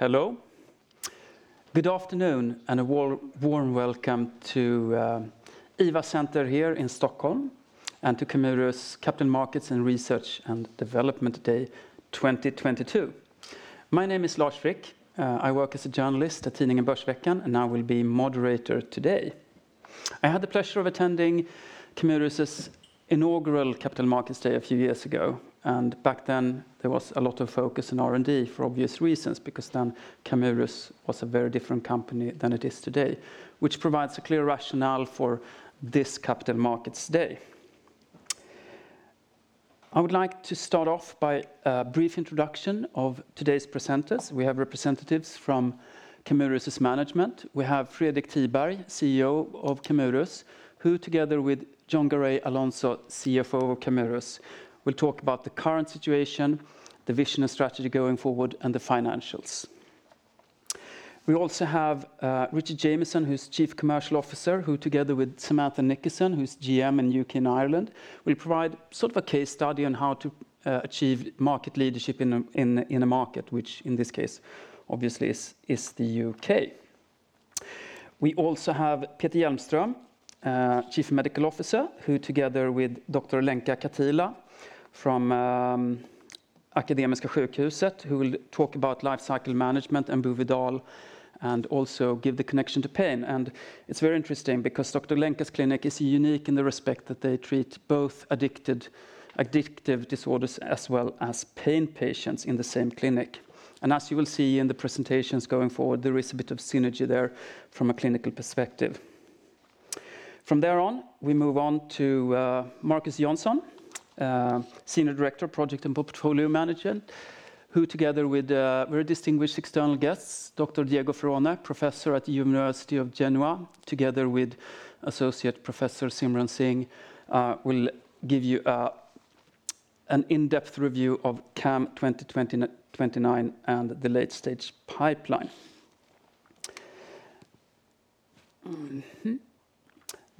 Hello. Good afternoon and a very warm welcome to IVA Center here in Stockholm and to Camurus' Capital Markets and Research and Development Day 2022. My name is Lars Frick. I work as a journalist at Tidningen Börsveckan, and I will be moderator today. I had the pleasure of attending Camurus' inaugural Capital Markets Day a few years ago, and back then, there was a lot of focus on R&D for obvious reasons because then Camurus was a very different company than it is today, which provides a clear rationale for this Capital Markets Day. I would like to start off by a brief introduction of today's presenters. We have representatives from Camurus' management. We have Fredrik Tiberg, CEO of Camurus, who together with Jon Garay Alonso, CFO of Camurus, will talk about the current situation, the vision and strategy going forward, and the financials. We also have Richard Jameson, who's Chief Commercial Officer, who together with Samantha Nickerson, who's GM in U.K. and Ireland, will provide sort of a case study on how to achieve market leadership in a market which in this case obviously is the U.K. We also have Peter Hjelmström, Chief Medical Officer, who together with Dr. Lenka Katila from Akademiska sjukhuset, who will talk about lifecycle management and Buvidal and also give the connection to pain. It's very interesting because Dr. Katila's clinic is unique in the respect that they treat both addictive disorders as well as pain patients in the same clinic. As you will see in the presentations going forward, there is a bit of synergy there from a clinical perspective. From there on, we move on to Markus Johnsson, Senior Director, Project and Portfolio Management, who together with very distinguished external guests, Dr. Diego Ferone, Professor at the University of Genoa, together with Associate Professor Simron Singh, will give you an in-depth review of CAM2029 and the late-stage pipeline.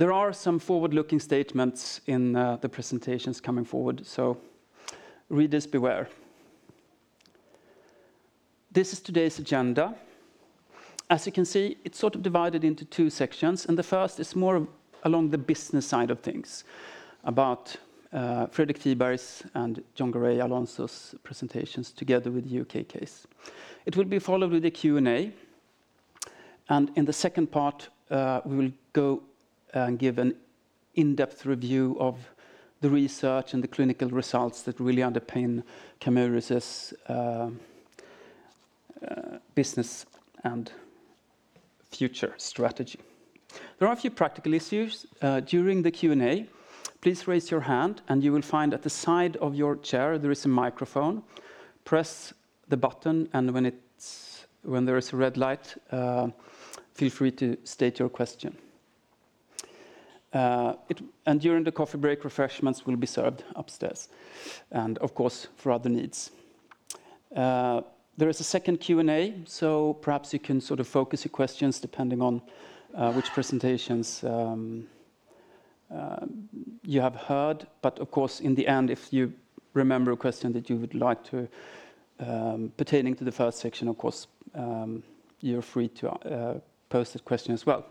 There are some forward-looking statements in the presentations coming forward, so readers beware. This is today's agenda. As you can see, it's sort of divided into two sections, and the first is more along the business side of things about Fredrik Tiberg's and Jon Garay Alonso's presentations together with the U.K. case. It will be followed with a Q&A. In the second part, we will go and give an in-depth review of the research and the clinical results that really underpin Camurus' business and future strategy. There are a few practical issues. During the Q&A, please raise your hand, and you will find at the side of your chair there is a microphone. Press the button, and when there is a red light, feel free to state your question. During the coffee break, refreshments will be served upstairs, and of course, for other needs. There is a second Q&A, so perhaps you can sort of focus your questions depending on which presentations you have heard. Of course, in the end, if you remember a question that you would like to pertaining to the first section, you're free to pose the question as well.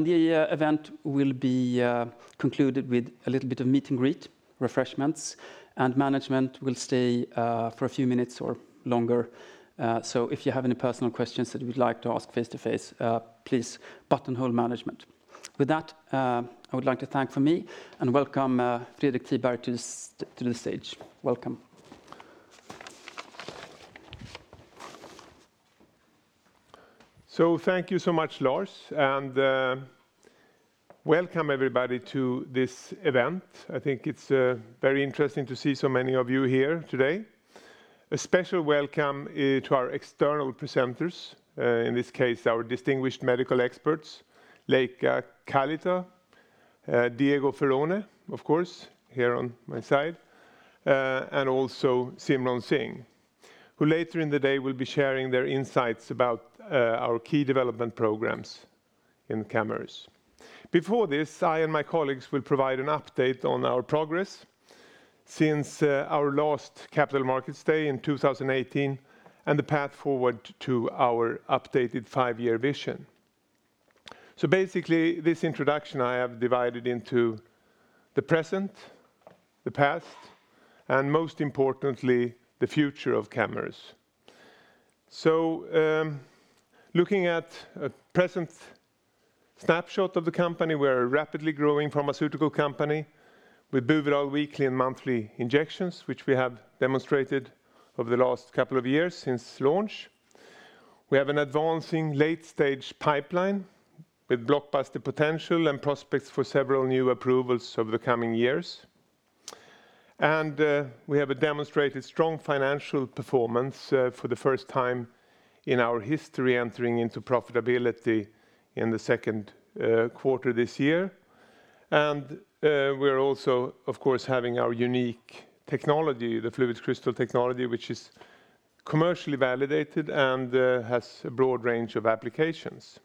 The event will be concluded with a little bit of meet and greet refreshments, and management will stay for a few minutes or longer. So if you have any personal questions that you would like to ask face-to-face, please buttonhole management. With that, I would like to thank for me and welcome Fredrik Tiberg to the stage. Welcome. Thank you so much, Lars, and welcome everybody to this event. I think it's very interesting to see so many of you here today. A special welcome to our external presenters, in this case, our distinguished medical experts, Lenka Katila, Diego Ferone, of course, here on my side, and also Simron Singh, who later in the day will be sharing their insights about our key development programs in Camurus. Before this, I and my colleagues will provide an update on our progress since our last Capital Markets Day in 2018 and the path forward to our updated five-year vision. This introduction I have divided into the present, the past, and most importantly, the future of Camurus. Looking at a present snapshot of the company, we're a rapidly growing pharmaceutical company. With Buvidal weekly and monthly injections, which we have demonstrated over the last couple of years since launch. We have an advancing late-stage pipeline with blockbuster potential and prospects for several new approvals over the coming years. We have a demonstrated strong financial performance, for the first time in our history, entering into profitability in the second quarter this year. We're also of course having our unique technology, the FluidCrystal technology, which is commercially validated and has a broad range of applications.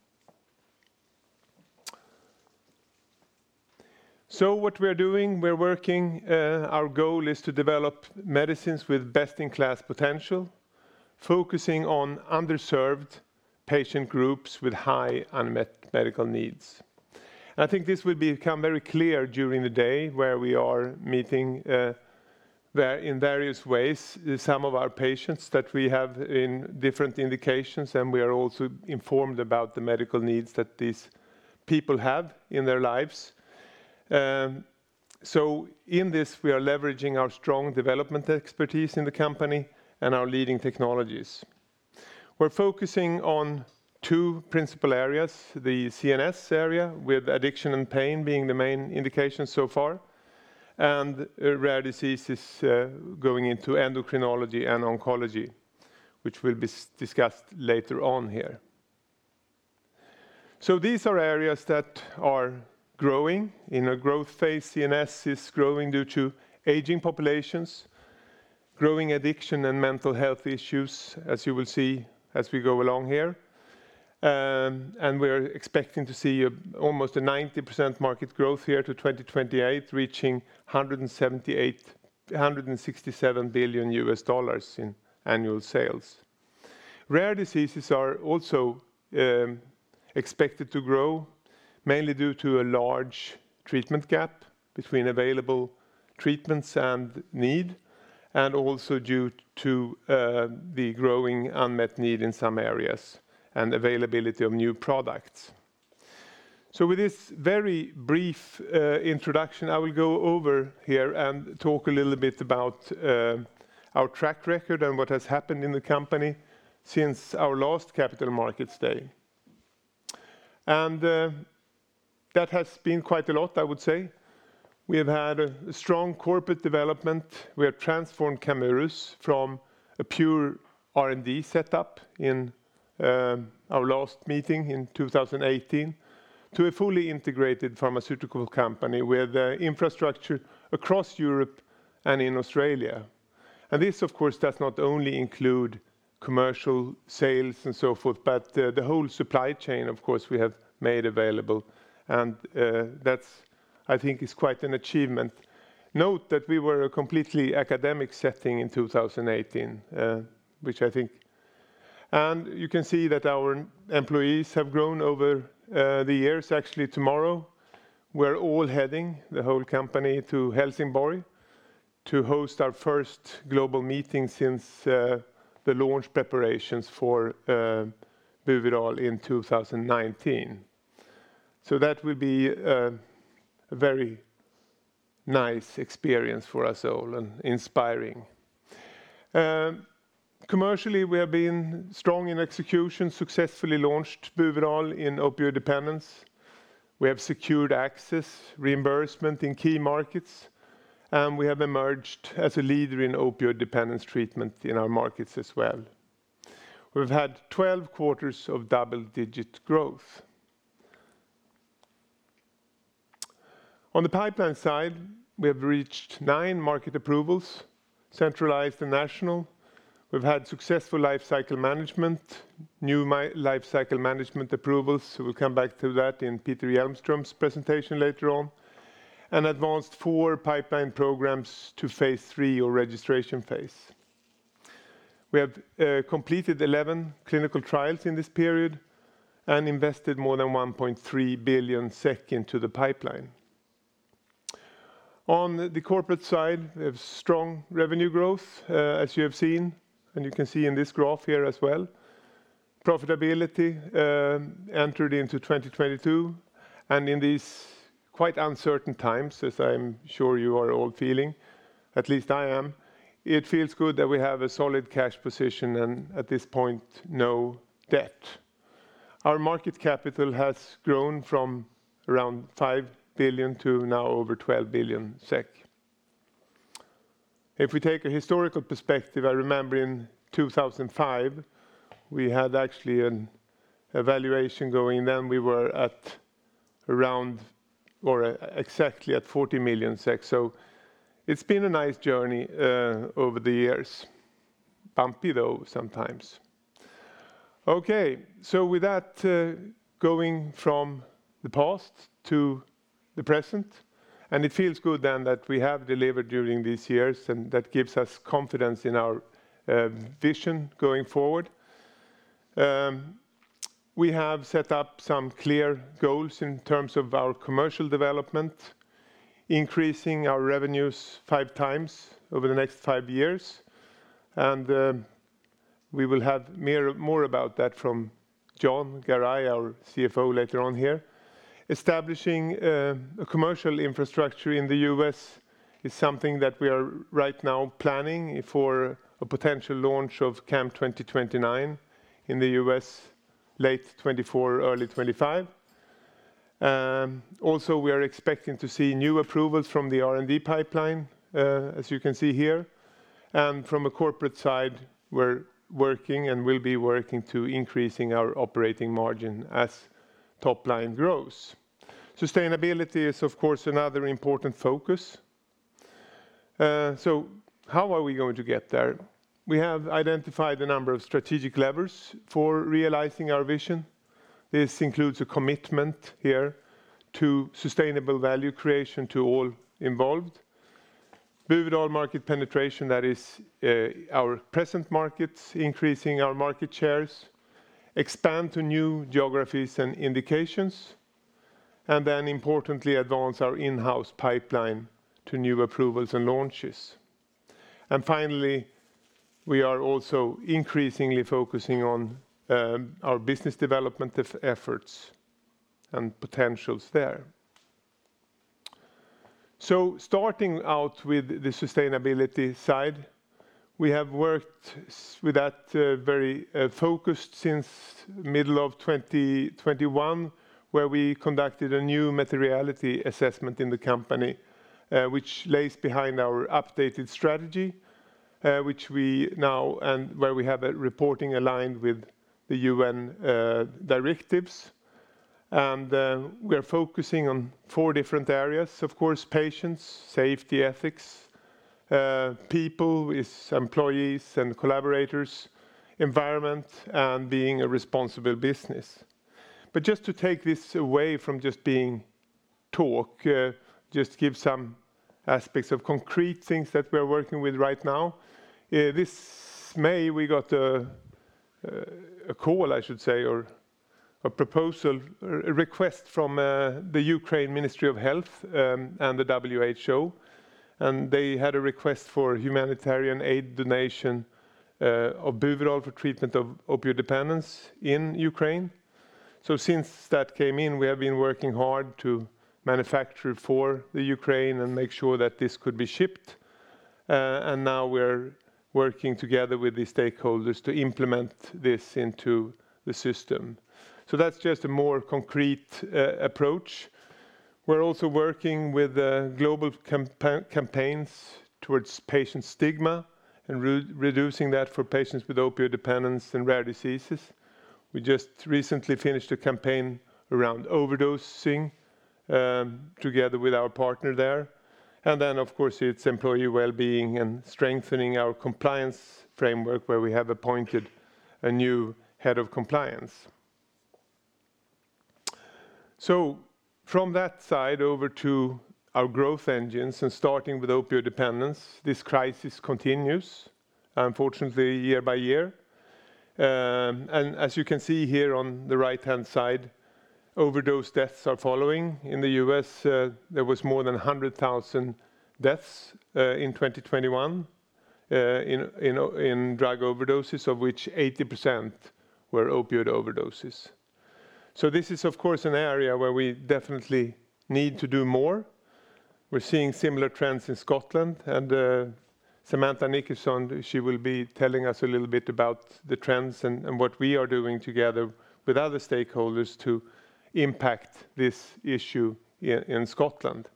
What we are doing, we're working, our goal is to develop medicines with best-in-class potential, focusing on underserved patient groups with high unmet medical needs. I think this will become very clear during the day where we are meeting in various ways some of our patients that we have in different indications, and we are also informed about the medical needs that these people have in their lives. In this, we are leveraging our strong development expertise in the company and our leading technologies. We're focusing on two principal areas, the CNS area with addiction and pain being the main indication so far, and rare diseases, going into endocrinology and oncology, which will be discussed later on here. These are areas that are growing. In a growth phase, CNS is growing due to aging populations, growing addiction and mental health issues, as you will see as we go along here. We're expecting to see almost 90% market growth here to 2028, reaching $167 billion in annual sales. Rare diseases are also expected to grow, mainly due to a large treatment gap between available treatments and need, and also due to the growing unmet need in some areas and availability of new products. With this very brief introduction, I will go over here and talk a little bit about our track record and what has happened in the company since our last Capital Markets Day. That has been quite a lot I would say. We have had a strong corporate development. We have transformed Camurus from a pure R&D setup in our last meeting in 2018 to a fully integrated pharmaceutical company with infrastructure across Europe and in Australia. This, of course, does not only include commercial sales and so forth, but the whole supply chain, of course, we have made available. That's, I think, quite an achievement. Note that we were a completely academic setting in 2018, which I think you can see that our employees have grown over the years. Actually, tomorrow, we're all heading, the whole company, to Helsingborg to host our first global meeting since the launch preparations for Buvidal in 2019. That will be a very nice experience for us all and inspiring. Commercially, we have been strong in execution, successfully launched Buvidal in opioid dependence. We have secured access, reimbursement in key markets, and we have emerged as a leader in opioid dependence treatment in our markets as well. We've had 12 quarters of double-digit growth. On the pipeline side, we have reached nine market approvals, centralized and national. We've had successful life cycle management approvals, so we'll come back to that in Peter Hjelmström's presentation later on, and advanced four pipeline programs to phase III or registration phase. We have completed 11 clinical trials in this period and invested more than 1.3 billion SEK into the pipeline. On the corporate side, we have strong revenue growth, as you have seen, and you can see in this graph here as well. Profitability entered into 2022. In these quite uncertain times, as I'm sure you are all feeling, at least I am, it feels good that we have a solid cash position and at this point, no debt. Our market cap has grown from around 5 billion to now over 12 billion SEK. If we take a historical perspective, I remember in 2005, we had actually a valuation going. Then we were at around exactly 40 million. It's been a nice journey over the years. Bumpy, though, sometimes. Okay. With that, going from the past to the present, it feels good then that we have delivered during these years, and that gives us confidence in our vision going forward. We have set up some clear goals in terms of our commercial development, increasing our revenues 5x over the next five years. We will have more about that from Jon Garay, our CFO, later on here. Establishing a commercial infrastructure in the U.S. is something that we are right now planning for a potential launch of CAM2029 in the U.S. late 2024, early 2025. Also, we are expecting to see new approvals from the R&D pipeline, as you can see here. From a corporate side, we're working and will be working to increasing our operating margin as top line grows. Sustainability is, of course, another important focus. How are we going to get there? We have identified a number of strategic levers for realizing our vision. This includes a commitment here to sustainable value creation to all involved. Buvidal market penetration, that is, our present markets, increasing our market shares. Expand to new geographies and indications, and then importantly, advance our in-house pipeline to new approvals and launches. Finally, we are also increasingly focusing on our business development efforts and potentials there. Starting out with the sustainability side, we have worked with that very focused since middle of 2021, where we conducted a new materiality assessment in the company, which lays behind our updated strategy, which we now and where we have a reporting aligned with the UN directives. We are focusing on four different areas. Of course, patients, safety ethics, people is employees and collaborators, environment and being a responsible business. Just to take this away from just being talk, just give some aspects of concrete things that we're working with right now. This May, we got a call, I should say, or a proposal, a request from the Ukraine Ministry of Health and the WHO. They had a request for humanitarian aid donation of Buvidal for treatment of opioid dependence in Ukraine. Since that came in, we have been working hard to manufacture for the Ukraine and make sure that this could be shipped. Now we're working together with the stakeholders to implement this into the system. That's just a more concrete approach. We're also working with global campaigns towards patient stigma and reducing that for patients with opioid dependence and rare diseases. We just recently finished a campaign around overdosing together with our partner there. Then, of course, it's employee wellbeing and strengthening our compliance framework where we have appointed a new head of compliance. From that side over to our growth engines and starting with opioid dependence, this crisis continues, unfortunately, year-by-year. As you can see here on the right-hand side, overdose deaths are following. In the U.S., there was more than 100,000 deaths in 2021 in drug overdoses, of which 80% were opioid overdoses. This is, of course, an area where we definitely need to do more. We're seeing similar trends in Scotland, and Samantha Nickerson, she will be telling us a little bit about the trends and what we are doing together with other stakeholders to impact this issue in Scotland.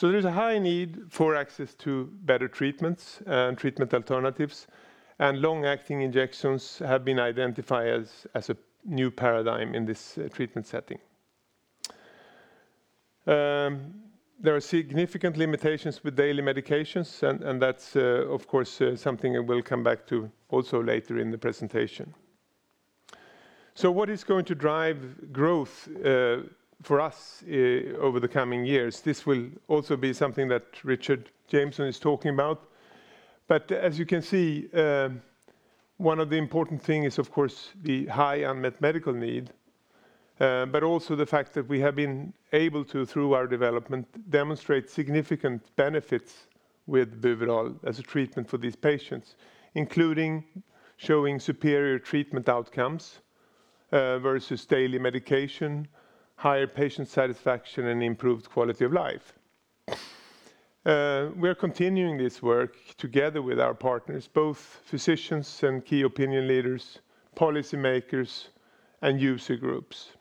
There's a high need for access to better treatments and treatment alternatives, and long-acting injections have been identified as a new paradigm in this treatment setting. There are significant limitations with daily medications, and that's, of course, something I will come back to also later in the presentation. What is going to drive growth for us over the coming years? This will also be something that Richard Jameson is talking about. As you can see, one of the important thing is, of course, the high unmet medical need, but also the fact that we have been able to, through our development, demonstrate significant benefits with Buvidal as a treatment for these patients, including showing superior treatment outcomes versus daily medication, higher patient satisfaction, and improved quality of life. We are continuing this work together with our partners, both physicians and key opinion leaders, policy makers, and user groups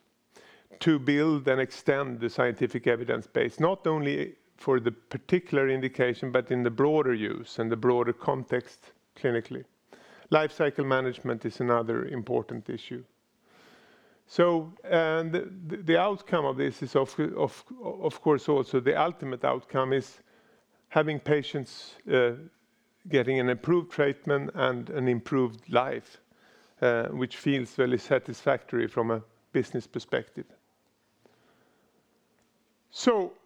to build and extend the scientific evidence base, not only for the particular indication, but in the broader use and the broader context clinically. Life cycle management is another important issue. The outcome of this is, of course, also the ultimate outcome is having patients getting an improved treatment and an improved life, which feels really satisfactory from a business perspective.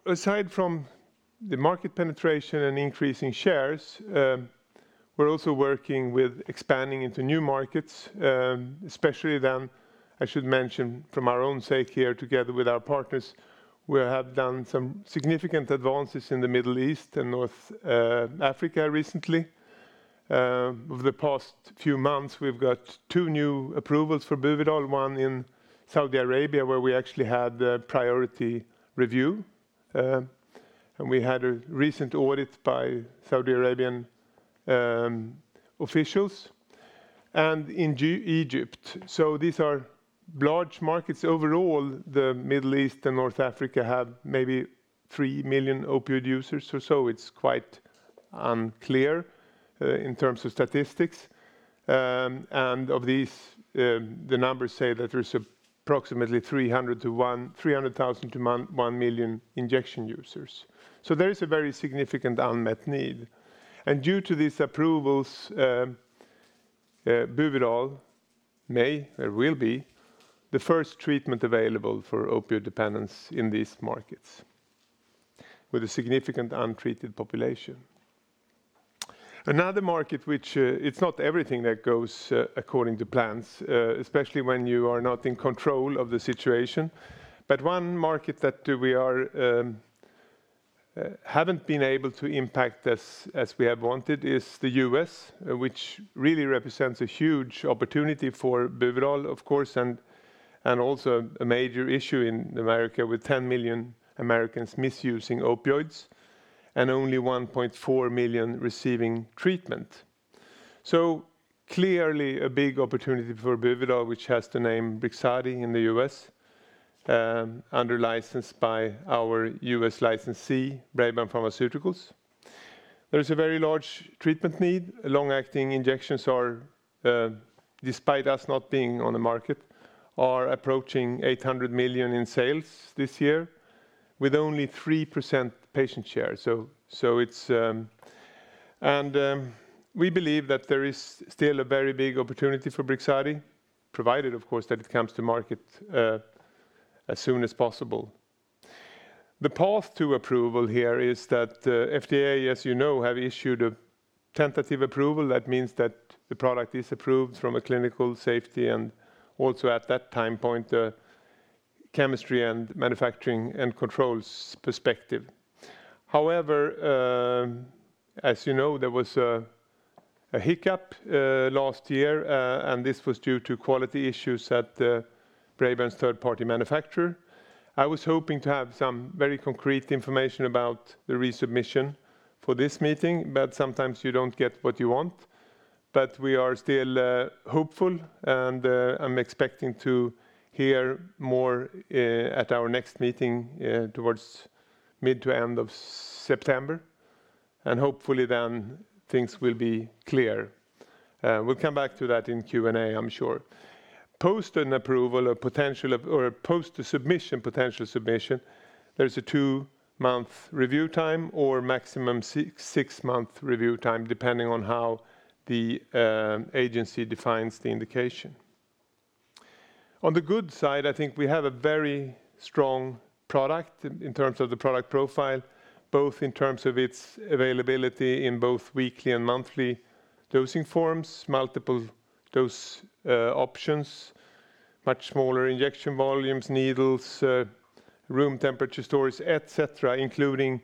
Aside from the market penetration and increase in shares, we're also working with expanding into new markets, especially then, I should mention from our own sake here together with our partners, we have done some significant advances in the Middle East and North Africa recently. Over the past few months, we've got two new approvals for Buvidal, one in Saudi Arabia, where we actually had a priority review, and we had a recent audit by Saudi Arabian officials and in Egypt. These are large markets. Overall, the Middle East and North Africa have maybe 3 million opioid users or so. It's quite unclear in terms of statistics. And of these, the numbers say that there's approximately 300,000-1 million injection users. There is a very significant unmet need. Due to these approvals, Buvidal may or will be the first treatment available for opioid dependence in these markets with a significant untreated population. Another market which, it's not everything that goes according to plans, especially when you are not in control of the situation. One market that we haven't been able to impact as we have wanted is the U.S., which really represents a huge opportunity for Buvidal, of course, and also a major issue in America with 10 million Americans misusing opioids and only 1.4 million receiving treatment. Clearly a big opportunity for Buvidal, which has the name Brixadi in the U.S., licensed to our U.S. licensee, Braeburn Pharmaceuticals. There is a very large treatment need. Long-acting injections are, despite us not being on the market, approaching 800 million in sales this year with only 3% patient share. We believe that there is still a very big opportunity for Brixadi, provided, of course, that it comes to market as soon as possible. The path to approval here is that, FDA, as you know, have issued a tentative approval. That means that the product is approved from a clinical safety and also at that time point, chemistry and manufacturing and controls perspective. However, as you know, there was a hiccup last year, and this was due to quality issues at Braeburn's third-party manufacturer. I was hoping to have some very concrete information about the resubmission for this meeting, but sometimes you don't get what you want. But we are still hopeful, and I'm expecting to hear more at our next meeting towards mid to end of September. Hopefully then things will be clear. We'll come back to that in Q&A, I'm sure. Post-approval or potential post-submission, there's a two-month review time or maximum six-month review time, depending on how the agency defines the indication. On the good side, I think we have a very strong product in terms of the product profile, both in terms of its availability in both weekly and monthly dosing forms, multiple dose options, much smaller injection volumes, needles, room temperature storage, et cetera, including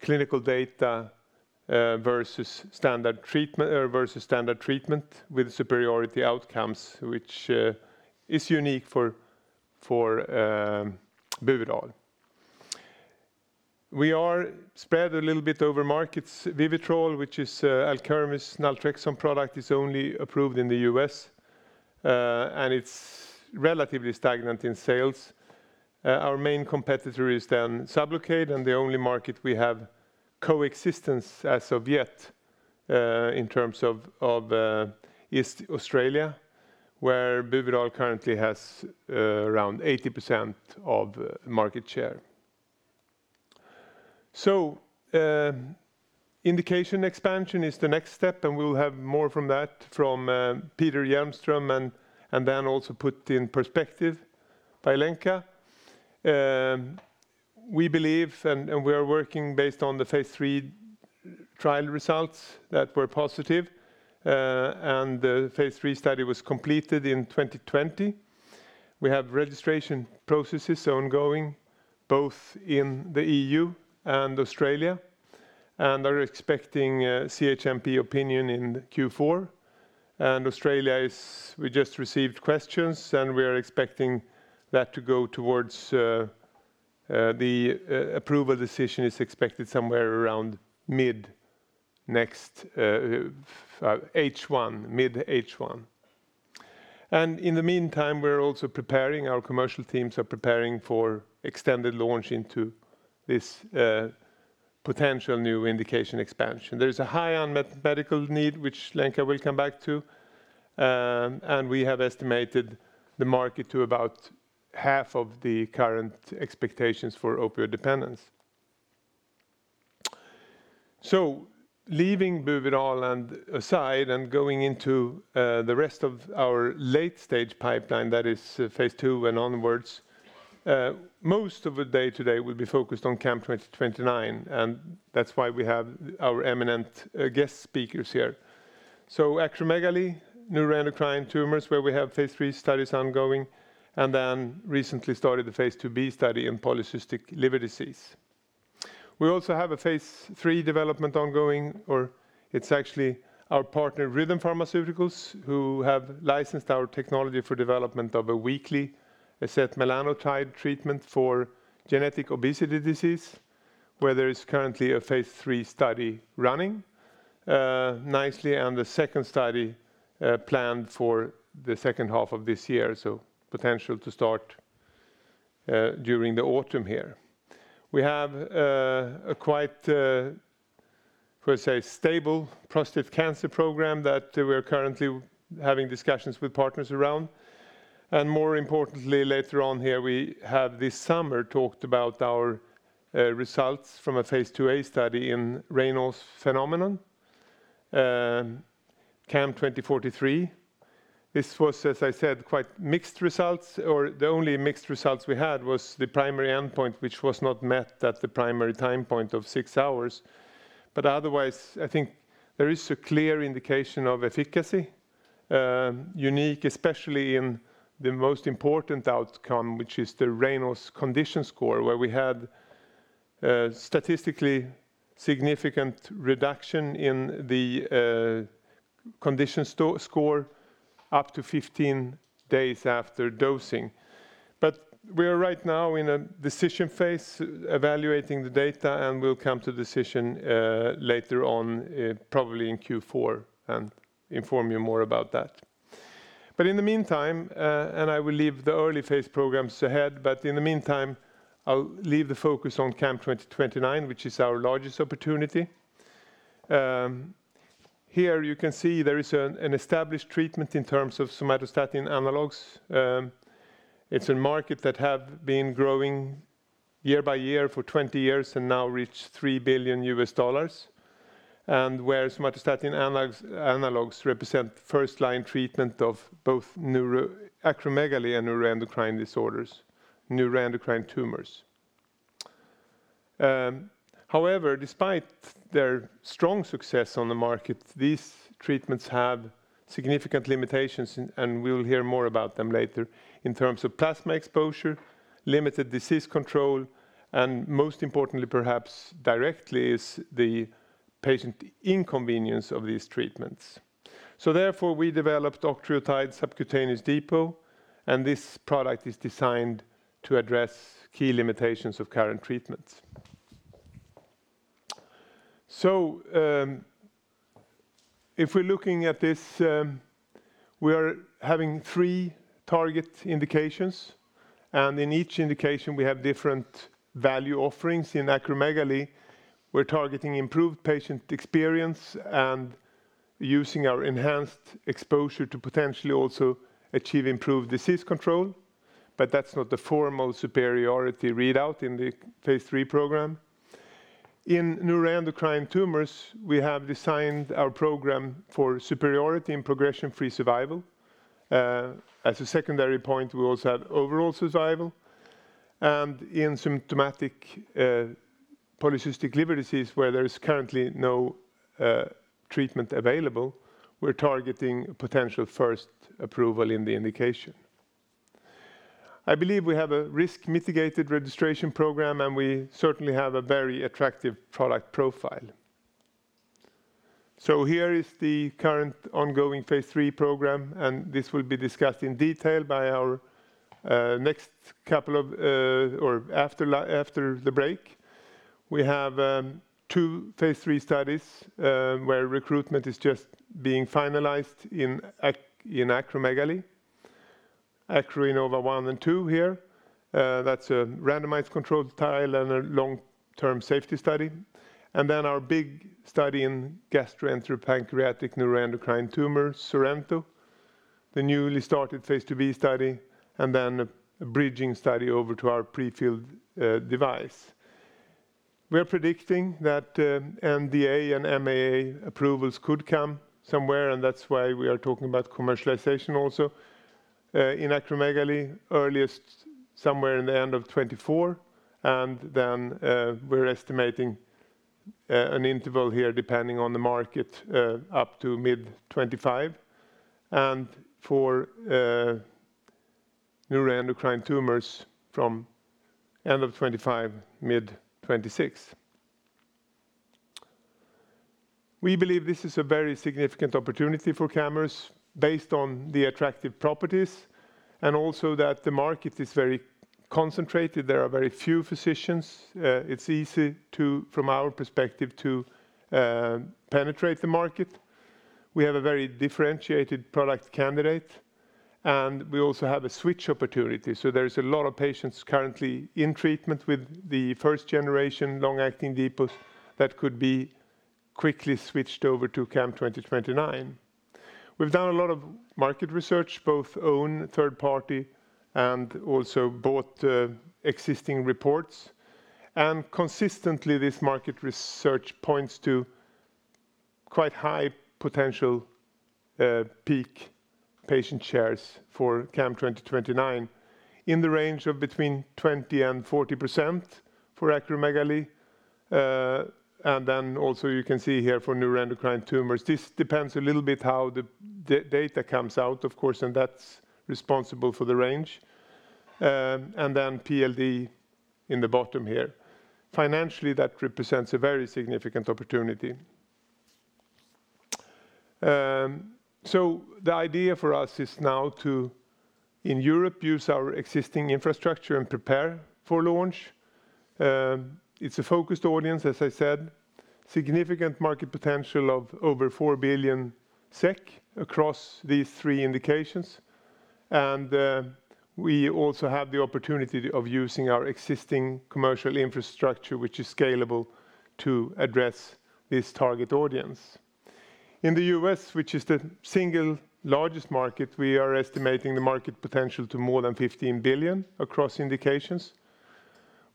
clinical data versus standard treatment with superiority outcomes, which is unique for Buvidal. We are spread a little bit over markets. Vivitrol, which is Alkermes naltrexone product, is only approved in the U.S., and it's relatively stagnant in sales. Our main competitor is then Sublocade, and the only market we have coexistence as of yet in terms of is Australia, where Buvidal currently has around 80% of market share. Indication expansion is the next step, and we'll have more from that from Peter Hjelmström and then also put in perspective by Lenka. We believe and we are working based on the phase III trial results that were positive, and the phase III study was completed in 2020. We have registration processes ongoing both in the EU and Australia and are expecting CHMP opinion in Q4. In Australia we just received questions, and we are expecting that to go towards the approval decision is expected somewhere around mid next H1, mid-H1. In the meantime, we're also preparing, our commercial teams are preparing for extended launch into this, potential new indication expansion. There is a high unmet medical need, which Lenka will come back to. We have estimated the market to about half of the current expectations for opioid dependence. Leaving Buvidal aside and going into the rest of our late-stage pipeline, that is phase II and onwards, most of the day today will be focused on CAM2029, and that's why we have our eminent guest speakers here. Acromegaly, neuroendocrine tumors, where we have phase III studies ongoing, and then recently started the phase II-B study in polycystic liver disease. We also have a phase III development ongoing, or it's actually our partner, Rhythm Pharmaceuticals, who have licensed our technology for development of a weekly setmelanotide treatment for genetic obesity disease, where there is currently a phase III study running nicely, and the second study planned for the second half of this year. Potential to start during the autumn here. We have a quite per se stable prostate cancer program that we are currently having discussions with partners around. More importantly, later on here, we have this summer talked about our results from a phase II-A study in Raynaud's phenomenon, CAM2043. This was, as I said, quite mixed results, or the only mixed results we had was the primary endpoint, which was not met at the primary time point of six hours. I think there is a clear indication of efficacy, unique, especially in the most important outcome, which is the Raynaud's Condition Score, where we had statistically significant reduction in the condition score up to 15 days after dosing. We are right now in a decision phase evaluating the data, and we'll come to a decision later on, probably in Q4, and inform you more about that. In the meantime, and I will leave the early phase programs ahead, but in the meantime, I'll leave the focus on CAM2029, which is our largest opportunity. Here you can see there is an established treatment in terms of somatostatin analogs. It's a market that have been growing year-by-year for 20 years and now reached $3 billion, and where somatostatin analogs represent first-line treatment of both acromegaly and neuroendocrine disorders, neuroendocrine tumors. However, despite their strong success on the market, these treatments have significant limitations, and we'll hear more about them later, in terms of plasma exposure, limited disease control, and most importantly, perhaps directly is the patient inconvenience of these treatments. Therefore, we developed octreotide subcutaneous depot, and this product is designed to address key limitations of current treatments. If we're looking at this, we are having three target indications, and in each indication, we have different value offerings. In acromegaly, we're targeting improved patient experience and using our enhanced exposure to potentially also achieve improved disease control. That's not the formal superiority readout in the phase III program. In neuroendocrine tumors, we have designed our program for superiority in progression-free survival. As a secondary point, we also have overall survival. In symptomatic polycystic liver disease, where there is currently no treatment available, we're targeting potential first approval in the indication. I believe we have a risk mitigated registration program, and we certainly have a very attractive product profile. Here is the current ongoing phase III program, and this will be discussed in detail by our next couple of or after the break. We have two phase III studies, where recruitment is just being finalized in acromegaly. ACROINNOVA 1 and ACROINNOVA 2 here. That's a randomized controlled trial and a long-term safety study. Our big study in gastroenteropancreatic neuroendocrine tumor, SORENTO, the newly started phase III study, and then a bridging study over to our prefilled device. We are predicting that NDA and MAA approvals could come somewhere, and that's why we are talking about commercialization also. In acromegaly, earliest somewhere in the end of 2024. We're estimating an interval here, depending on the market, up to mid-2025. For neuroendocrine tumors from end of 2025, mid-2026. We believe this is a very significant opportunity for Camurus based on the attractive properties and also that the market is very concentrated. There are very few physicians. It's easy to, from our perspective, to penetrate the market. We have a very differentiated product candidate, and we also have a switch opportunity. There is a lot of patients currently in treatment with the 1st-generation long-acting depots that could be quickly switched over to CAM2029. We've done a lot of market research, both own, third party, and also bought existing reports. Consistently, this market research points to quite high potential, peak patient shares for CAM2029 in the range of between 20%-40% for acromegaly. You can see here for neuroendocrine tumors. This depends a little bit how the data comes out, of course, and that's responsible for the range. PLD in the bottom here. Financially, that represents a very significant opportunity. The idea for us is now to, in Europe, use our existing infrastructure and prepare for launch. It's a focused audience, as I said. Significant market potential of over 4 billion SEK across these three indications. We also have the opportunity of using our existing commercial infrastructure, which is scalable, to address this target audience. In the U.S., which is the single largest market, we are estimating the market potential to more than $15 billion across indications.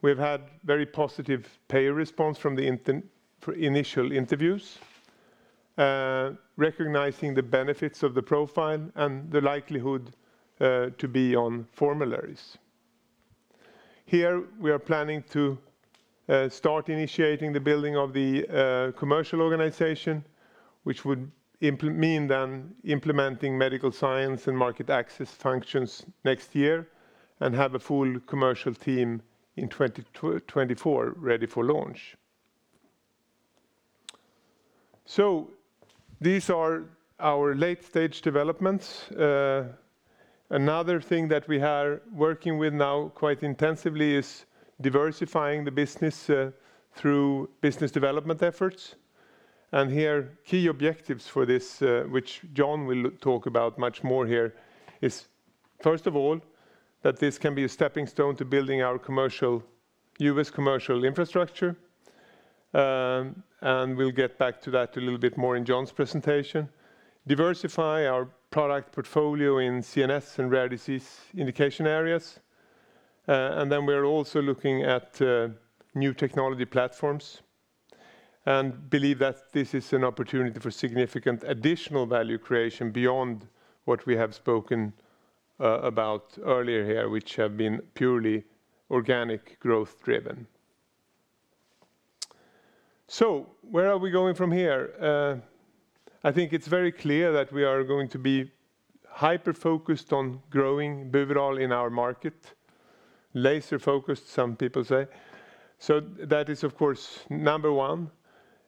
We've had very positive payer response from the initial interviews, recognizing the benefits of the profile and the likelihood to be on formularies. Here, we are planning to start initiating the building of the commercial organization, which would mean then implementing medical science and market access functions next year and have a full commercial team in 2024 ready for launch. These are our late-stage developments. Another thing that we are working with now quite intensively is diversifying the business through business development efforts. Here, key objectives for this, which Jon will talk about much more here is, first of all, that this can be a stepping stone to building our commercial U.S. commercial infrastructure. We'll get back to that a little bit more in Jon's presentation. Diversify our product portfolio in CNS and rare disease indication areas. Then we're also looking at new technology platforms and believe that this is an opportunity for significant additional value creation beyond what we have spoken about earlier here, which have been purely organic growth-driven. Where are we going from here? I think it's very clear that we are going to be hyper-focused on growing Buvidal in our market. Laser-focused, some people say. That is, of course, number one.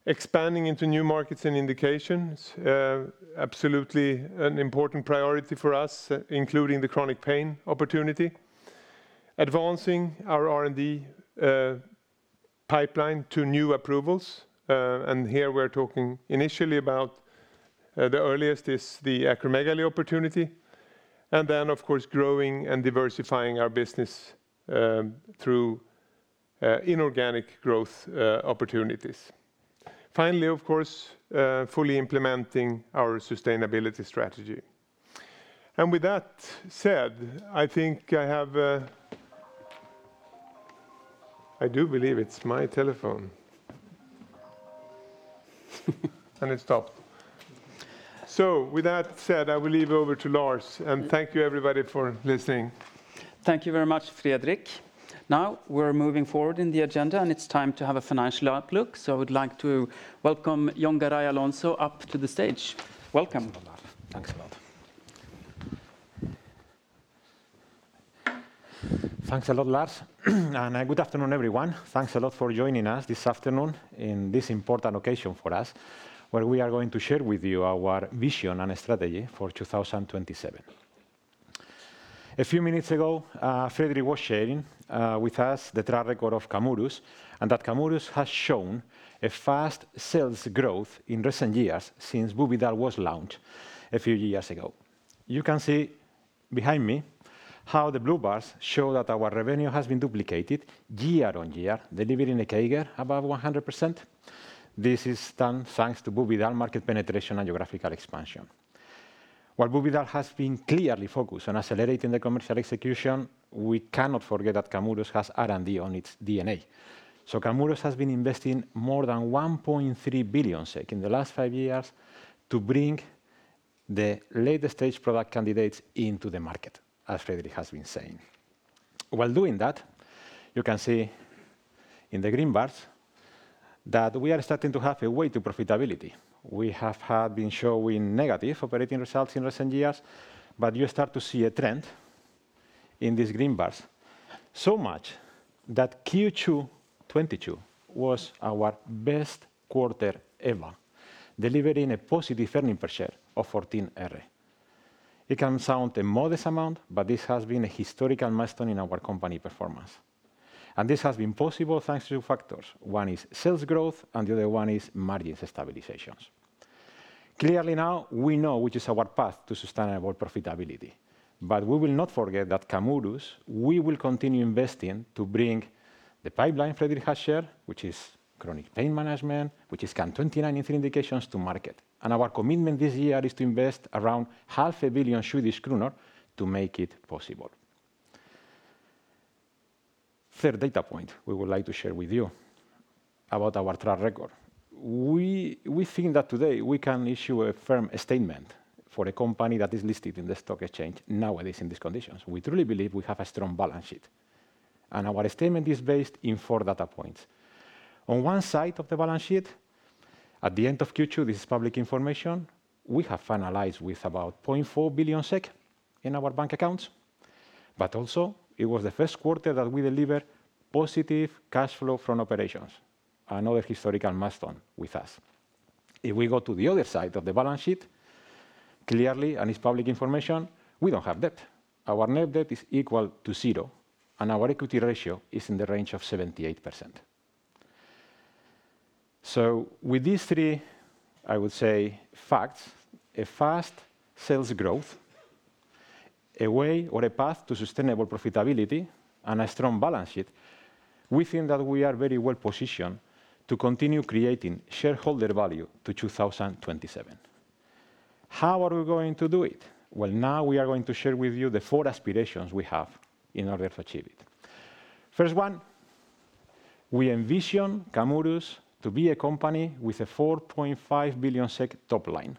Expanding into new markets and indications, absolutely an important priority for us, including the chronic pain opportunity. Advancing our R&D pipeline to new approvals, and here we're talking initially about, the earliest is the acromegaly opportunity. Of course growing and diversifying our business, through inorganic growth opportunities. Finally, of course, fully implementing our sustainability strategy. With that said, I think I have. I do believe it's my telephone. It stopped. With that said, I will leave over to Lars, and thank you everybody for listening. Thank you very much, Fredrik. Now we're moving forward in the agenda and it's time to have a financial outlook. I would like to welcome Jon Garay Alonso up to the stage. Welcome. Thanks a lot, Lars. Good afternoon, everyone. Thanks a lot for joining us this afternoon in this important occasion for us, where we are going to share with you our vision and strategy for 2027. A few minutes ago, Fredrik was sharing with us the track record of Camurus, and that Camurus has shown a fast sales growth in recent years since Buvidal was launched a few years ago. You can see behind me how the blue bars show that our revenue has been duplicated year-on-year, delivering a CAGR above 100%. This is done thanks to Buvidal market penetration and geographical expansion. While Buvidal has been clearly focused on accelerating the commercial execution, we cannot forget that Camurus has R&D on its DNA. Camurus has been investing more than 1.3 billion SEK SEK in the last five years to bring the late-stage product candidates into the market, as Fredrik has been saying. While doing that, you can see in the green bars that we are starting to have a way to profitability. We have had been showing negative operating results in recent years, but you start to see a trend in these green bars. So much that Q2 2022 was our best quarter ever, delivering a positive earnings per share of 0.14. It can sound a modest amount, but this has been a historical milestone in our company performance. This has been possible thanks to two factors. One is sales growth, and the other one is margin stabilizations. Clearly now, we know which is our path to sustainable profitability. We will not forget that Camurus, we will continue investing to bring the pipeline Fredrik has shared, which is chronic pain management, which is CAM2029 indications to market. Our commitment this year is to invest around 500 million Swedish kronor to make it possible. Third data point we would like to share with you about our track record. We think that today we can issue a firm statement for a company that is listed in the stock exchange nowadays in these conditions. We truly believe we have a strong balance sheet. Our statement is based on four data points. On one side of the balance sheet, at the end of Q2, this is public information, we have finalized with about 0.4 billion SEK in our bank accounts. Also it was the first quarter that we delivered positive cash flow from operations, another historical milestone with us. If we go to the other side of the balance sheet. Clearly, and it's public information, we don't have debt. Our net debt is equal to zero, and our equity ratio is in the range of 78%. With these three, I would say, facts, a fast sales growth, a way or a path to sustainable profitability and a strong balance sheet. We think that we are very well-positioned to continue creating shareholder value to 2027. How are we going to do it? Well, now we are going to share with you the four aspirations we have in order to achieve it. First one, we envision Camurus to be a company with a 4.5 billion SEK top line,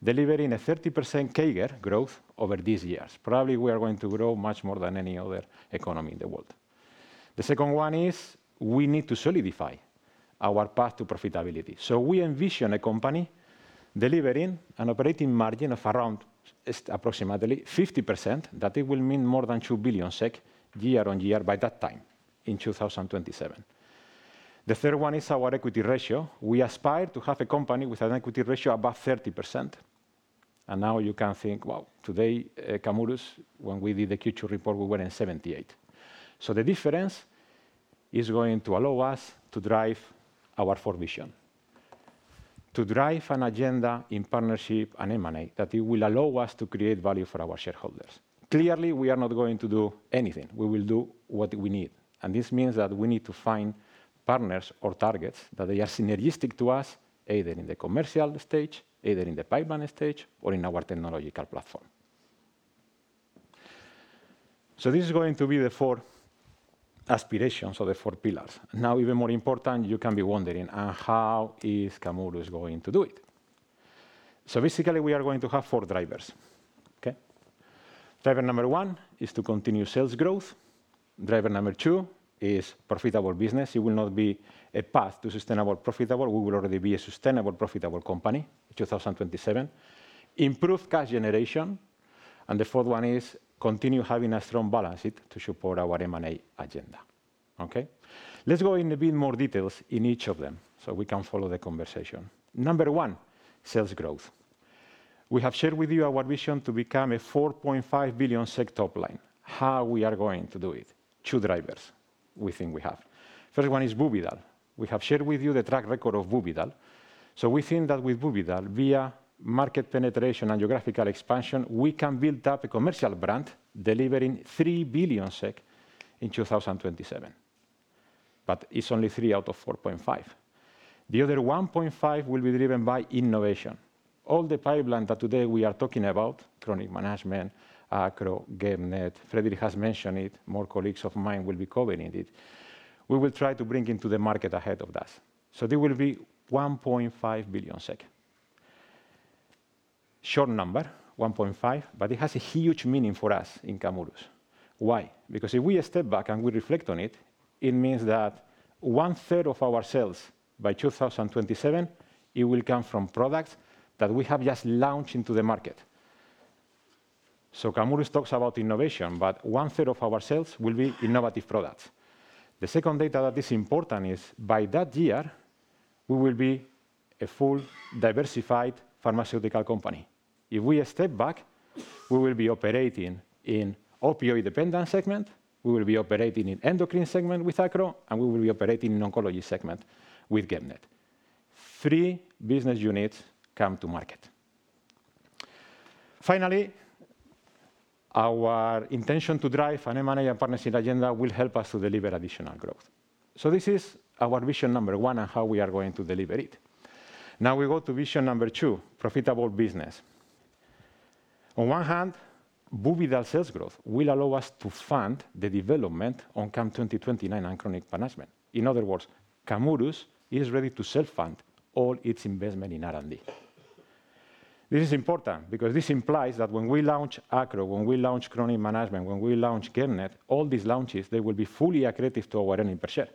delivering a 30% CAGR growth over these years. Probably we are going to grow much more than any other economy in the world. The second one is we need to solidify our path to profitability. We envision a company delivering an operating margin of around approximately 50%, that it will mean more than 2 billion SEK year-on-year by that time in 2027. The third one is our equity ratio. We aspire to have a company with an equity ratio above 30%. Now you can think, wow, today Camurus, when we did the Q2 report, we were in 78. The difference is going to allow us to drive our fourth vision. To drive an agenda in partnership and M&A that it will allow us to create value for our shareholders. Clearly, we are not going to do anything. We will do what we need. This means that we need to find partners or targets that they are synergistic to us, either in the commercial stage, either in the pipeline stage or in our technological platform. This is going to be the four aspirations or the four pillars. Now, even more important, you can be wondering, "How is Camurus going to do it?" Basically we are going to have four drivers. Okay. Driver number one is to continue sales growth. Driver number two is profitable business. It will not be a path to sustainable profitable. We will already be a sustainable profitable company in 2027. Improved cash generation. The fourth one is continue having a strong balance sheet to support our M&A agenda. Okay. Let's go in a bit more details in each of them so we can follow the conversation. Number one, sales growth. We have shared with you our vision to become a 4.5 billion SEK top line. How we are going to do it? Two drivers we think we have. First one is Buvidal. We have shared with you the track record of Buvidal. We think that with Buvidal, via market penetration and geographical expansion, we can build up a commercial brand delivering 3 billion SEK in 2027. It's only 3 billion out of 4.5 billion. The other 1.5 billion will be driven by innovation. All the pipeline that today we are talking about, chronic management, acro, GEP-NET, Fredrik has mentioned it, more colleagues of mine will be covering it. We will try to bring into the market ahead of that. There will be 1.5 billion. Short number, 1.5 billion, but it has a huge meaning for us in Camurus. Why? Because if we step back and we reflect on it means that 1/3 of our sales by 2027, it will come from products that we have just launched into the market. Camurus talks about innovation, but 1/3 of our sales will be innovative products. The second data that is important is by that year we will be a full diversified pharmaceutical company. If we step back, we will be operating in opioid dependent segment, we will be operating in endocrine segment with acro, and we will be operating in oncology segment with GEP-NET. Three business units come to market. Finally, our intention to drive an M&A and partnership agenda will help us to deliver additional growth. This is our vision number one and how we are going to deliver it. Now we go to vision number two, profitable business. On one hand, Buvidal sales growth will allow us to fund the development on CAM2029 and chronic management. In other words, Camurus is ready to self-fund all its investment in R&D. This is important because this implies that when we launch acro, when we launch chronic management, when we launch GEP-NET, all these launches, they will be fully accretive to our earnings per share.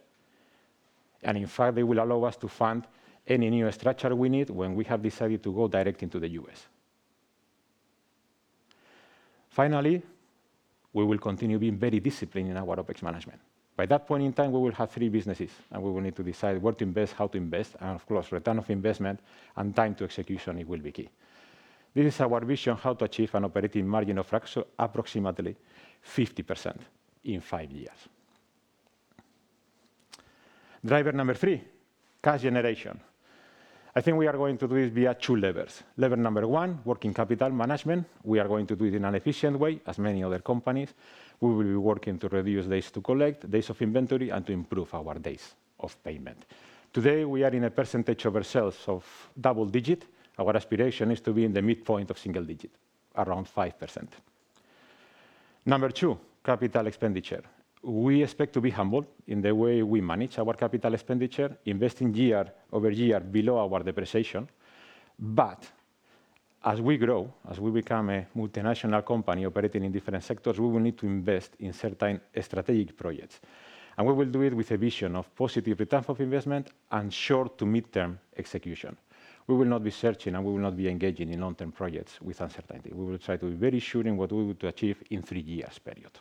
In fact, they will allow us to fund any new structure we need when we have decided to go direct into the U.S. Finally, we will continue being very disciplined in our OpEx management. By that point in time, we will have three businesses and we will need to decide what to invest, how to invest and of course, return on investment and time to execution, it will be key. This is our vision how to achieve an operating margin of approximately 50% in five years. Driver number three, cash generation. I think we are going to do this via two levers. Lever number one, working capital management. We are going to do it in an efficient way as many other companies. We will be working to reduce days to collect, days of inventory and to improve our days of payment. Today we are in a percentage of our sales of double digits. Our aspiration is to be in the midpoint of single digits, around 5%. Number two, capital expenditure. We expect to be humble in the way we manage our capital expenditure, investing year-over-year below our depreciation. As we grow, as we become a multinational company operating in different sectors, we will need to invest in certain strategic projects. We will do it with a vision of positive return on investment and short- to mid-term execution. We will not be searching and we will not be engaging in long-term projects with uncertainty. We will try to be very sure in what we would achieve in three-year period.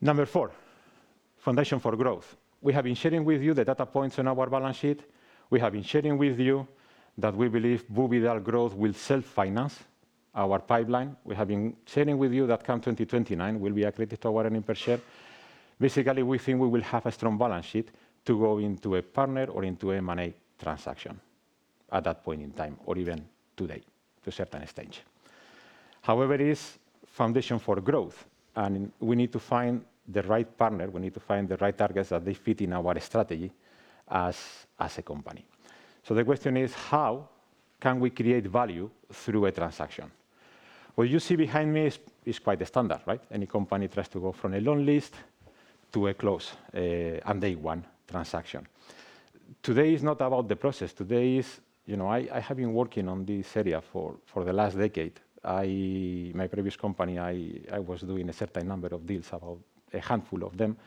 Number four, foundation for growth. We have been sharing with you the data points on our balance sheet. We have been sharing with you that we believe Buvidal growth will self-finance our pipeline. We have been sharing with you that CAM2029 will be accretive to our earnings per share. Basically, we think we will have a strong balance sheet to go into a partner or into M&A transaction at that point in time or even today to a certain stage. However, it is foundation for growth, and we need to find the right partner. We need to find the right targets that they fit in our strategy as a company. The question is: How can we create value through a transaction? What you see behind me is quite the standard, right? Any company tries to go from a long list to a close on day one transaction. Today is not about the process. Today is You know, I have been working on this area for the last decade. My previous company, I was doing a certain number of deals, about a handful of them.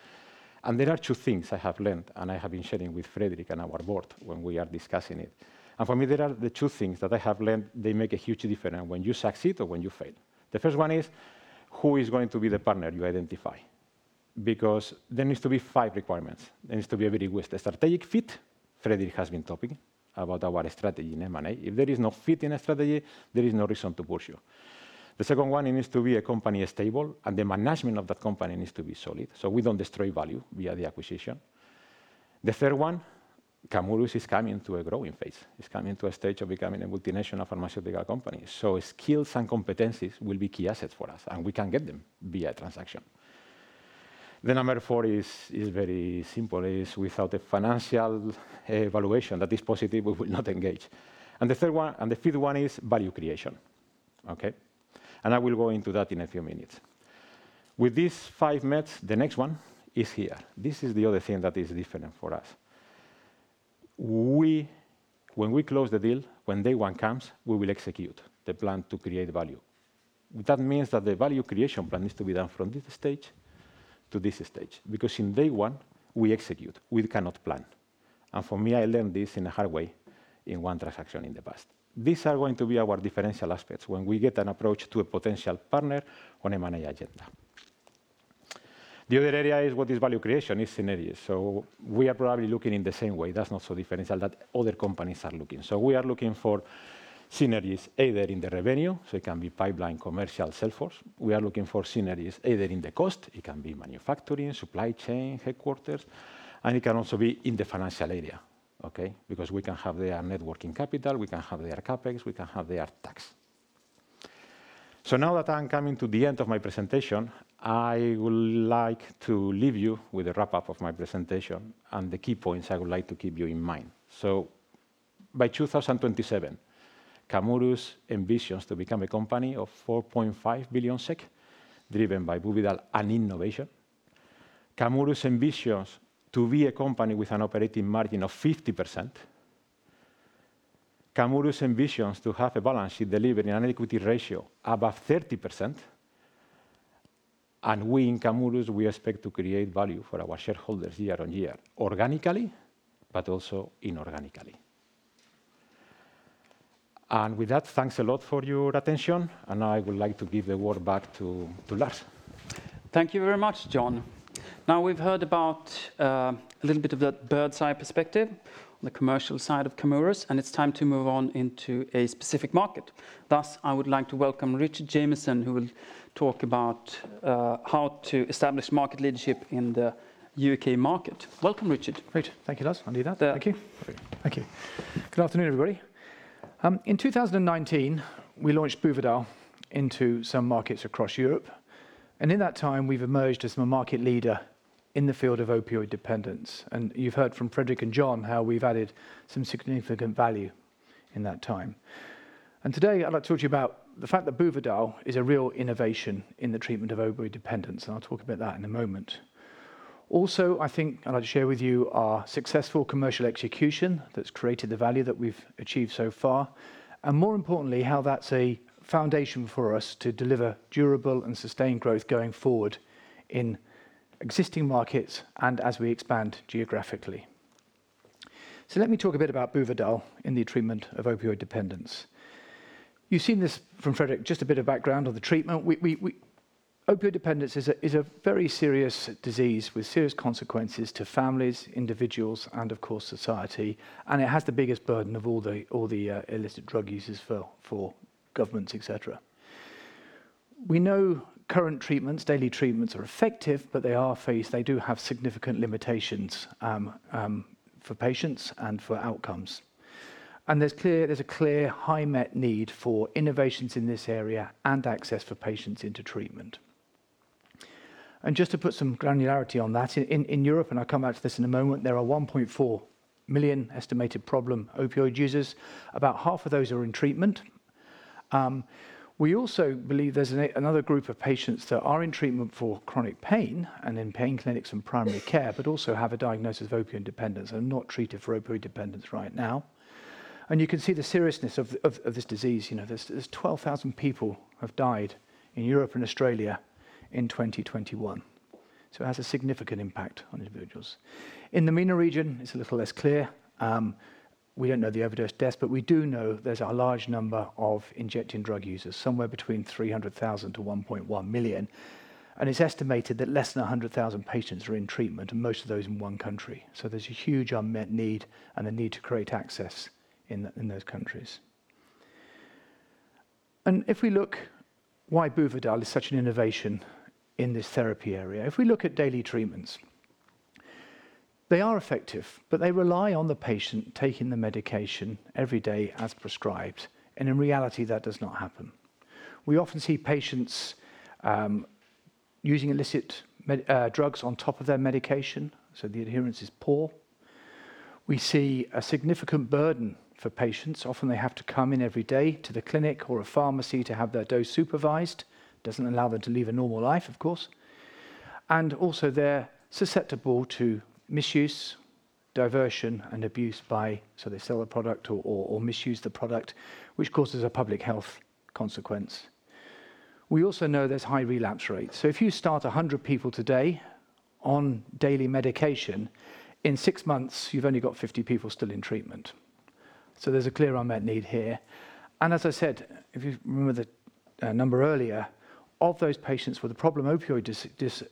There are two things I have learned, and I have been sharing with Fredrik and our board when we are discussing it. For me, there are the two things that I have learned that make a huge difference when you succeed or when you fail. The first one is who is going to be the partner you identify? Because there needs to be five requirements. There needs to be a very good strategic fit. Fredrik has been talking about our strategy in M&A. If there is no fit in a strategy, there is no reason to pursue. The second one, it needs to be a stable company, and the management of that company needs to be solid, so we don't destroy value via the acquisition. The third one, Camurus is coming to a growing phase. It's coming to a stage of becoming a multinational pharmaceutical company. Skills and competencies will be key assets for us, and we can get them via transaction. The number four is very simple. It is without a financial evaluation that is positive, we will not engage. The fifth one is value creation. Okay? I will go into that in a few minutes. With these five metrics, the next one is here. This is the other thing that is different for us. When we close the deal, when day one comes, we will execute the plan to create value. That means that the value creation plan needs to be done from this stage to this stage. Because in day one, we execute. We cannot plan. For me, I learned this in a hard way in one transaction in the past. These are going to be our differential aspects when we get an approach to a potential partner on M&A agenda. The other area is what is value creation is synergies. We are probably looking in the same way. That's not so differential that other companies are looking. We are looking for synergies either in the revenue, so it can be pipeline, commercial, sales force. We are looking for synergies either in the cost, it can be manufacturing, supply chain, headquarters, and it can also be in the financial area, okay? Because we can have their net working capital, we can have their CapEx, we can have their tax. Now that I'm coming to the end of my presentation, I would like to leave you with a wrap-up of my presentation and the key points I would like to keep you in mind. By 2027, Camurus ambitions to become a company of 4.5 billion SEK, driven by Buvidal and innovation. Camurus ambitions to be a company with an operating margin of 50%. Camurus ambitions to have a balance sheet delivering an equity ratio above 30%. We in Camurus, we expect to create value for our shareholders year-on-year, organically, but also inorganically. With that, thanks a lot for your attention, and I would like to give the word back to Lars. Thank you very much, Jon. Now, we've heard about a little bit of the bird's-eye perspective on the commercial side of Camurus, and it's time to move on into a specific market. Thus, I would like to welcome Richard Jameson, who will talk about how to establish market leadership in the U.K. market. Welcome, Richard. Great. Thank you, Lars. Good afternoon, everybody. In 2019, we launched Buvidal into some markets across Europe. In that time, we've emerged as the market leader in the field of opioid dependence. You've heard from Fredrik and Jon how we've added some significant value in that time. Today, I'd like to talk to you about the fact that Buvidal is a real innovation in the treatment of opioid dependence, and I'll talk about that in a moment. Also, I think I'd like to share with you our successful commercial execution that's created the value that we've achieved so far, and more importantly, how that's a foundation for us to deliver durable and sustained growth going forward in existing markets and as we expand geographically. Let me talk a bit about Buvidal in the treatment of opioid dependence. You've seen this from Fredrik, just a bit of background on the treatment. Opioid dependence is a very serious disease with serious consequences to families, individuals, and of course, society. It has the biggest burden of all the illicit drug users for governments, et cetera. We know current treatments, daily treatments are effective, but they do have significant limitations for patients and for outcomes. There's a clear high unmet need for innovations in this area and access for patients into treatment. Just to put some granularity on that, in Europe, and I'll come back to this in a moment, there are 1.4 million estimated problem opioid users. About half of those are in treatment. We also believe there's another group of patients that are in treatment for chronic pain and in pain clinics and primary care, but also have a diagnosis of opioid dependence and not treated for opioid dependence right now. You can see the seriousness of this disease. You know, there's 12,000 people have died in Europe and Australia in 2021. It has a significant impact on individuals. In the MENA region, it's a little less clear. We don't know the overdose deaths, but we do know there's a large number of injecting drug users, somewhere between 300,000 to 1.1 million. It's estimated that less than 100,000 patients are in treatment, and most of those in one country. There's a huge unmet need and a need to create access in those countries. If we look why Buvidal is such an innovation in this therapy area, if we look at daily treatments, they are effective, but they rely on the patient taking the medication every day as prescribed, and in reality, that does not happen. We often see patients using illicit, med drugs on top of their medication, so the adherence is poor. We see a significant burden for patients. Often, they have to come in every day to the clinic or a pharmacy to have their dose supervised. Doesn't allow them to live a normal life, of course. They're susceptible to misuse, diversion, and abuse. They sell a product or misuse the product, which causes a public health consequence. We also know there's high relapse rates. If you start 100 people today on daily medication, in six months, you've only got 50 people still in treatment. There's a clear unmet need here. As I said, if you remember the number earlier, of those patients with a problem opioid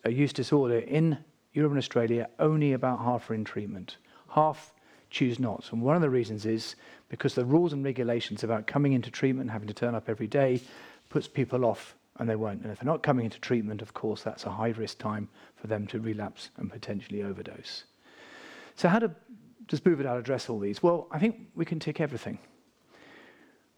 use disorder in Europe and Australia, only about half are in treatment. Half choose not. One of the reasons is because the rules and regulations about coming into treatment and having to turn up every day puts people off, and they won't. If they're not coming into treatment, of course, that's a high-risk time for them to relapse and potentially overdose. How does Buvidal address all these? Well, I think we can tick everything.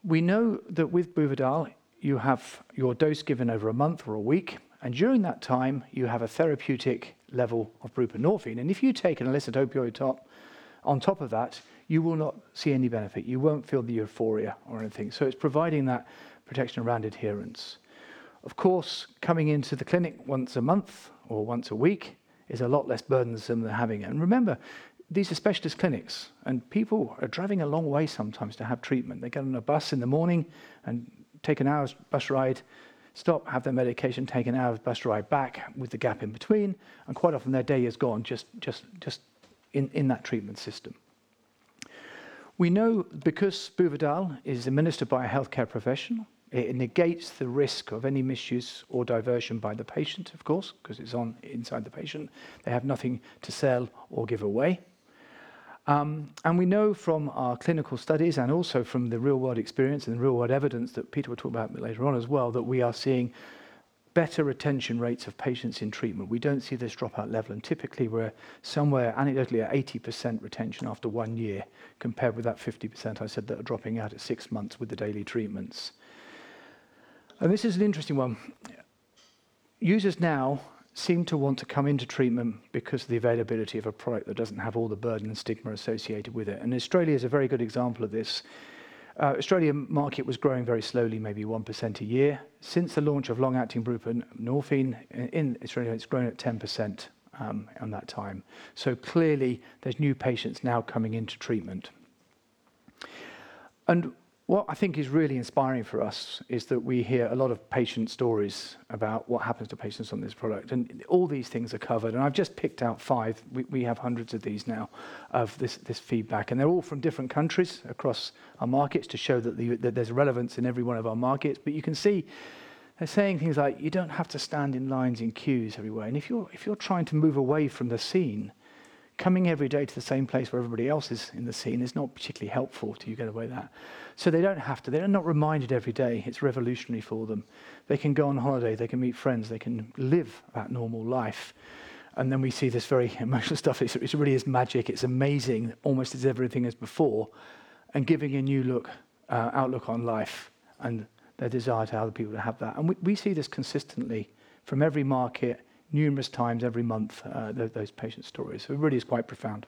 We know that with Buvidal, you have your dose given over a month or a week, and during that time, you have a therapeutic level of buprenorphine. If you take an illicit opioid on top of that, you will not see any benefit. You won't feel the euphoria or anything. It's providing that protection around adherence. Of course, coming into the clinic once a month or once a week is a lot less burdensome than having it. Remember, these are specialist clinics, and people are driving a long way sometimes to have treatment. They get on a bus in the morning and take an hour's bus ride, stop, have their medication, take an hour's bus ride back with a gap in between, and quite often their day is gone just in that treatment system. We know because Buvidal is administered by a healthcare professional, it negates the risk of any misuse or diversion by the patient, of course, 'cause it's once inside the patient. They have nothing to sell or give away. We know from our clinical studies and also from the real-world experience and the real-world evidence that Peter will talk about later on as well, that we are seeing better retention rates of patients in treatment. We don't see this dropout level, and typically we're somewhere anecdotally at 80% retention after one year, compared with that 50% I said that are dropping out at six months with the daily treatments. This is an interesting one. Users now seem to want to come into treatment because of the availability of a product that doesn't have all the burden and stigma associated with it, and Australia is a very good example of this. Australian market was growing very slowly, maybe 1% a year. Since the launch of long-acting buprenorphine in Australia, it's grown at 10% in that time. Clearly there's new patients now coming into treatment. What I think is really inspiring for us is that we hear a lot of patient stories about what happens to patients on this product, and all these things are covered, and I've just picked out five. We have hundreds of these now of this feedback, and they're all from different countries across our markets to show that there's relevance in every one of our markets. You can see they're saying things like, "You don't have to stand in lines, in queues everywhere." If you're trying to move away from the scene, coming every day to the same place where everybody else is in the scene is not particularly helpful till you get away with that. They don't have to. They are not reminded every day. It's revolutionary for them. They can go on holiday. They can meet friends. They can live that normal life. Then we see this very emotional stuff. It really is magic. It's amazing. Almost as everything as before and giving a new look, outlook on life and their desire to help people to have that. We see this consistently from every market numerous times every month, those patient stories. It really is quite profound.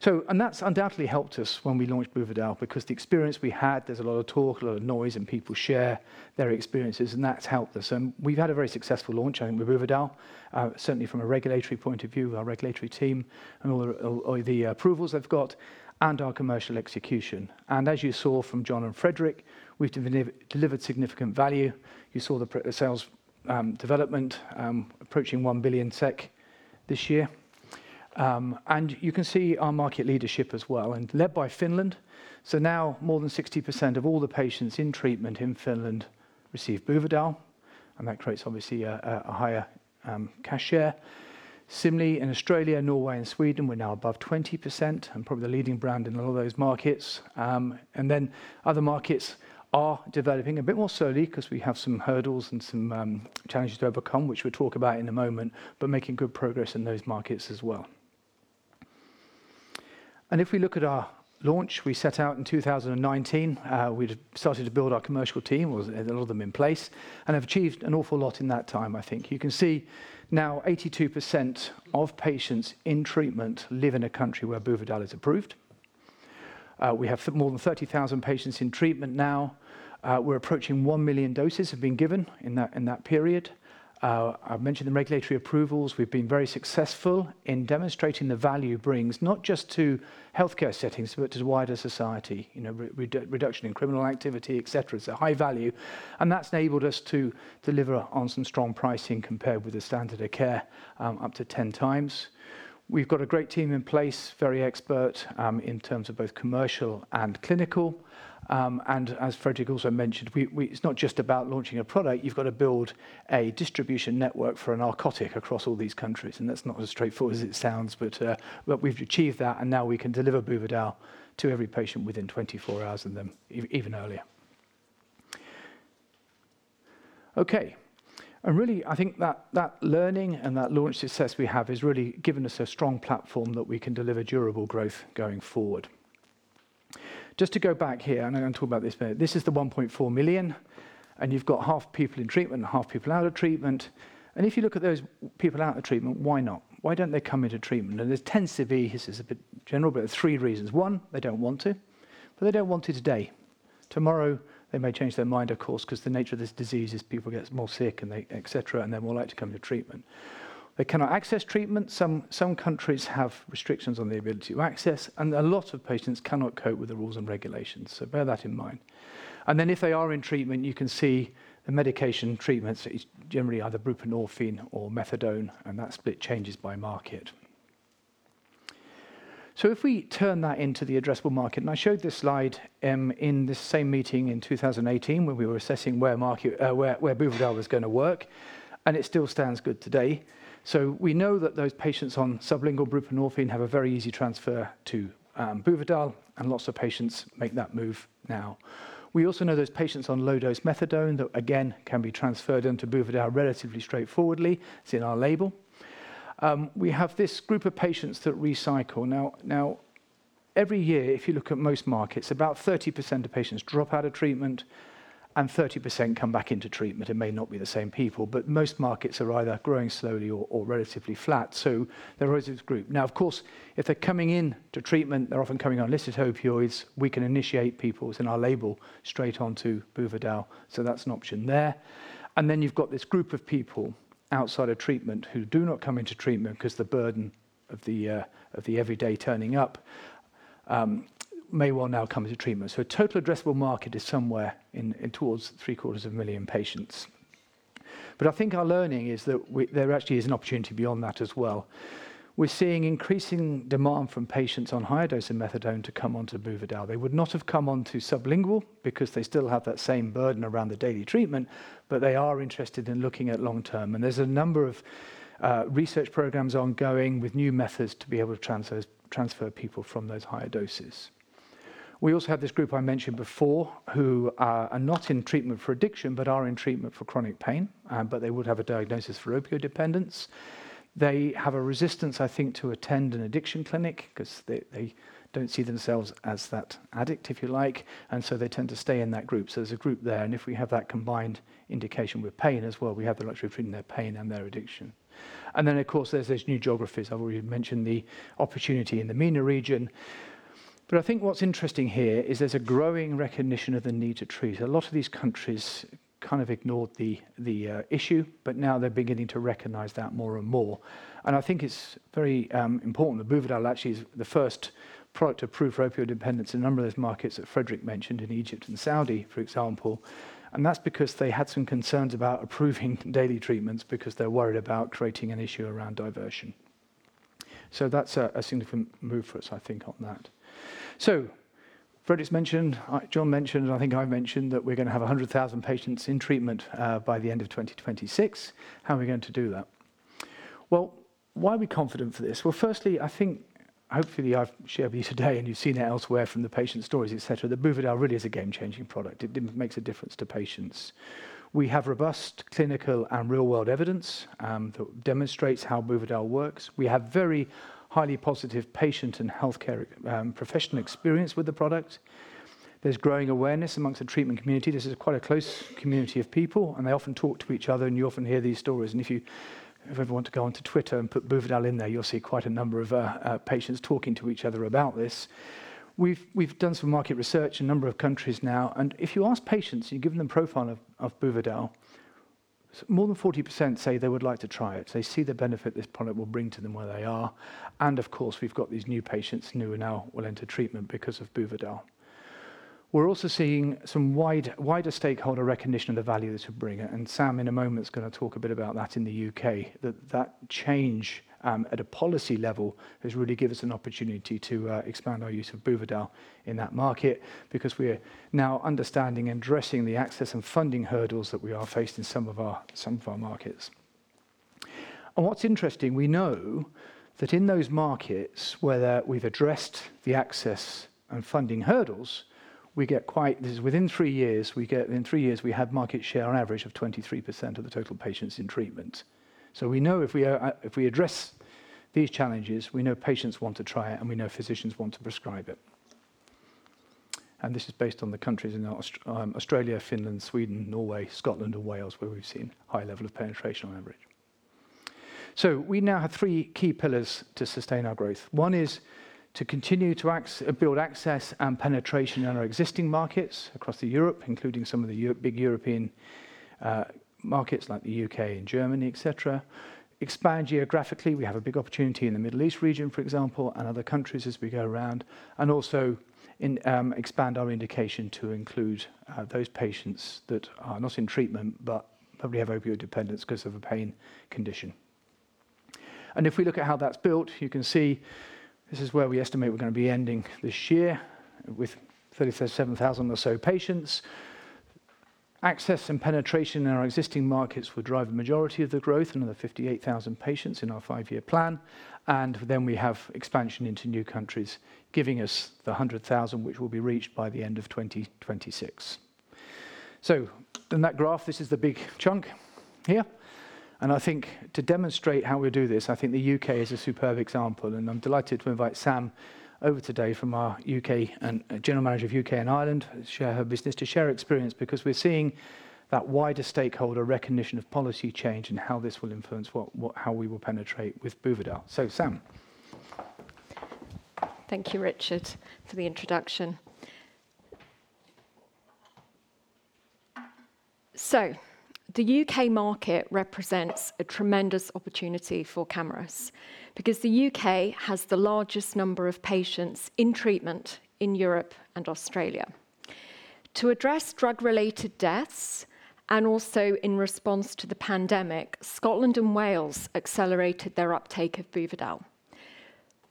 That's undoubtedly helped us when we launched Buvidal because the experience we had, there's a lot of talk, a lot of noise, and people share their experiences, and that's helped us. We've had a very successful launch, I think, with Buvidal, certainly from a regulatory point of view with our regulatory team and all the approvals they've got and our commercial execution. As you saw from Jon and Fredrik, we've delivered significant value. You saw the sales development approaching 1 billion SEK this year. You can see our market leadership as well, led by Finland. Now more than 60% of all the patients in treatment in Finland receive Buvidal, and that creates obviously a higher cash share. Similarly, in Australia, Norway, and Sweden, we're now above 20% and probably the leading brand in all those markets. Other markets are developing a bit more slowly 'cause we have some hurdles and some challenges to overcome, which we'll talk about in a moment, but making good progress in those markets as well. If we look at our launch, we set out in 2019, we'd started to build our commercial team or a lot of them in place and have achieved an awful lot in that time, I think. You can see now 82% of patients in treatment live in a country where Buvidal is approved. We have more than 30,000 patients in treatment now. We're approaching 1 million doses have been given in that period. I've mentioned the regulatory approvals. We've been very successful in demonstrating the value it brings, not just to healthcare settings, but to the wider society. You know, reduction in criminal activity, et cetera. It's a high value, and that's enabled us to deliver on some strong pricing compared with the standard of care, up to 10 times. We've got a great team in place, very expert, in terms of both commercial and clinical. And as Fredrik also mentioned, it's not just about launching a product, you've gotta build a distribution network for a narcotic across all these countries, and that's not as straightforward as it sounds. We've achieved that, and now we can deliver Buvidal to every patient within 24 hours of them, even earlier. Okay. Really, I think that learning and that launch success we have has really given us a strong platform that we can deliver durable growth going forward. Just to go back here, I know I talk about this a bit. This is the 1.4 million, and you've got half people in treatment and half people out of treatment. If you look at those people out of treatment, why not? Why don't they come into treatment? There tends to be, this is a bit general, but there are three reasons. One, they don't want to, but they don't want to today. Tomorrow they may change their mind, of course, 'cause the nature of this disease is people get more sick and they et cetera, and they're more likely to come to treatment. They cannot access treatment. Some countries have restrictions on the ability to access, and a lot of patients cannot cope with the rules and regulations, so bear that in mind. Then if they are in treatment, you can see the medication treatments, it's generally either buprenorphine or methadone, and that split changes by market. If we turn that into the addressable market, and I showed this slide in this same meeting in 2018 when we were assessing where Buvidal was gonna work, and it still stands good today. We know that those patients on sublingual buprenorphine have a very easy transfer to Buvidal, and lots of patients make that move now. We also know there's patients on low-dose methadone that, again, can be transferred onto Buvidal relatively straightforwardly. It's in our label. We have this group of patients that recycle. Now, every year, if you look at most markets, about 30% of patients drop out of treatment and 30% come back into treatment. It may not be the same people, but most markets are either growing slowly or relatively flat, so there is this group. Now, of course, if they're coming in to treatment, they're often coming on illicit opioids. We can initiate people. It's in our label, straight onto Buvidal, so that's an option there. Then you've got this group of people outside of treatment who do not come into treatment 'cause the burden of the everyday turning up may well now come into treatment. Total addressable market is somewhere in towards 750,000 patients. I think our learning is that there actually is an opportunity beyond that as well. We're seeing increasing demand from patients on higher dosing methadone to come onto Buvidal. They would not have come onto sublingual because they still have that same burden around the daily treatment, but they are interested in looking at long-term. There's a number of research programs ongoing with new methods to be able to transfer people from those higher doses. We also have this group I mentioned before who are not in treatment for addiction, but are in treatment for chronic pain, but they would have a diagnosis for opioid dependence. They have a resistance, I think, to attend an addiction clinic 'cause they don't see themselves as that addict, if you like, and so they tend to stay in that group. There's a group there, and if we have that combined indication with pain as well, we have the luxury of treating their pain and their addiction. Of course, there's those new geographies. I've already mentioned the opportunity in the MENA region. I think what's interesting here is there's a growing recognition of the need to treat. A lot of these countries kind of ignored the issue, but now they're beginning to recognize that more and more. I think it's very important that Buvidal actually is the first product approved for opioid dependence in a number of those markets that Fredrik mentioned, in Egypt and Saudi, for example. That's because they had some concerns about approving daily treatments because they're worried about creating an issue around diversion. That's a significant move for us, I think, on that. Fredrik's mentioned, Jon mentioned, and I think I mentioned that we're gonna have 100,000 patients in treatment by the end of 2026. How are we going to do that? Well, why are we confident for this? Well, firstly, I think hopefully I've shared with you today, and you've seen it elsewhere from the patient stories, et cetera, that Buvidal really is a game-changing product. It makes a difference to patients. We have robust clinical and real-world evidence that demonstrates how Buvidal works. We have very highly positive patient and healthcare professional experience with the product. There's growing awareness among the treatment community. This is quite a close community of people, and they often talk to each other, and you often hear these stories. If you ever want to go onto Twitter and put Buvidal in there, you'll see quite a number of patients talking to each other about this. We've done some market research in a number of countries now, and if you ask patients, you've given them profile of Buvidal, more than 40% say they would like to try it. They see the benefit this product will bring to them where they are, and of course, we've got these new patients who are now will enter treatment because of Buvidal. We're also seeing some wider stakeholder recognition of the value that we bring, and Sam in a moment is gonna talk a bit about that in the U.K., that change at a policy level has really given us an opportunity to expand our use of Buvidal in that market because we're now understanding and addressing the access and funding hurdles that we are faced in some of our, some of our markets. What's interesting, we know that in those markets where we've addressed the access and funding hurdles, we get quite this is within three years, in three years we have market share on average of 23% of the total patients in treatment. We know if we address these challenges, we know patients want to try it, and we know physicians want to prescribe it. This is based on the countries in Australia, Finland, Sweden, Norway, Scotland, and Wales, where we've seen high level of penetration on average. We now have three key pillars to sustain our growth. One is to continue to build access and penetration in our existing markets across Europe, including some of the big European markets like the U.K. and Germany, et cetera. Expand geographically. We have a big opportunity in the Middle East region, for example, and other countries as we go around. Expand our indication to include those patients that are not in treatment but probably have opioid dependence 'cause of a pain condition. If we look at how that's built, you can see this is where we estimate we're gonna be ending this year with 37,000 or so patients. Access and penetration in our existing markets will drive the majority of the growth, another 58,000 patients in our five-year plan. We have expansion into new countries, giving us the 100,000 which will be reached by the end of 2026. In that graph, this is the big chunk here. I think to demonstrate how we do this, the U.K. is a superb example, and I'm delighted to invite Sam over today, our U.K. and Ireland general manager, to share her experience because we're seeing that wider stakeholder recognition of policy change and how this will influence how we will penetrate with Buvidal. Sam. Thank you, Richard, for the introduction. The U.K. market represents a tremendous opportunity for Camurus because the U.K. has the largest number of patients in treatment in Europe and Australia. To address drug-related deaths, and also in response to the pandemic, Scotland and Wales accelerated their uptake of Buvidal.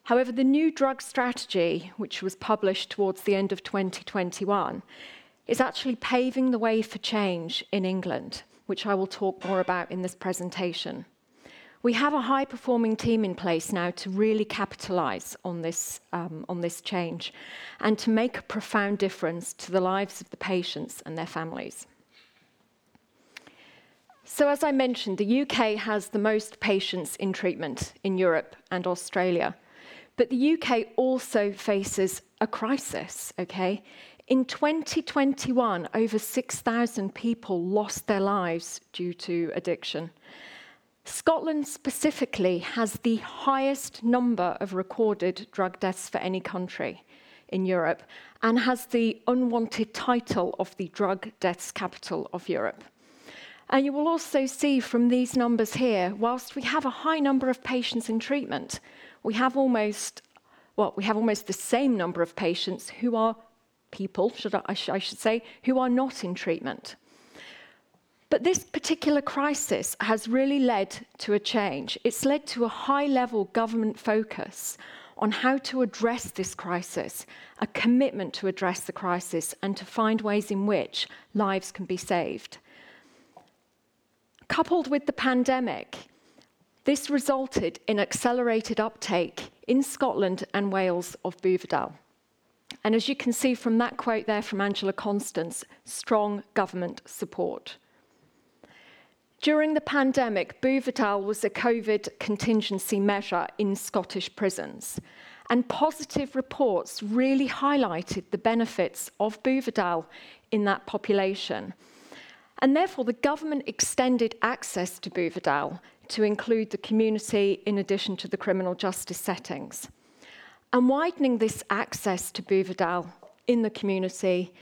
However, the new drug strategy, which was published towards the end of 2021, is actually paving the way for change in England, which I will talk more about in this presentation. We have a high-performing team in place now to really capitalize on this, on this change and to make a profound difference to the lives of the patients and their families. As I mentioned, the U.K. has the most patients in treatment in Europe and Australia, but the U.K. also faces a crisis, okay. In 2021, over 6,000 people lost their lives due to addiction. Scotland specifically has the highest number of recorded drug deaths for any country in Europe and has the unwanted title of the drug deaths capital of Europe. You will also see from these numbers here, while we have a high number of patients in treatment, we have almost the same number of patients who are not in treatment. This particular crisis has really led to a change. It's led to a high-level government focus on how to address this crisis, a commitment to address the crisis, and to find ways in which lives can be saved. Coupled with the pandemic, this resulted in accelerated uptake in Scotland and Wales of Buvidal. As you can see from that quote there from Angela Constance, strong government support. During the pandemic, Buvidal was a COVID contingency measure in Scottish prisons, and positive reports really highlighted the benefits of Buvidal in that population. Therefore, the government extended access to Buvidal to include the community in addition to the criminal justice settings. Widening this access to Buvidal in the community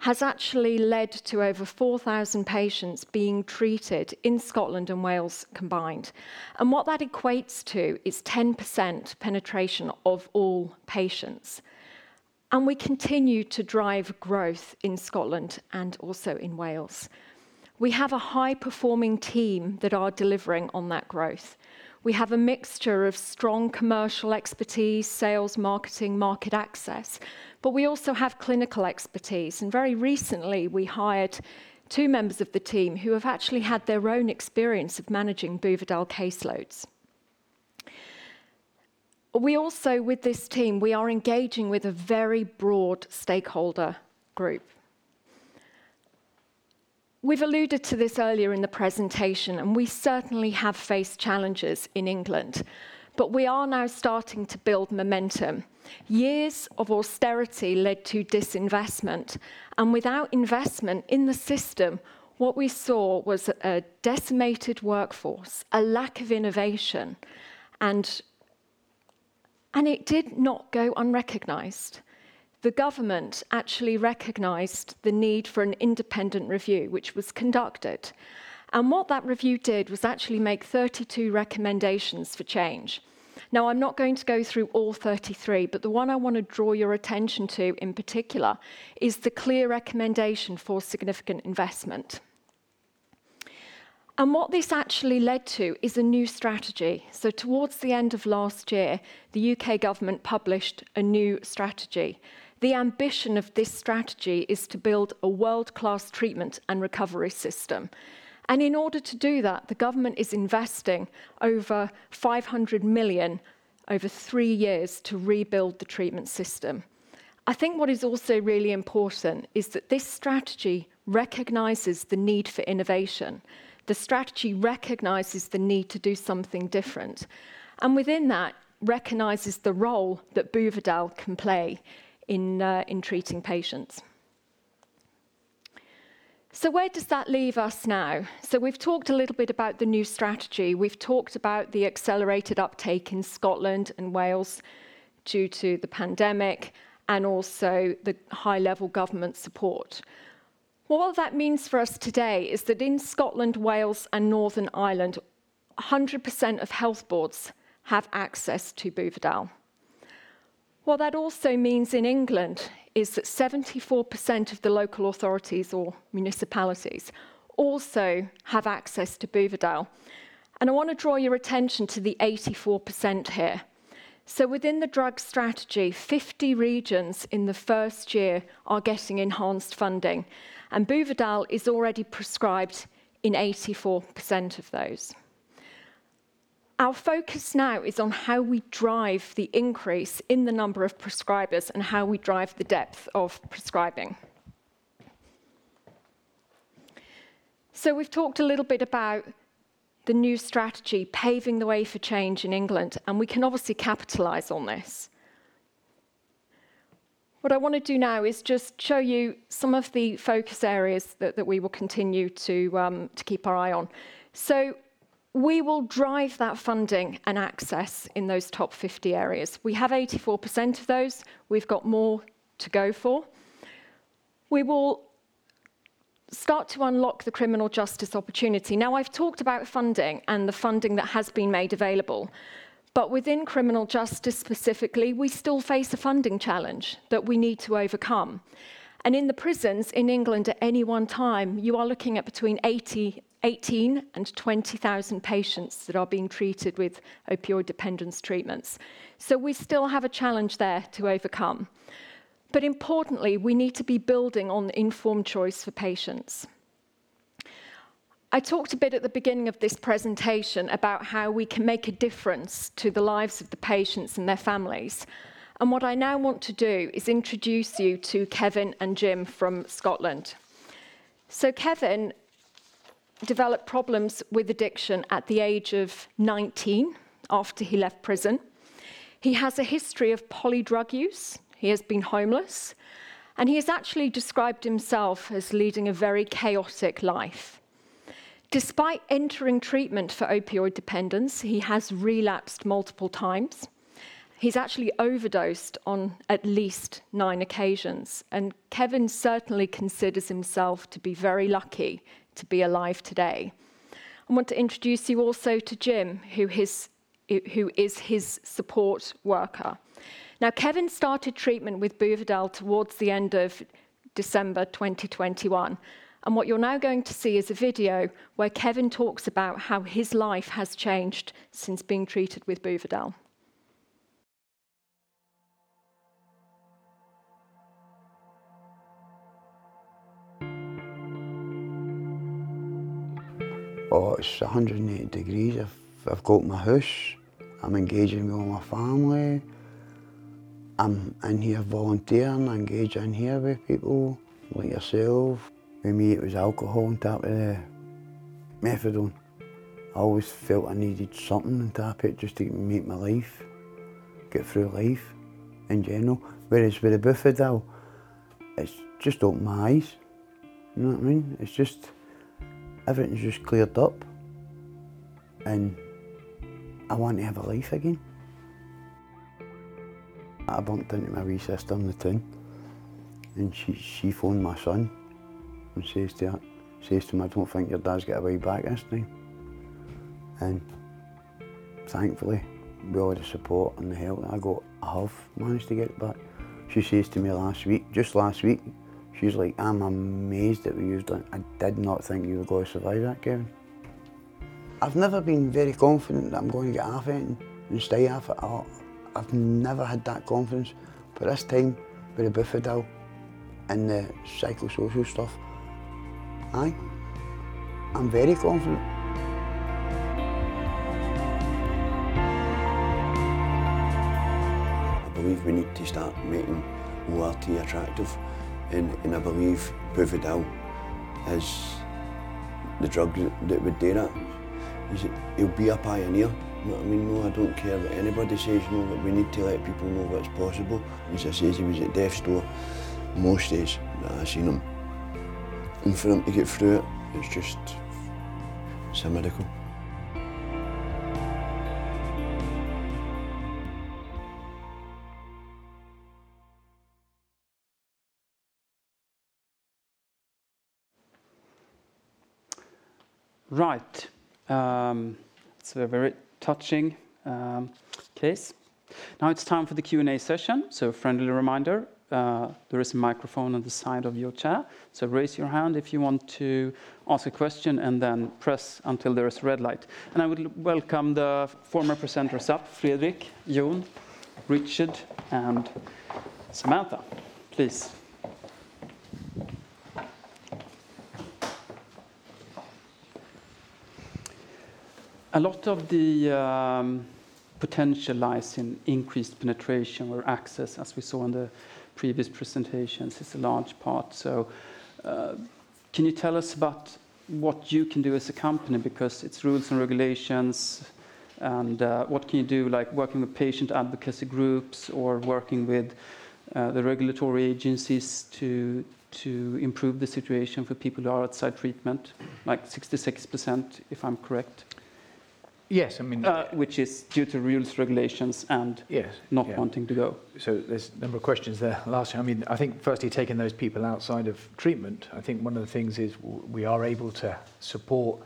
has actually led to over 4,000 patients being treated in Scotland and Wales combined. What that equates to is 10% penetration of all patients. We continue to drive growth in Scotland and also in Wales. We have a high-performing team that are delivering on that growth. We have a mixture of strong commercial expertise, sales, marketing, market access, but we also have clinical expertise. Very recently, we hired two members of the team who have actually had their own experience of managing Buvidal caseloads. We also, with this team, we are engaging with a very broad stakeholder group. We've alluded to this earlier in the presentation, and we certainly have faced challenges in England, but we are now starting to build momentum. Years of austerity led to disinvestment, and without investment in the system, what we saw was a decimated workforce, a lack of innovation and it did not go unrecognized. The government actually recognized the need for an independent review, which was conducted. What that review did was actually make 32 recommendations for change. Now, I'm not going to go through all 32, but the one I wanna draw your attention to in particular is the clear recommendation for significant investment. What this actually led to is a new strategy. Towards the end of last year, the U.K. government published a new strategy. The ambition of this strategy is to build a world-class treatment and recovery system. In order to do that, the government is investing over 500 million over three years to rebuild the treatment system. I think what is also really important is that this strategy recognizes the need for innovation. The strategy recognizes the need to do something different, and within that, recognizes the role that Buvidal can play in treating patients. Where does that leave us now? We've talked a little bit about the new strategy. We've talked about the accelerated uptake in Scotland and Wales due to the pandemic, and also the high level government support. What all that means for us today is that in Scotland, Wales, and Northern Ireland, 100% of health boards have access to Buvidal. What that also means in England is that 74% of the local authorities or municipalities also have access to Buvidal, and I wanna draw your attention to the 84% here. Within the drug strategy, 50 regions in the first year are getting enhanced funding, and Buvidal is already prescribed in 84% of those. Our focus now is on how we drive the increase in the number of prescribers and how we drive the depth of prescribing. We've talked a little bit about the new strategy, paving the way for change in England, and we can obviously capitalize on this. What I wanna do now is just show you some of the focus areas that we will continue to keep our eye on. We will drive that funding and access in those top 50 areas. We have 84% of those. We've got more to go for. We will start to unlock the criminal justice opportunity. Now, I've talked about funding and the funding that has been made available, but within criminal justice specifically, we still face a funding challenge that we need to overcome. In the prisons in England at any one time, you are looking at between 18,000 and 20,000 patients that are being treated with opioid dependence treatments. We still have a challenge there to overcome. Importantly, we need to be building on informed choice for patients. I talked a bit at the beginning of this presentation about how we can make a difference to the lives of the patients and their families, and what I now want to do is introduce you to Kevin and Jim from Scotland. Kevin developed problems with addiction at the age of 19 after he left prison. He has a history of poly drug use. He has been homeless, and he has actually described himself as leading a very chaotic life. Despite entering treatment for opioid dependence, he has relapsed multiple times. He's actually overdosed on at least nine occasions, and Kevin certainly considers himself to be very lucky to be alive today. I want to introduce you also to Jim, who is his support worker. Now, Kevin started treatment with Buvidal towards the end of December 2021, and what you're now going to see is a video where Kevin talks about how his life has changed since being treated with Buvidal. Oh, it's 180 degrees. I've got my house. I'm engaging with all my family. I'm in here volunteering. I engage in here with people like yourself. With me, it was alcohol on top of the methadone. I always felt I needed something on top of it just to make my life, get through life in general. Whereas with the Buvidal, it's just opened my eyes. You know what I mean? It's just, everything's just cleared up, and I want to have a life again. I bumped into my wee sister on the town, and she phoned my son and says to him, "I don't think your dad's got a way back this time." Thankfully, with all the support and the help that I got, I have managed to get it back. She says to me last week, just last week, she's like, "I'm amazed at you. I did not think you were going to survive that, Kevin." I've never been very confident that I'm going to get off it and stay off it at all. I've never had that confidence. But this time, with the Buvidal and the psychosocial stuff, I'm very confident. I believe we need to start making ORT attractive, and I believe Buvidal is the drug that would do that. It'll be a pioneer. You know what I mean? No, I don't care that anybody says no, but we need to let people know what's possible. As I says, he was at death's door most days that I seen him. For him to get through it's just, it's a miracle. Right. A very touching case. Now it's time for the Q&A session. A friendly reminder, there is a microphone on the side of your chair. Raise your hand if you want to ask a question, and then press until there is red light. I would welcome the former presenters up, Fredrik, Jon, Richard, and Samantha, please. A lot of the potential lies in increased penetration or access, as we saw in the previous presentations. It's a large part, so can you tell us about what you can do as a company? Because it's rules and regulations. What can you do, like, working with patient advocacy groups or working with the regulatory agencies to improve the situation for people who are outside treatment, like 66%, if I'm correct? Yes. I mean. Which is due to rules, regulations, and. Yes. Yeah not wanting to go. There's a number of questions there. Last year, I mean, I think firstly, taking those people outside of treatment, I think one of the things is we are able to support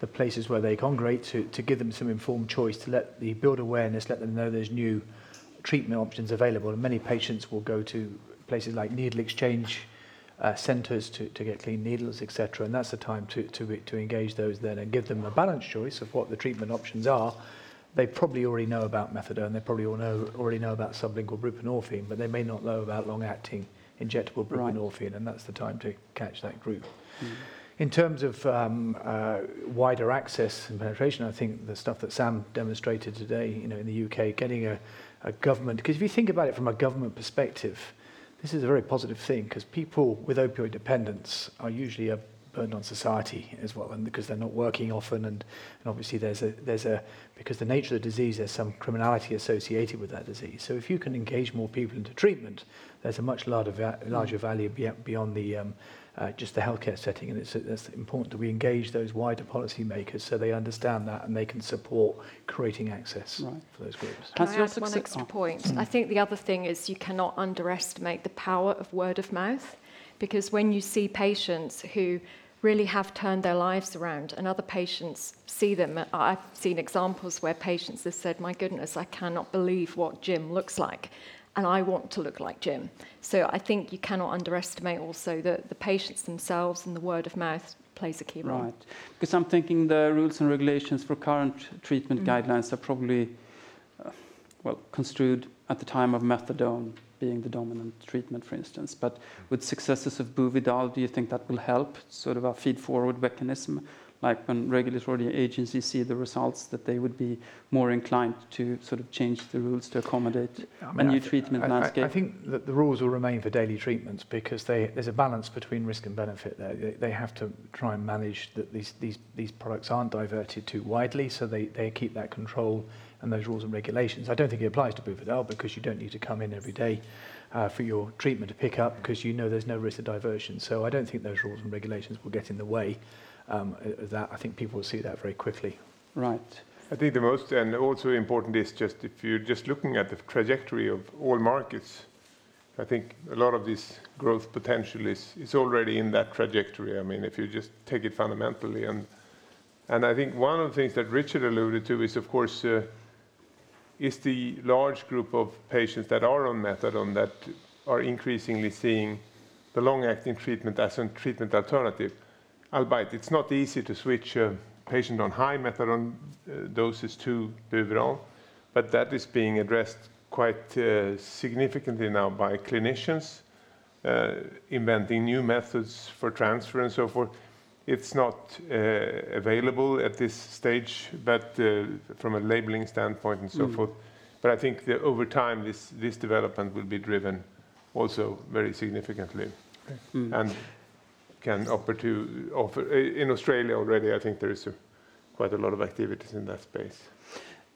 the places where they congregate to give them some informed choice, build awareness, let them know there's new treatment options available. Many patients will go to places like needle exchange centers to get clean needles, et cetera. That's the time to engage those then and give them a balanced choice of what the treatment options are. They probably already know about methadone. They probably already know about something called buprenorphine, but they may not know about long-acting injectable buprenorphine. Right. That's the time to catch that group. Mm. In terms of wider access and penetration, I think the stuff that Sam demonstrated today, you know, in the U.K., getting a government. 'Cause if you think about it from a government perspective, this is a very positive thing 'cause people with opioid dependence are usually a burden on society as well, because they're not working often, and obviously, because the nature of the disease, there's some criminality associated with that disease. So if you can engage more people into treatment, there's a much lot of va- Mm larger value beyond just the healthcare setting, and it's important that we engage those wider policy makers so they understand that and they can support creating access. Right for those groups. Can I add one extra point? Mm-hmm. I think the other thing is you cannot underestimate the power of word of mouth. When you see patients who really have turned their lives around and other patients see them, I've seen examples where patients have said, "My goodness, I cannot believe what Jim looks like, and I want to look like Jim." I think you cannot underestimate also the patients themselves and the word of mouth plays a key role. Right. 'Cause I'm thinking the rules and regulations for current treatment guidelines are probably construed at the time of methadone being the dominant treatment, for instance. With the successes of Buvidal, do you think that will help sort of a feed-forward mechanism, like when regulatory agencies see the results, that they would be more inclined to sort of change the rules to accommodate? I mean, I think. a new treatment landscape? I think that the rules will remain for daily treatments because there's a balance between risk and benefit there. They have to try and manage that these products aren't diverted too widely, so they keep that control and those rules and regulations. I don't think it applies to Buvidal because you don't need to come in every day for your treatment to pick up. Mm 'Cause you know there's no risk of diversion. I don't think those rules and regulations will get in the way of that. I think people will see that very quickly. Right. I think the most and also important is just if you're just looking at the trajectory of all markets. I think a lot of this growth potential is already in that trajectory. I mean, if you just take it fundamentally and I think one of the things that Richard alluded to is, of course, the large group of patients that are on methadone that are increasingly seeing the long-acting treatment as a treatment alternative. Albeit, it's not easy to switch a patient on high methadone doses to Buvidal, but that is being addressed quite significantly now by clinicians inventing new methods for transfer and so forth. It's not available at this stage, but from a labeling standpoint and so forth. Mm. I think that over time, this development will be driven also very significantly. Mm. In Australia already, I think there is quite a lot of activities in that space.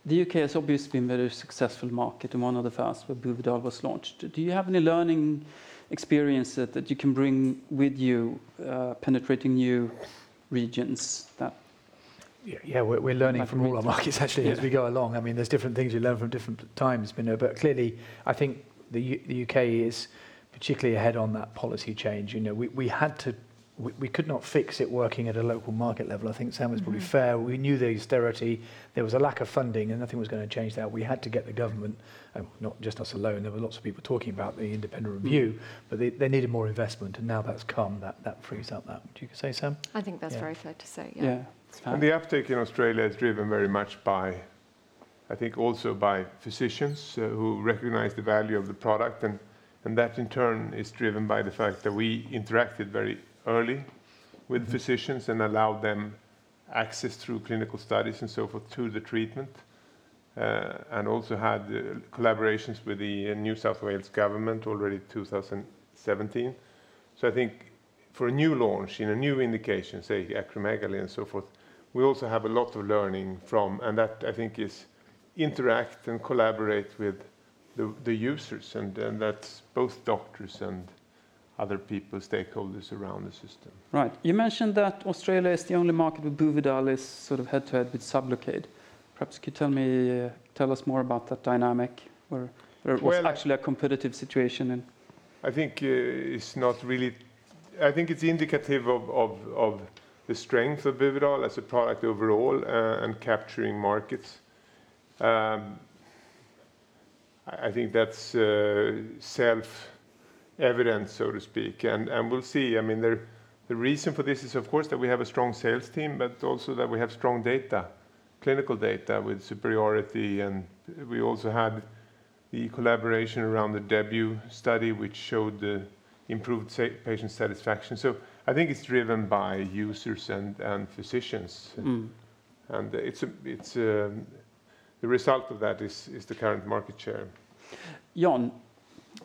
The U.K. has obviously been a very successful market and one of the first where Buvidal was launched. Do you have any learning experience that you can bring with you, penetrating new regions? Yeah, yeah. We're learning from all our markets actually as we go along. I mean, there's different things we learn from different times, you know. Clearly, I think the U.K. is particularly ahead on that policy change. You know, we could not fix it working at a local market level. I think Sam was probably fair. We knew the austerity. There was a lack of funding, and nothing was gonna change that. We had to get the government, not just us alone. There were lots of people talking about the independent review. Mm. They needed more investment. Now that's come, that frees up that. Would you say, Sam? I think that's very fair to say, yeah. Yeah. It's fair. The uptake in Australia is driven very much by, I think, also by physicians who recognize the value of the product. That in turn is driven by the fact that we interacted very early with physicians and allowed them access through clinical studies and so forth to the treatment, and also had collaborations with the New South Wales government already in 2017. I think for a new launch, you know, new indications, say acromegaly and so forth, we also have a lot of learning from that. That, I think, is to interact and collaborate with the users, and that's both doctors and other people, stakeholders around the system. Right. You mentioned that Australia is the only market where Buvidal is sort of head-to-head with Sublocade. Perhaps could you tell us more about that dynamic where? Well- where it was actually a competitive situation. I think it's indicative of the strength of Buvidal as a product overall and capturing markets. I think that's self-evident, so to speak. We'll see. I mean, the reason for this is of course that we have a strong sales team, but also that we have strong data, clinical data with superiority, and we also had the collaboration around the DEBUT study, which showed the improved patient satisfaction. I think it's driven by users and physicians. Mm. It's the result of that is the current market share. Jon,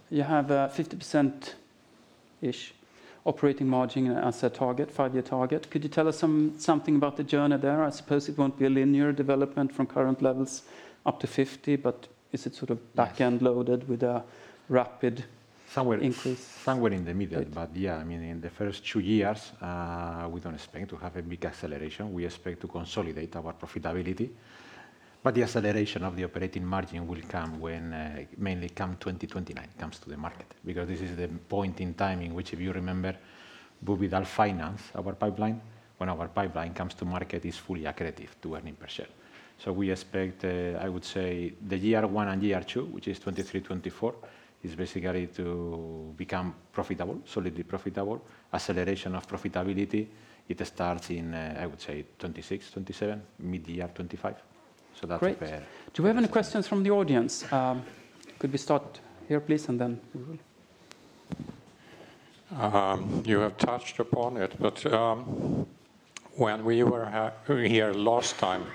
you have a 50%-ish operating margin as a target, five-year target. Could you tell us something about the journey there? I suppose it won't be a linear development from current levels up to 50, but is it sort of back-end loaded with a rapid increase? Somewhere in the middle. Yeah, I mean, in the first two years, we don't expect to have a big acceleration. We expect to consolidate our profitability. The acceleration of the operating margin will come when, mainly CAM2029, it comes to the market. This is the point in time in which, if you remember, Buvidal finances our pipeline. When our pipeline comes to market, it's fully accretive to earnings per share. We expect, I would say the year one and year two, which is 2023, 2024, is basically to become profitable, solidly profitable. Acceleration of profitability, it starts in, I would say 2026, 2027, midyear 2025. Great. Do we have any questions from the audience? Could we start here, please, and then we will. You have touched upon it, but when we were here last time,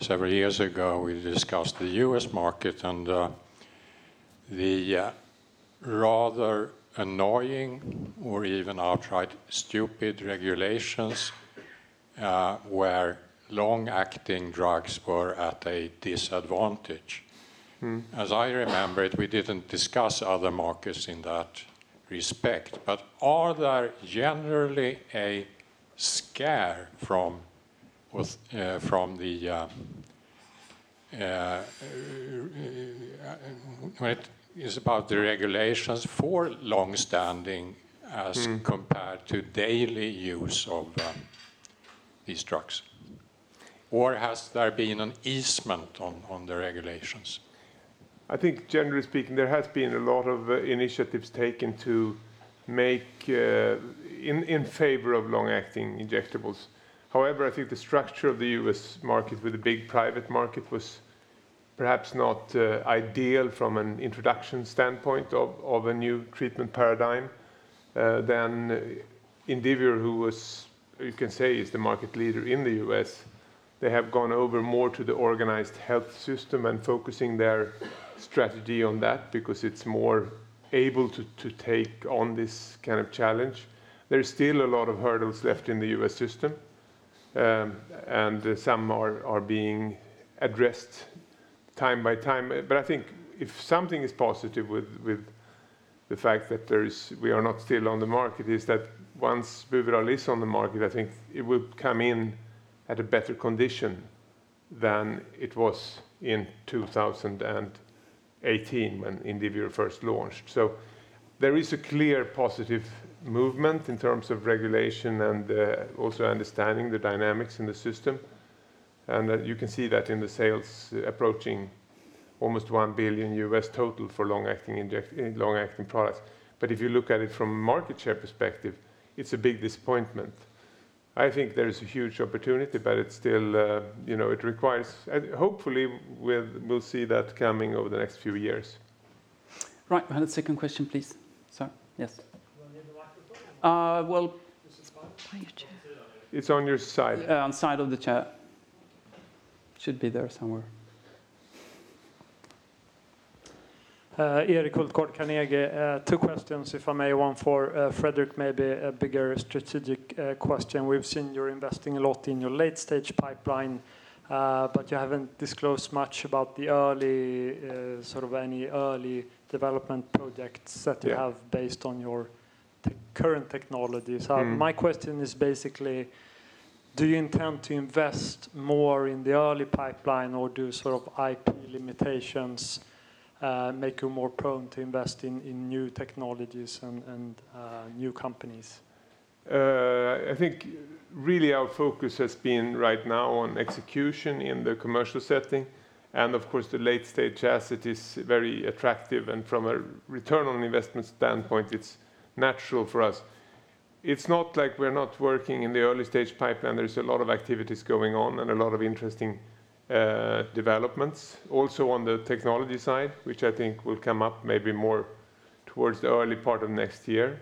several years ago, we discussed the U.S. market and the rather annoying or even outright stupid regulations where long-acting drugs were at a disadvantage. Mm-hmm. As I remember it, we didn't discuss other markets in that respect. Are there generally a scarcity from within when it is about the regulations for long-standing? Mm-hmm... as compared to daily use of, these drugs? Or has there been an easement on the regulations? I think generally speaking, there has been a lot of initiatives taken to make in favor of long-acting injectables. However, I think the structure of the U.S. market with a big private market was perhaps not ideal from an introduction standpoint of a new treatment paradigm. Indivior, who was, you can say, is the market leader in the U.S., they have gone over more to the organized health system and focusing their strategy on that because it's more able to take on this kind of challenge. There is still a lot of hurdles left in the U.S. system, and some are being addressed time by time. I think if something is positive with the fact that we are not still on the market, is that once Buvidal is on the market, I think it will come in at a better condition than it was in 2018 when Indivior first launched. There is a clear positive movement in terms of regulation and also understanding the dynamics in the system. You can see that in the sales approaching almost $1 billion total for long-acting products. If you look at it from a market share perspective, it's a big disappointment. I think there is a huge opportunity, but it still it requires. Hopefully we'll see that coming over the next few years. Right. We have a second question, please. Sir, yes. Do I need the microphone? Well. This is on. By your chair. It's on your side. On side of the chair. Should be there somewhere. Erik Hultgård, Carnegie. Two questions, if I may. One for Fredrik, maybe a bigger strategic question. We've seen you're investing a lot in your late-stage pipeline, but you haven't disclosed much about the early sort of any early development projects that you have based on your current technologies. Mm-hmm. My question is basically, do you intend to invest more in the early pipeline or do sort of IP limitations make you more prone to investing in new technologies and new companies? I think really our focus has been right now on execution in the commercial setting. Of course, the late-stage asset is very attractive, and from a return on investment standpoint, it's natural for us. It's not like we're not working in the early-stage pipeline. There is a lot of activities going on and a lot of interesting developments also on the technology side, which I think will come up maybe more towards the early part of next year.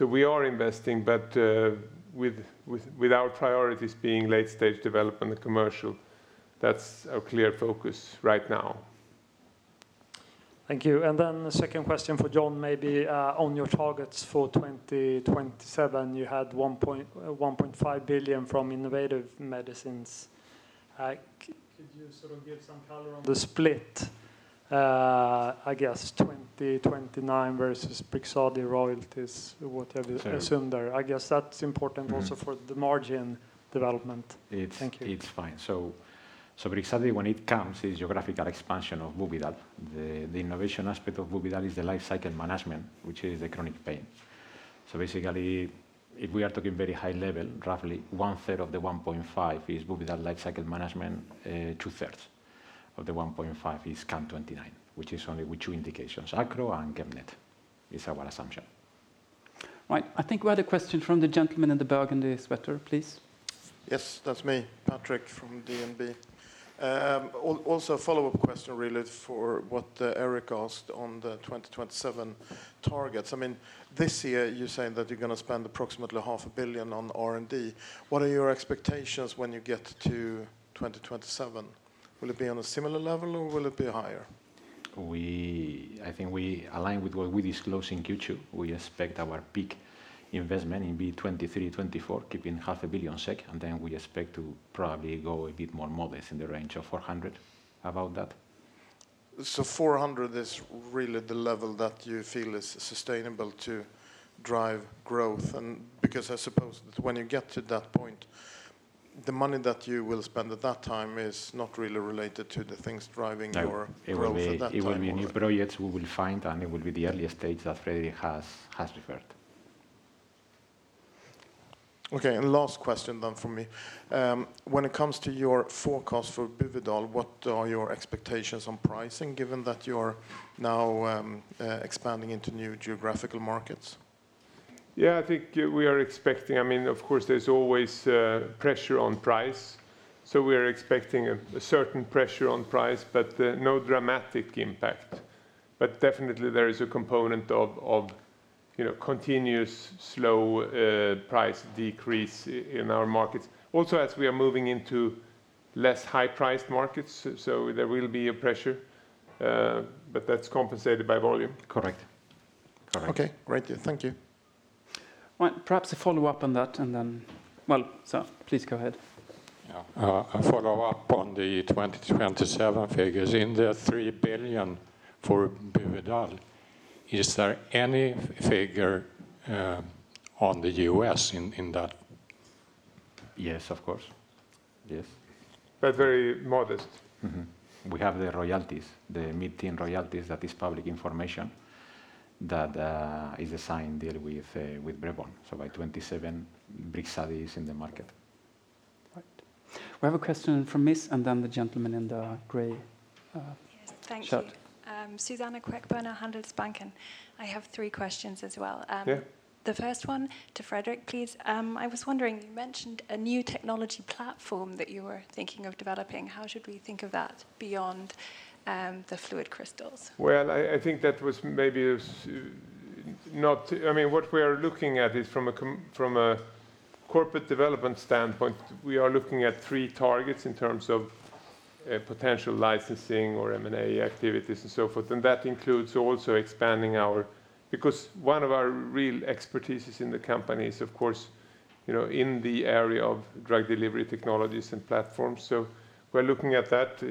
We are investing, but with our priorities being late-stage development, commercial. That's our clear focus right now. Thank you. The second question for Jon, maybe, on your targets for 2027. You had 1.5 billion from innovative medicines. Could you sort of give some color on the split, I guess CAM2029 versus Brixadi royalties, whatever you assume there? I guess that's important also for the margin development. Thank you. It's- Thank you. Brixadi when it comes is geographical expansion of Buvidal. The innovation aspect of Buvidal is the lifecycle management, which is the chronic pain. Basically, if we are talking very high level, roughly 1/3 of 1.5 is Buvidal lifecycle management. Two-thirds of 1.5 is CAM2029, which is only with two indications, acro and GEP-NET. It's our assumption. Right. I think we had a question from the gentleman in the burgundy sweater, please. Yes, that's me. Patrick from DNB. Also a follow-up question really for what Erik asked on the 2027 targets. I mean, this year you're saying that you're gonna spend approximately 500 million on R&D. What are your expectations when you get to 2027? Will it be on a similar level or will it be higher? I think we align with what we disclose in Q2. We expect our peak investment in 2023, 2024, keeping 500 million SEK, and then we expect to probably go a bit more modest in the range of 400 million, about that. 400 million is really the level that you feel is sustainable to drive growth and because I suppose that when you get to that point, the money that you will spend at that time is not really related to the things driving your growth at that time, right? No. It will be new projects we will find, and it will be the early stage that Fredrik Tiberg has referred. Okay. Last question then from me. When it comes to your forecast for Buvidal, what are your expectations on pricing given that you're now expanding into new geographical markets? Yeah. I think we are expecting. I mean, of course, there's always pressure on price, so we are expecting a certain pressure on price, but no dramatic impact. Definitely there is a component of you know continuous slow price decrease in our markets. Also, as we are moving into less high-priced markets, so there will be a pressure, but that's compensated by volume. Correct. Okay. Great. Thank you. Well, perhaps a follow-up on that. Well, sir, please go ahead. A follow-up on the 2027 figures. In the 3 billion for Buvidal, is there any figure on the U.S. in that? Yes, of course. Yes. Very modest. We have the royalties, the mid-tier royalties that is public information that is a signed deal with Braeburn. By 2027, Brixadi is in the market. Right. We have a question from Miss, and then the gentleman in the gray shirt. Yes. Thank you. Suzanna Queckbörner at Handelsbanken. I have three questions as well. Yeah. The first one to Fredrik, please. I was wondering, you mentioned a new technology platform that you were thinking of developing. How should we think of that beyond the FluidCrystal? I mean, what we are looking at is from a corporate development standpoint. We are looking at three targets in terms of potential licensing or M&A activities and so forth, and that includes also expanding our, because one of our real expertises in the company is, of course, you know, in the area of drug delivery technologies and platforms. We're looking at that.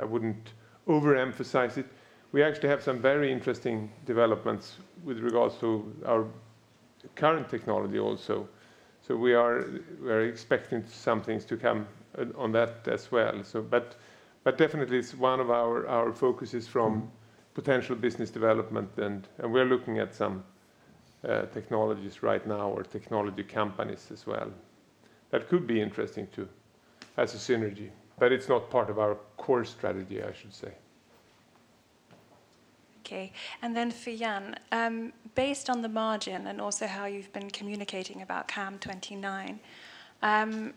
I wouldn't overemphasize it. We actually have some very interesting developments with regards to our current technology also. We're expecting some things to come on that as well. But definitely it's one of our focuses from potential business development, and we are looking at some technologies right now or technology companies as well that could be interesting too as a synergy. It's not part of our core strategy, I should say. For Jon, based on the margin and also how you've been communicating about CAM2029,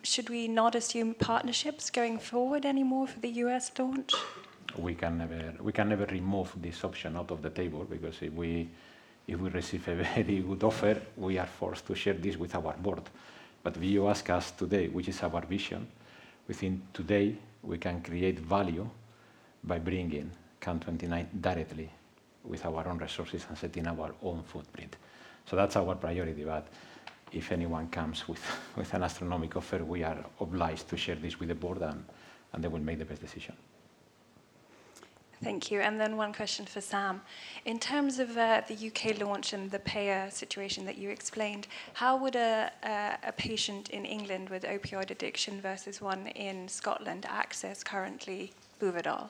should we not assume partnerships going forward anymore for the U.S. Launch? We can never remove this option out of the table because if we receive a very good offer, we are forced to share this with our board. You ask us today, which is our vision. Within today, we can create value by bringing CAM2029 directly with our own resources and setting our own footprint. That's our priority but if anyone comes with an astronomic offer, we are obliged to share this with the board and they will make the best decision. Thank you. One question for Sam. In terms of the U.K. launch and the payer situation that you explained, how would a patient in England with opioid addiction versus one in Scotland access currently Buvidal?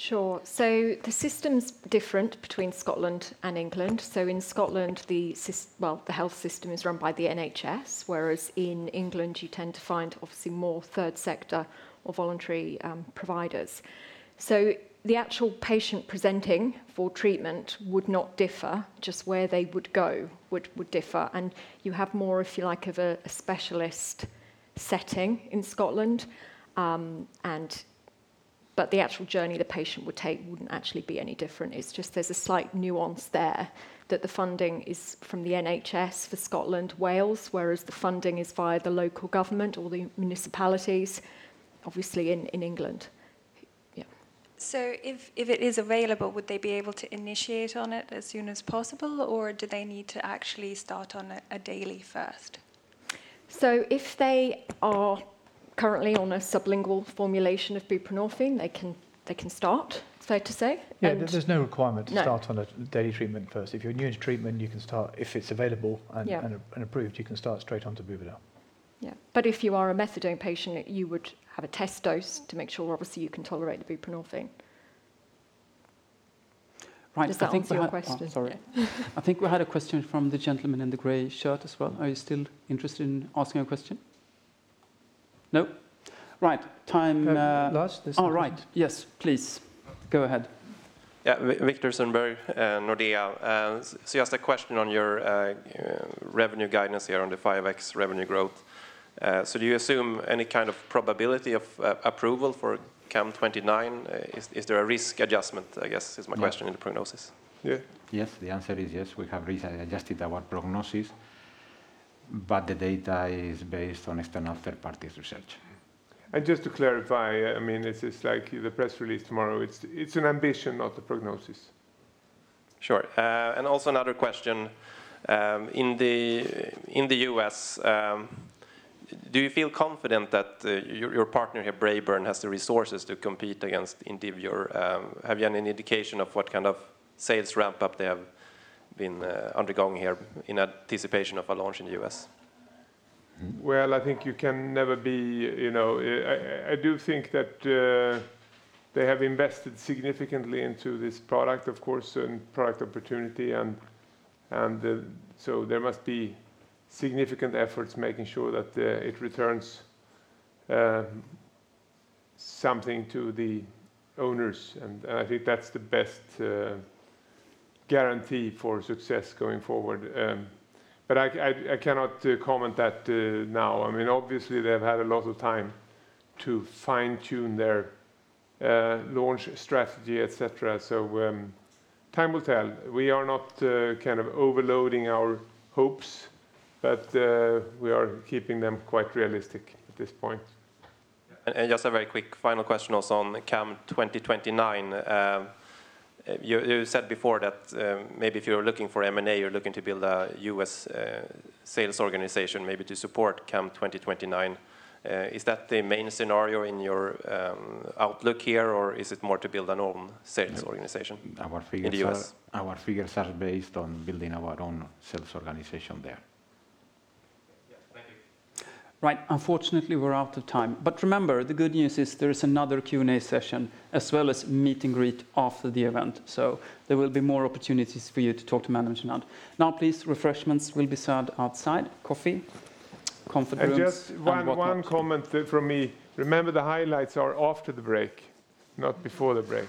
Sure. The system's different between Scotland and England. In Scotland, well, the health system is run by the NHS, whereas in England you tend to find obviously more third sector or voluntary providers. The actual patient presenting for treatment would not differ, just where they would go would differ. You have more, if you like, of a specialist setting in Scotland, and but the actual journey the patient would take wouldn't actually be any different. It's just there's a slight nuance there that the funding is from the NHS for Scotland, Wales, whereas the funding is via the local government or the municipalities obviously in England. Yeah. If it is available, would they be able to initiate on it as soon as possible, or do they need to actually start on a daily first? If they are currently on a sublingual formulation of buprenorphine, they can start, so to say, and. Yeah. There's no requirement. No To start on a daily treatment first. If you're new to treatment, you can start. If it's available and Yeah Approved, you can start straight onto Buvidal. Yeah. If you are a methadone patient, you would have a test dose to make sure obviously you can tolerate the buprenorphine. Right. I think we have. Does that answer your question? Oh, sorry. I think we had a question from the gentleman in the gray shirt as well. Are you still interested in asking a question? No? Right. Time. Last this time. All right. Yes, please. Go ahead. Yeah. Viktor Sundberg, Nordea. Just a question on your revenue guidance here on the 5x revenue growth. Do you assume any kind of probability of approval for CAM2029? Is there a risk adjustment, I guess, is my question in the prognosis? Yeah. Yes. The answer is yes. We have re-adjusted our prognosis. The data is based on external third parties' research. Just to clarify, I mean, it's like the press release tomorrow. It's an ambition, not a prognosis. Sure. Also another question, in the U.S., do you feel confident that your partner here, Braeburn, has the resources to compete against Indivior? Have you had any indication of what kind of sales ramp up they have been undergoing here in anticipation of a launch in the U.S.? I think you can never be, you know. I do think that they have invested significantly into this product, of course, and product opportunity and so there must be significant efforts making sure that it returns something to the owners. I think that's the best guarantee for success going forward. I cannot comment that now. I mean, obviously they've had a lot of time to fine-tune their launch strategy, et cetera. Time will tell. We are not kind of overloading our hopes, but we are keeping them quite realistic at this point. Just a very quick final question also on CAM2029. You said before that, maybe if you're looking for M&A, you're looking to build a U.S. sales organization maybe to support CAM2029. Is that the main scenario in your outlook here, or is it more to build your own sales organization in the U.S.? Our figures are based on building our own sales organization there. Yeah. Thank you. Right. Unfortunately, we're out of time. Remember, the good news is there is another Q&A session as well as meet and greet after the event. There will be more opportunities for you to talk to management. Now please, refreshments will be served outside, coffee, conference. Just one comment from me. Remember, the highlights are after the break, not before the break.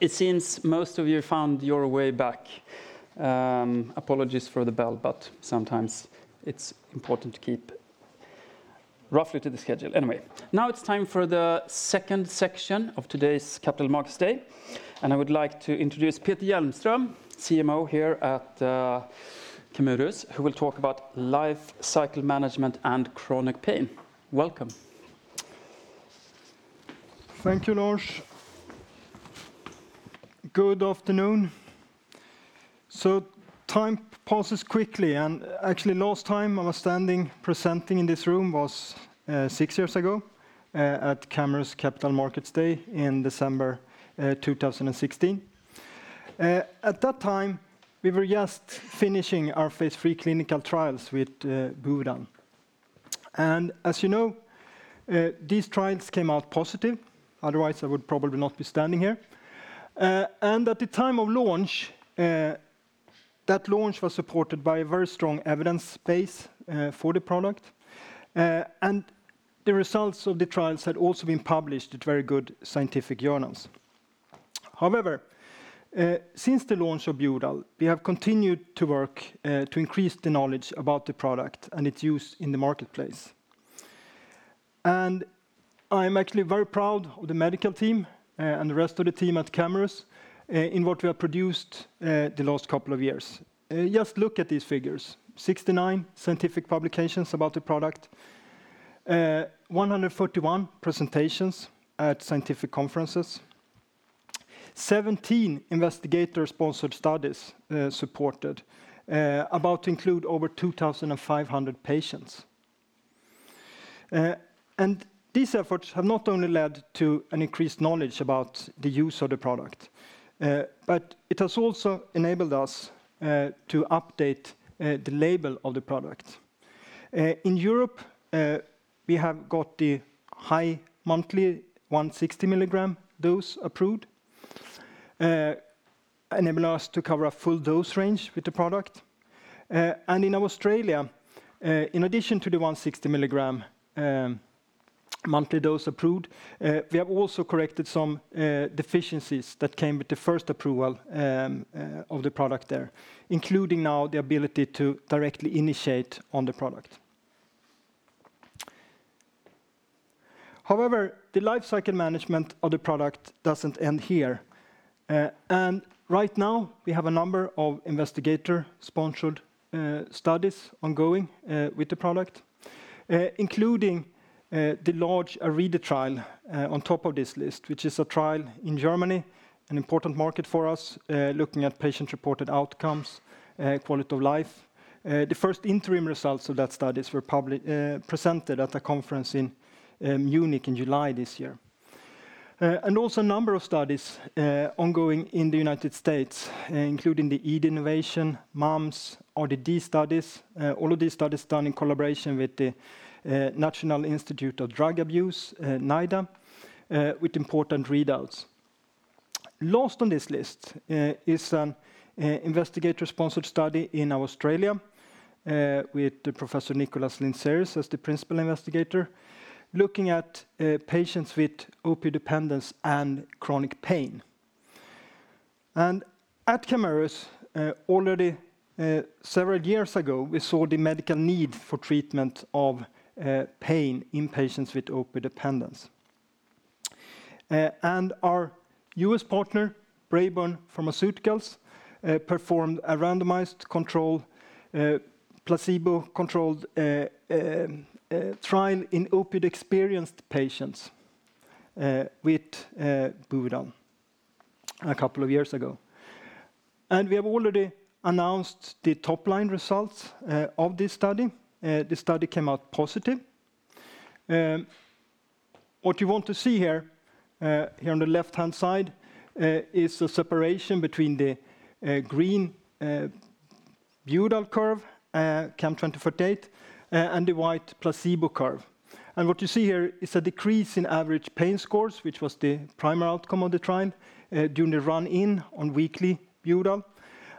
It seems most of you found your way back. Apologies for the bell, but sometimes it's important to keep roughly to the schedule. Anyway, now it's time for the second section of today's Capital Markets Day, and I would like to introduce Peter Hjelmström, CMO here at Camurus, who will talk about life cycle management and chronic pain. Welcome. Thank you, Lars. Good afternoon. Time passes quickly, actually last time I was standing presenting in this room was six years ago at Camurus Capital Markets Day in December 2016. At that time, we were just finishing our phase III clinical trials with Buvidal. As you know, these trials came out positive, otherwise I would probably not be standing here. At the time of launch, that launch was supported by a very strong evidence base for the product. The results of the trials had also been published at very good scientific journals. However, since the launch of Buvidal, we have continued to work to increase the knowledge about the product and its use in the marketplace. I am actually very proud of the medical team, and the rest of the team at Camurus, in what we have produced, the last couple of years. Just look at these figures. 69 scientific publications about the product. 141 presentations at scientific conferences. 17 investigator-sponsored studies, supported, including over 2,500 patients. These efforts have not only led to an increased knowledge about the use of the product, but it has also enabled us, to update, the label of the product. In Europe, we have got the high monthly 160 mg dose approved, enabling us to cover a full dose range with the product. In Australia, in addition to the 160 mg monthly dose approved, we have also corrected some deficiencies that came with the first approval of the product there, including now the ability to directly initiate on the product. However, the life cycle management of the product doesn't end here. Right now we have a number of investigator-sponsored studies ongoing with the product, including the large AREDIA trial on top of this list, which is a trial in Germany, an important market for us, looking at patient-reported outcomes, quality of life. The first interim results of that studies were presented at a conference in Munich in July this year. Also a number of studies ongoing in the United States, including the IDEA Innovation, MAMS, RDD studies. All of these studies done in collaboration with the National Institute on Drug Abuse, NIDA, with important readouts. Last on this list is an investigator-sponsored study in Australia with Professor Nicholas Lintzeris as the principal investigator, looking at patients with opioid dependence and chronic pain. At Camurus already several years ago, we saw the medical need for treatment of pain in patients with opioid dependence. Our U.S. partner, Braeburn Pharmaceuticals, performed a randomized controlled placebo-controlled trial in opioid-experienced patients with Buvidal a couple of years ago. We have already announced the top-line results of this study. The study came out positive. What you want to see here on the left-hand side, is the separation between the green Buvidal curve, CAM2048, and the white placebo curve. What you see here is a decrease in average pain scores, which was the primary outcome of the trial, during the run in on weekly Buvidal.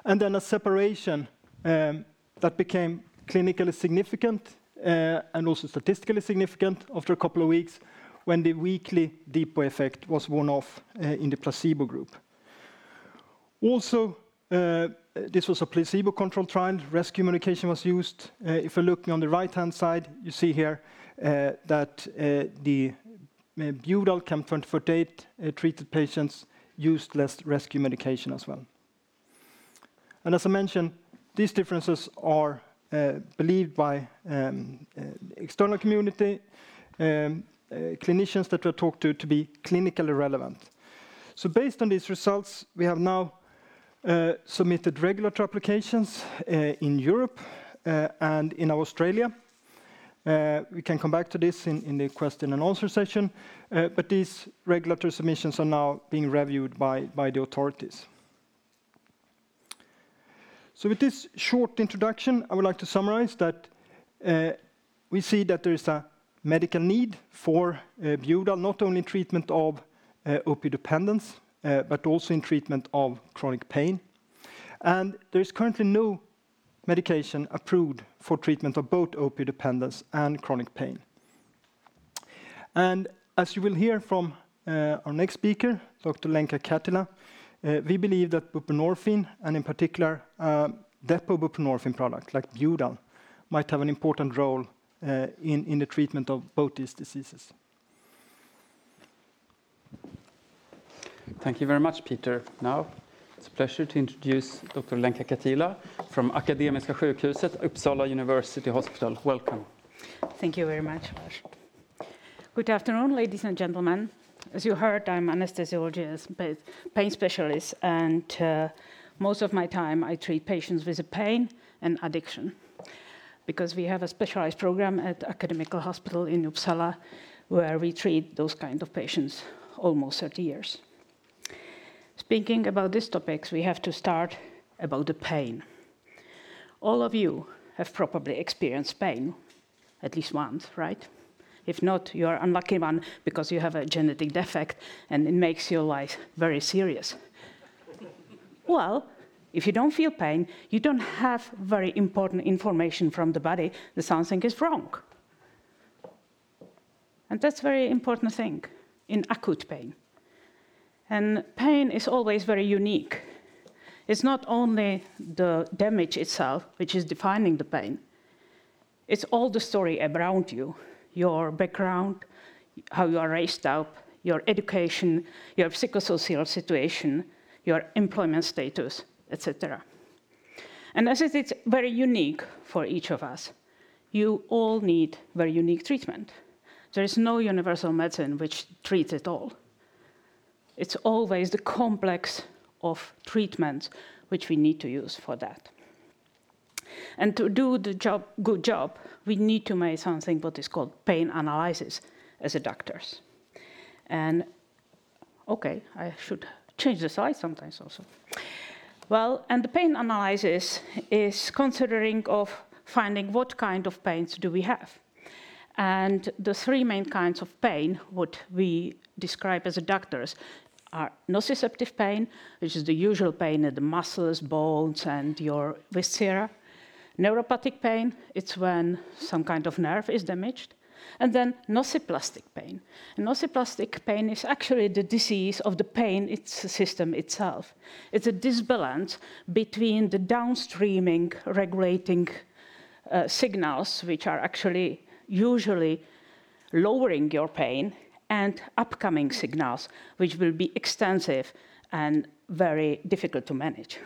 Then a separation that became clinically significant and also statistically significant after a couple of weeks when the weekly depot effect was worn off in the placebo group. Also, this was a placebo-controlled trial, and rescue medication was used. If you look on the right-hand side, you see here that the Buvidal CAM2048 treated patients used less rescue medication as well. As I mentioned, these differences are believed by external community, clinicians that were talked to to be clinically relevant. Based on these results, we have now submitted regulatory applications in Europe and in Australia. We can come back to this in the question-and-answer session, but these regulatory submissions are now being reviewed by the authorities. With this short introduction, I would like to summarize that we see that there is a medical need for Buvidal, not only in treatment of opioid dependence, but also in treatment of chronic pain. There is currently no medication approved for treatment of both opioid dependence and chronic pain. As you will hear from our next speaker, Dr. Lenka Katila, we believe that buprenorphine, and in particular, depot buprenorphine product like Buvidal, might have an important role in the treatment of both these diseases. Thank you very much, Peter. Now, it's a pleasure to introduce Dr. Lenka Katila from Akademiska sjukhuset, Uppsala University Hospital. Welcome. Thank you very much. Good afternoon, ladies and gentlemen. As you heard, I'm anesthesiologist, but pain specialist, and most of my time I treat patients with pain and addiction because we have a specialized program at Akademiska sjukhuset in Uppsala, where we treat those kind of patients almost 30 years. Speaking about these topics, we have to start about the pain. All of you have probably experienced pain at least once, right? If not, you are unlucky one because you have a genetic defect, and it makes your life very serious. Well, if you don't feel pain, you don't have very important information from the body that something is wrong. That's very important thing in acute pain. Pain is always very unique. It's not only the damage itself which is defining the pain, it's all the story around you, your background, how you are raised up, your education, your psychosocial situation, your employment status, et cetera. As it's very unique for each of us, you all need very unique treatment. There is no universal medicine which treats it all. It's always the complex of treatments which we need to use for that. To do a good job, we need to make something what is called pain analysis as doctors. Okay, I should change the slide sometimes also. Well, the pain analysis consists of finding what kind of pains do we have. The three main kinds of pain, what we describe as doctors are nociceptive pain, which is the usual pain at the muscles, bones, and your viscera. Neuropathic pain, it's when some kind of nerve is damaged, and then nociplastic pain. Nociplastic pain is actually the disease of the pain system itself. It's an imbalance between the downstream regulating signals, which are actually usually lowering your pain and upcoming signals, which will be extensive and very difficult to manage.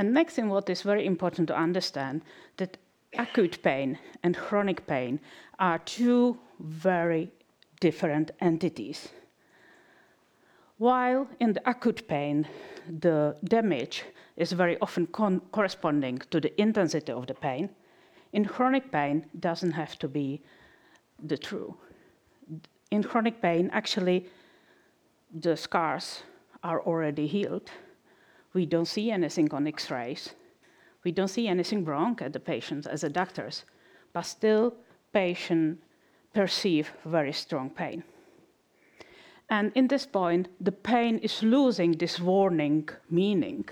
Next thing, what is very important to understand that acute pain and chronic pain are two very different entities. While in the acute pain, the damage is very often corresponding to the intensity of the pain, in chronic pain doesn't have to be the truth. In chronic pain, actually, the scars are already healed. We don't see anything on X-rays. We don't see anything wrong with the patients as doctors, but still patients perceive very strong pain. In this point, the pain is losing this warning meaning.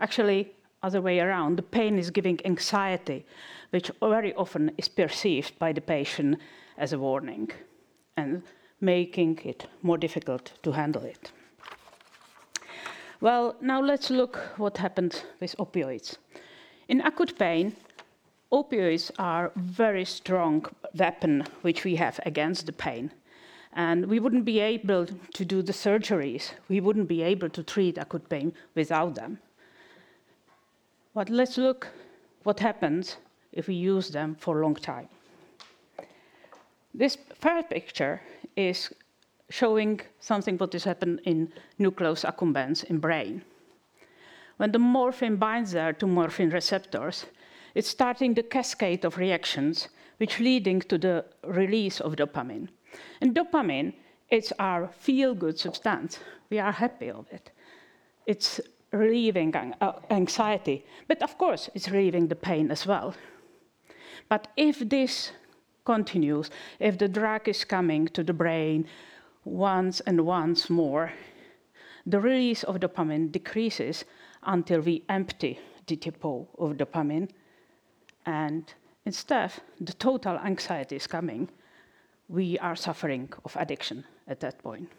Actually, other way around, the pain is giving anxiety, which very often is perceived by the patient as a warning and making it more difficult to handle it. Well, now let's look what happened with opioids. In acute pain, opioids are very strong weapon, which we have against the pain, and we wouldn't be able to do the surgeries. We wouldn't be able to treat acute pain without them. Let's look what happens if we use them for a long time. This third picture is showing something what has happened in nucleus accumbens in brain. When the morphine binds there to morphine receptors, it's starting the cascade of reactions which leading to the release of dopamine. Dopamine, it's our feel-good substance. We are happy of it. It's relieving anxiety, but of course it's relieving the pain as well. If this continues, if the drug is coming to the brain once and once more, the release of dopamine decreases until we empty the depot of dopamine, and instead the total anxiety is coming. We are suffering of addiction at that point.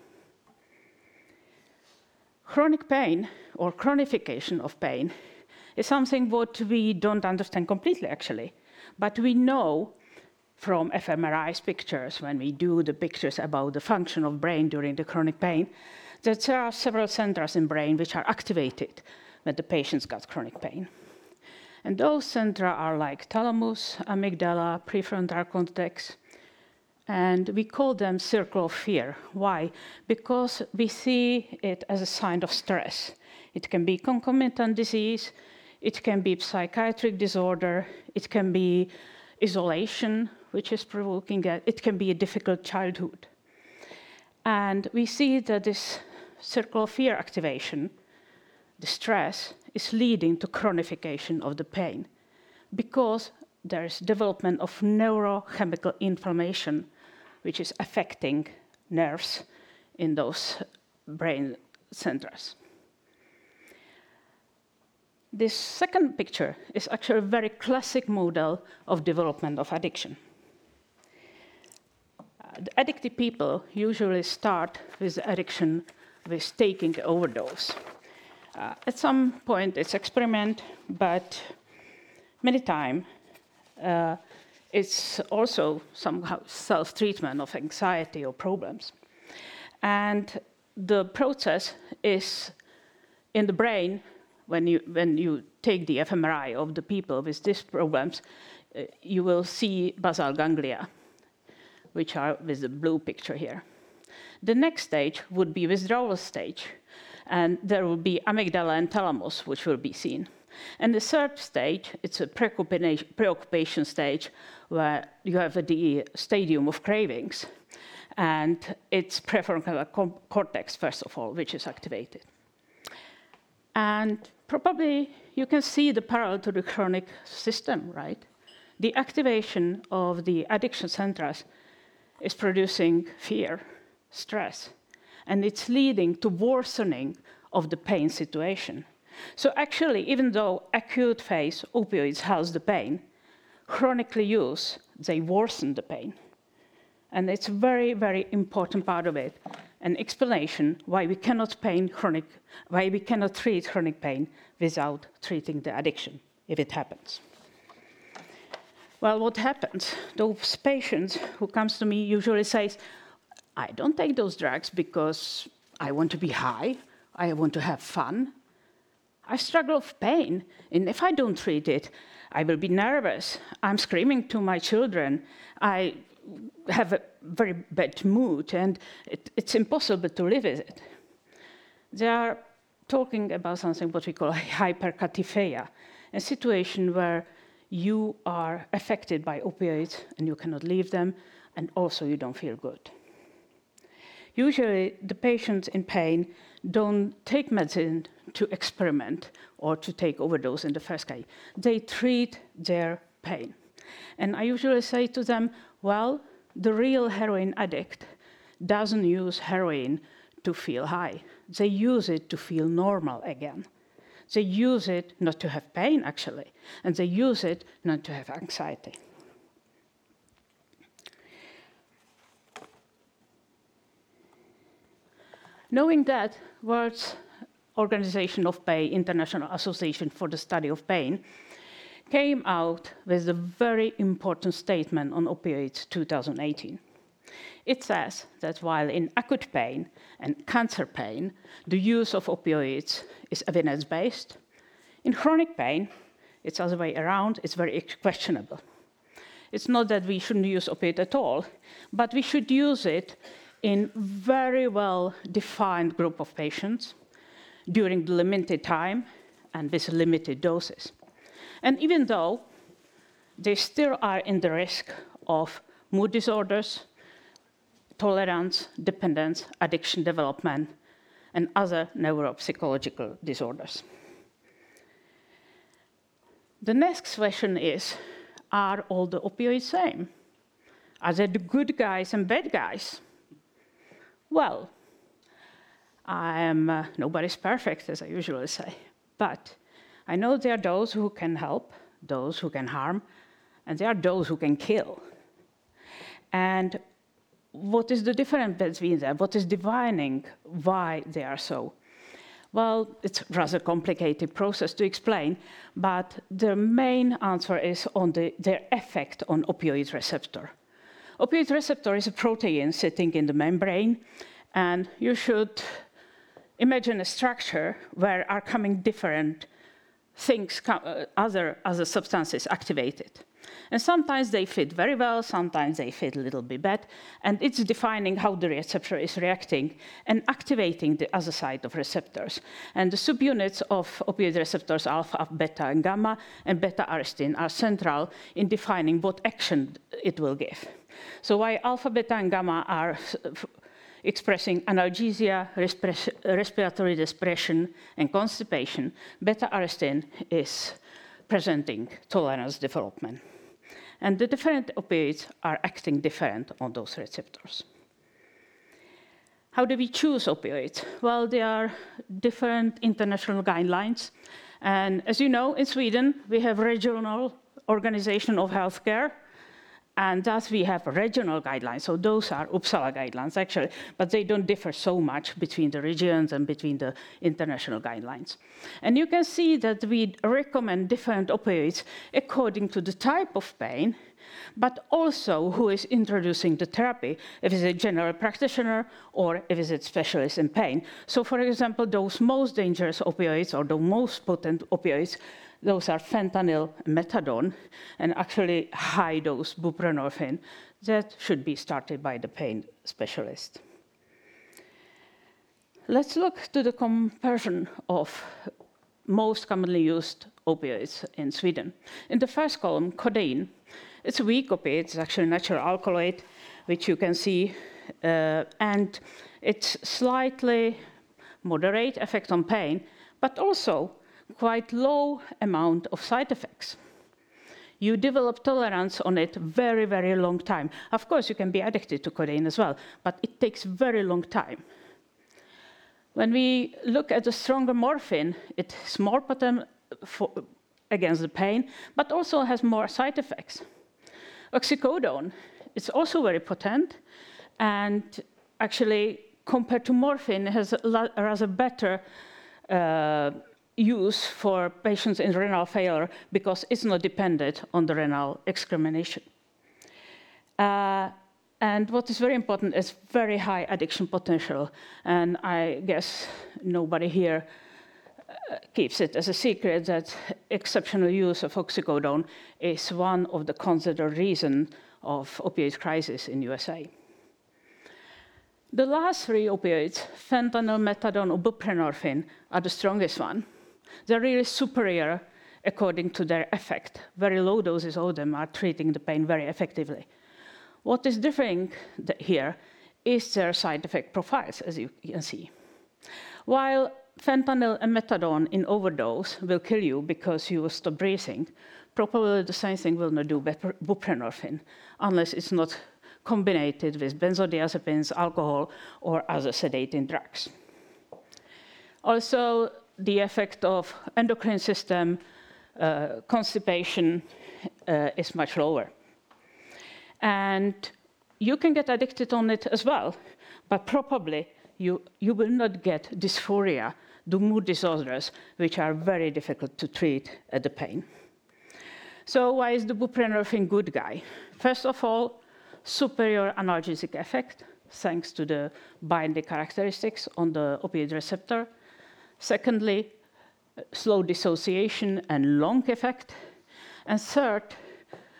Chronic pain or chronification of pain is something what we don't understand completely actually. We know from fMRI pictures when we do the pictures about the function of brain during the chronic pain, that there are several centers in brain which are activated when the patients got chronic pain. Those centers are like thalamus, amygdala, prefrontal cortex, and we call them circle of fear. Why? Because we see it as a sign of stress. It can be concomitant disease, it can be psychiatric disorder, it can be isolation, which is provoking it can be a difficult childhood. We see that this circle of fear activation, the stress is leading to chronification of the pain because there is development of neurochemical inflammation, which is affecting nerves in those brain centers. This second picture is actually a very classic model of development of addiction. Addictive people usually start with addiction, with taking overdose. At some point it's experiment, but many time, it's also somehow self-treatment of anxiety or problems. The process is in the brain when you take the fMRI of the people with these problems, you will see basal ganglia, which are with the blue picture here. The next stage would be withdrawal stage, and there will be amygdala and thalamus, which will be seen. The third stage, it's a preoccupation stage where you have the state of cravings, and it's prefrontal cortex, first of all, which is activated. Probably you can see the parallel to the chronic system, right? The activation of the addiction centers is producing fear, stress, and it's leading to worsening of the pain situation. Actually, even though acute phase opioids helps the pain, chronically use, they worsen the pain. It's very, very important part of it, an explanation why we cannot treat chronic pain without treating the addiction if it happens. Well, what happens, those patients who comes to me usually says, "I don't take those drugs because I want to be high, I want to have fun. I struggle with pain, and if I don't treat it, I will be nervous. I'm screaming to my children. I have a very bad mood, and it's impossible to live with it." They are talking about something what we call hyperkatifeia, a situation where you are affected by opioids, and you cannot leave them, and also you don't feel good. Usually, the patients in pain don't take medicine to experiment or to take overdose in the first day. They treat their pain. I usually say to them, "Well, the real heroin addict doesn't use heroin to feel high. They use it to feel normal again. They use it not to have pain, actually, and they use it not to have anxiety." Knowing that, World Health Organization, International Association for the Study of Pain, came out with a very important statement on opioids 2018. It says that while in acute pain and cancer pain, the use of opioids is evidence-based, in chronic pain, it's other way around, it's very questionable. It's not that we shouldn't use opioid at all, but we should use it in very well defined group of patients during limited time and with limited doses. Even though they still are in the risk of mood disorders, tolerance, dependence, addiction development, and other neuropsychological disorders. The next question is, are all the opioids same? Are there good guys and bad guys? Well, I am nobody's perfect, as I usually say. I know there are those who can help, those who can harm, and there are those who can kill. What is the difference between them? What is defining why they are so? Well, it's rather complicated process to explain, but the main answer is on their effect on opioid receptor. Opioid receptor is a protein sitting in the membrane, and you should imagine a structure where are coming different things, other substances activate it. Sometimes they fit very well, sometimes they fit little bit bad, and it's defining how the receptor is reacting and activating the other side of receptors. The subunits of opioid receptors alpha, beta, and gamma, and β-arrestin are central in defining what action it will give. While alpha, beta, and gamma are expressing analgesia, respiratory depression, and constipation, β-arrestin is presenting tolerance development. The different opioids are acting different on those receptors. How do we choose opioids? Well, there are different international guidelines. As you know, in Sweden, we have regional organization of healthcare, and thus we have regional guidelines. Those are Uppsala guidelines, actually. They don't differ so much between the regions and between the international guidelines. You can see that we recommend different opioids according to the type of pain, but also who is introducing the therapy, if it's a general practitioner or if it's a specialist in pain. For example, those most dangerous opioids, or the most potent opioids, those are fentanyl, methadone, and actually high-dose buprenorphine. That should be started by the pain specialist. Let's look to the comparison of most commonly used opioids in Sweden. In the first column, codeine. It's a weak opioid. It's actually a natural alkaloid, which you can see. And it's slightly moderate effect on pain, but also quite low amount of side effects. You develop tolerance on it very, very long time. Of course, you can be addicted to codeine as well, but it takes very long time. When we look at the stronger morphine, it's more potent against the pain, but also has more side effects. Oxycodone is also very potent, and actually, compared to morphine, has a lot, a rather better use for patients in renal failure because it's not dependent on the renal excretion. What is very important is very high addiction potential. I guess nobody here keeps it as a secret that excessive use of oxycodone is one of the considered reason of opioid crisis in U.S.A. The last three opioids, fentanyl, methadone, or buprenorphine, are the strongest one. They're really superior according to their effect. Very low doses of them are treating the pain very effectively. What is different here is their side effect profiles, as you can see. While fentanyl and methadone in overdose will kill you because you will stop breathing, probably buprenorphine will not do the same thing, unless it is combined with benzodiazepines, alcohol, or other sedating drugs. Also, the effect of endocrine system, constipation, is much lower. You can get addicted on it as well, but probably you will not get dysphoria, the mood disorders which are very difficult to treat, the pain. Why is the buprenorphine good guy? First of all, superior analgesic effect thanks to the binding characteristics on the opioid receptor. Secondly, slow dissociation and long effect. Third,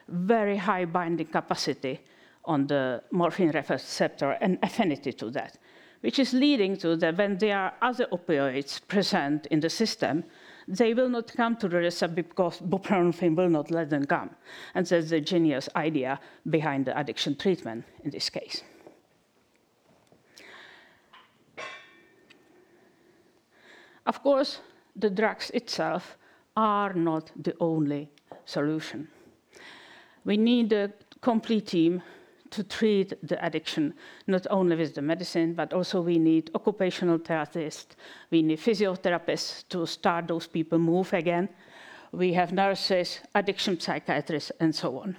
very high binding capacity on the morphine receptor and affinity to that, which is leading to the when there are other opioids present in the system, they will not come to the receptor because buprenorphine will not let them come, and that is the genius idea behind the addiction treatment in this case. Of course, the drugs itself are not the only solution. We need a complete team to treat the addiction, not only with the medicine, but also we need occupational therapist, we need physiotherapists to start those people move again. We have nurses, addiction psychiatrists, and so on.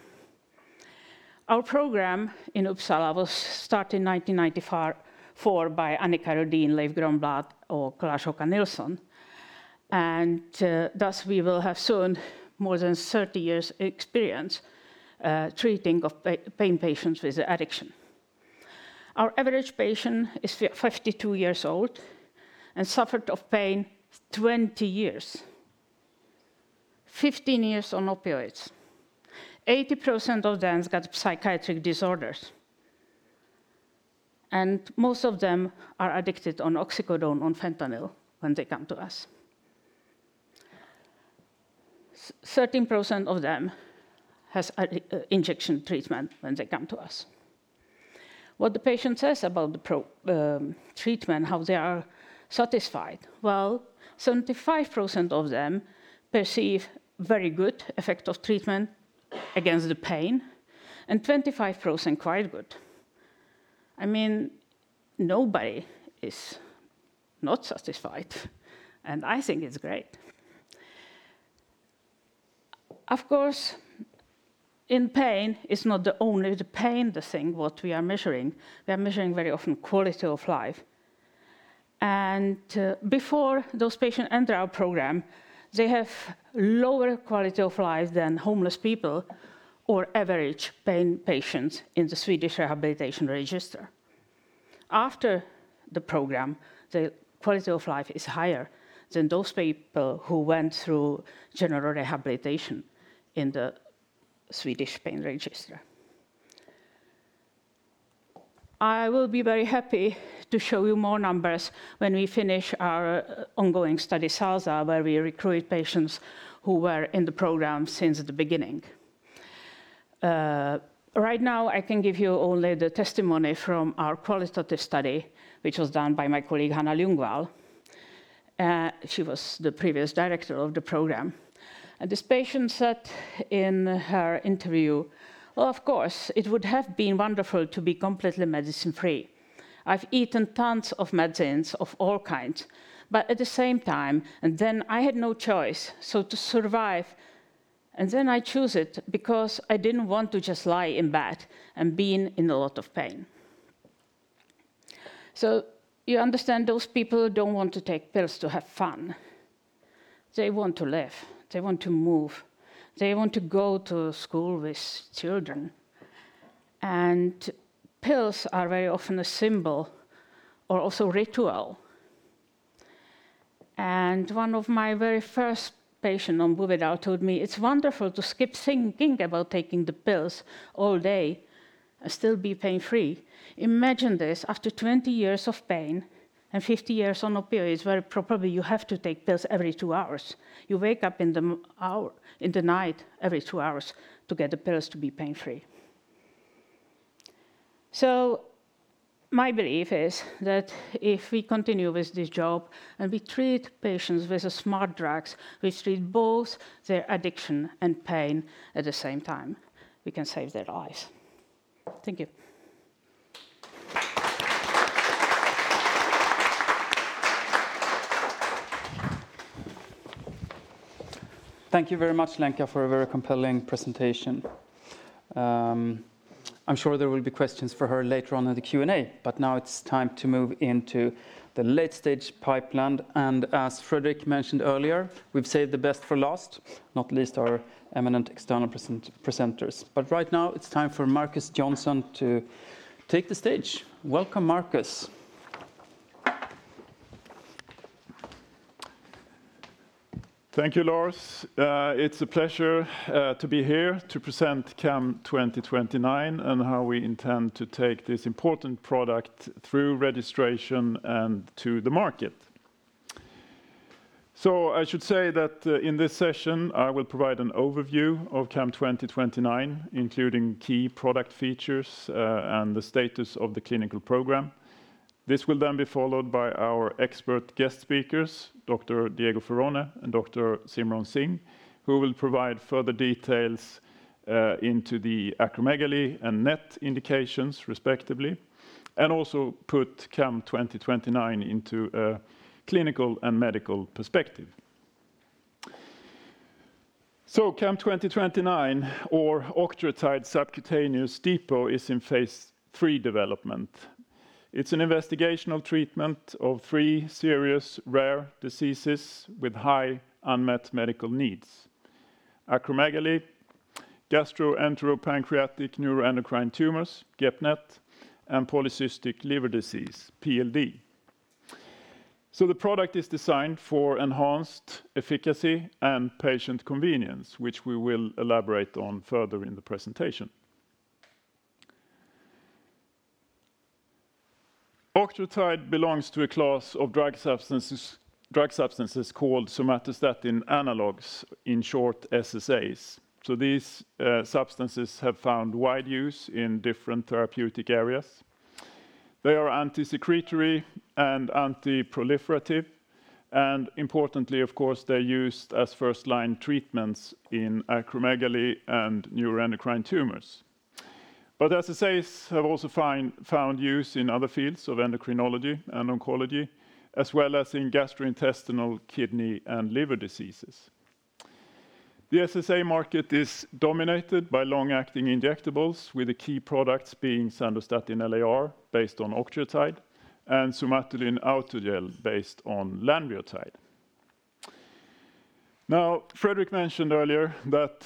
Our program in Uppsala was started in 1994 by Annika Rhodin, Leif Grönbladh or Klas-Åke Nilsson, and thus we will have soon more than 30 years experience treating pain patients with addiction. Our average patient is 52 years old and suffered of pain 20 years, 15 years on opioids. 80% of them has got psychiatric disorders, and most of them are addicted on oxycodone or fentanyl when they come to us. 13% of them has injection treatment when they come to us. What the patient says about the treatment, how they are satisfied. Well, 75% of them perceive very good effect of treatment against the pain, and 25% quite good. I mean, nobody is not satisfied, and I think it's great. Of course, in pain, it's not the only the pain, the thing what we are measuring. We are measuring very often quality of life. Before those patients enter our program, they have lower quality of life than homeless people or average pain patients in the Swedish Rehabilitation Register. After the program, the quality of life is higher than those people who went through general rehabilitation in the Swedish Pain Register. I will be very happy to show you more numbers when we finish our ongoing study, SALSA, where we recruit patients who were in the program since the beginning. Right now, I can give you only the testimony from our qualitative study, which was done by my colleague Hanna Ljungvall. She was the previous director of the program. This patient said in her interview, "Well, of course, it would have been wonderful to be completely medicine-free. I've eaten tons of medicines of all kinds, but at the same time, and then I had no choice. So to survive, and then I choose it because I didn't want to just lie in bed and being in a lot of pain." You understand those people don't want to take pills to have fun. They want to live. They want to move. They want to go to school with children. Pills are very often a symbol or also ritual. One of my very first patient on Buvidal told me, "It's wonderful to skip thinking about taking the pills all day and still be pain-free." Imagine this, after 20 years of pain and 15 years on opioids, where probably you have to take pills every two hours. You wake up in the night every two hours to get the pills to be pain-free. My belief is that if we continue with this job and we treat patients with the smart drugs which treat both their addiction and pain at the same time, we can save their lives. Thank you. Thank you very much, Lenka, for a very compelling presentation. I'm sure there will be questions for her later on in the Q&A, but now it's time to move into the late-stage pipeline. As Fredrik mentioned earlier, we've saved the best for last, not least our eminent external presenters. Right now it's time for Markus Johnsson to take the stage. Welcome, Markus. Thank you, Lars. It's a pleasure to be here to present CAM2029 and how we intend to take this important product through registration and to the market. I should say that in this session, I will provide an overview of CAM2029, including key product features and the status of the clinical program. This will then be followed by our expert guest speakers, Dr. Diego Ferone and Dr. Simron Singh, who will provide further details into the acromegaly and NET indications respectively, and also put CAM2029 into a clinical and medical perspective. CAM2029 or octreotide subcutaneous depot is in phase III development. It's an investigational treatment of three serious rare diseases with high unmet medical needs. Acromegaly, gastroenteropancreatic neuroendocrine tumors, GEP-NET, and polycystic liver disease, PLD. The product is designed for enhanced efficacy and patient convenience, which we will elaborate on further in the presentation. Octreotide belongs to a class of drug substances called somatostatin analogs, in short, SSAs. These substances have found wide use in different therapeutic areas. They are anti-secretory and anti-proliferative, and importantly, of course, they're used as first-line treatments in acromegaly and neuroendocrine tumors. SSAs have also found use in other fields of endocrinology and oncology, as well as in gastrointestinal, kidney, and liver diseases. The SSA market is dominated by long-acting injectables, with the key products being Sandostatin LAR based on octreotide, and Somatuline Autogel based on lanreotide. Now, Fredrik mentioned earlier that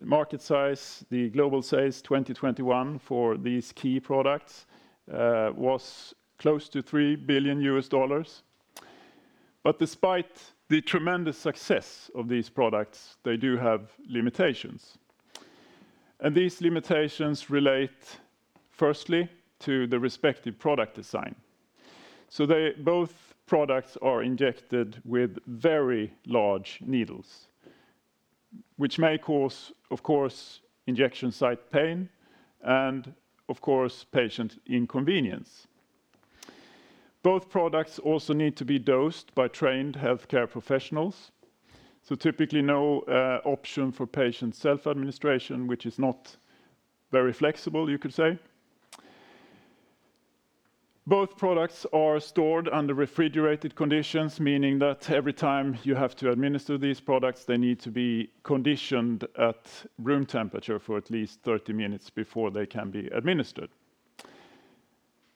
the market size, the global sales 2021 for these key products, was close to $3 billion. Despite the tremendous success of these products, they do have limitations. These limitations relate firstly to the respective product design. So they both products are injected with very large needles, which may cause, of course, injection site pain and of course, patient inconvenience. Both products also need to be dosed by trained healthcare professionals, so typically no option for patient self-administration, which is not very flexible, you could say. Both products are stored under refrigerated conditions, meaning that every time you have to administer these products, they need to be conditioned at room temperature for at least 30 minutes before they can be administered.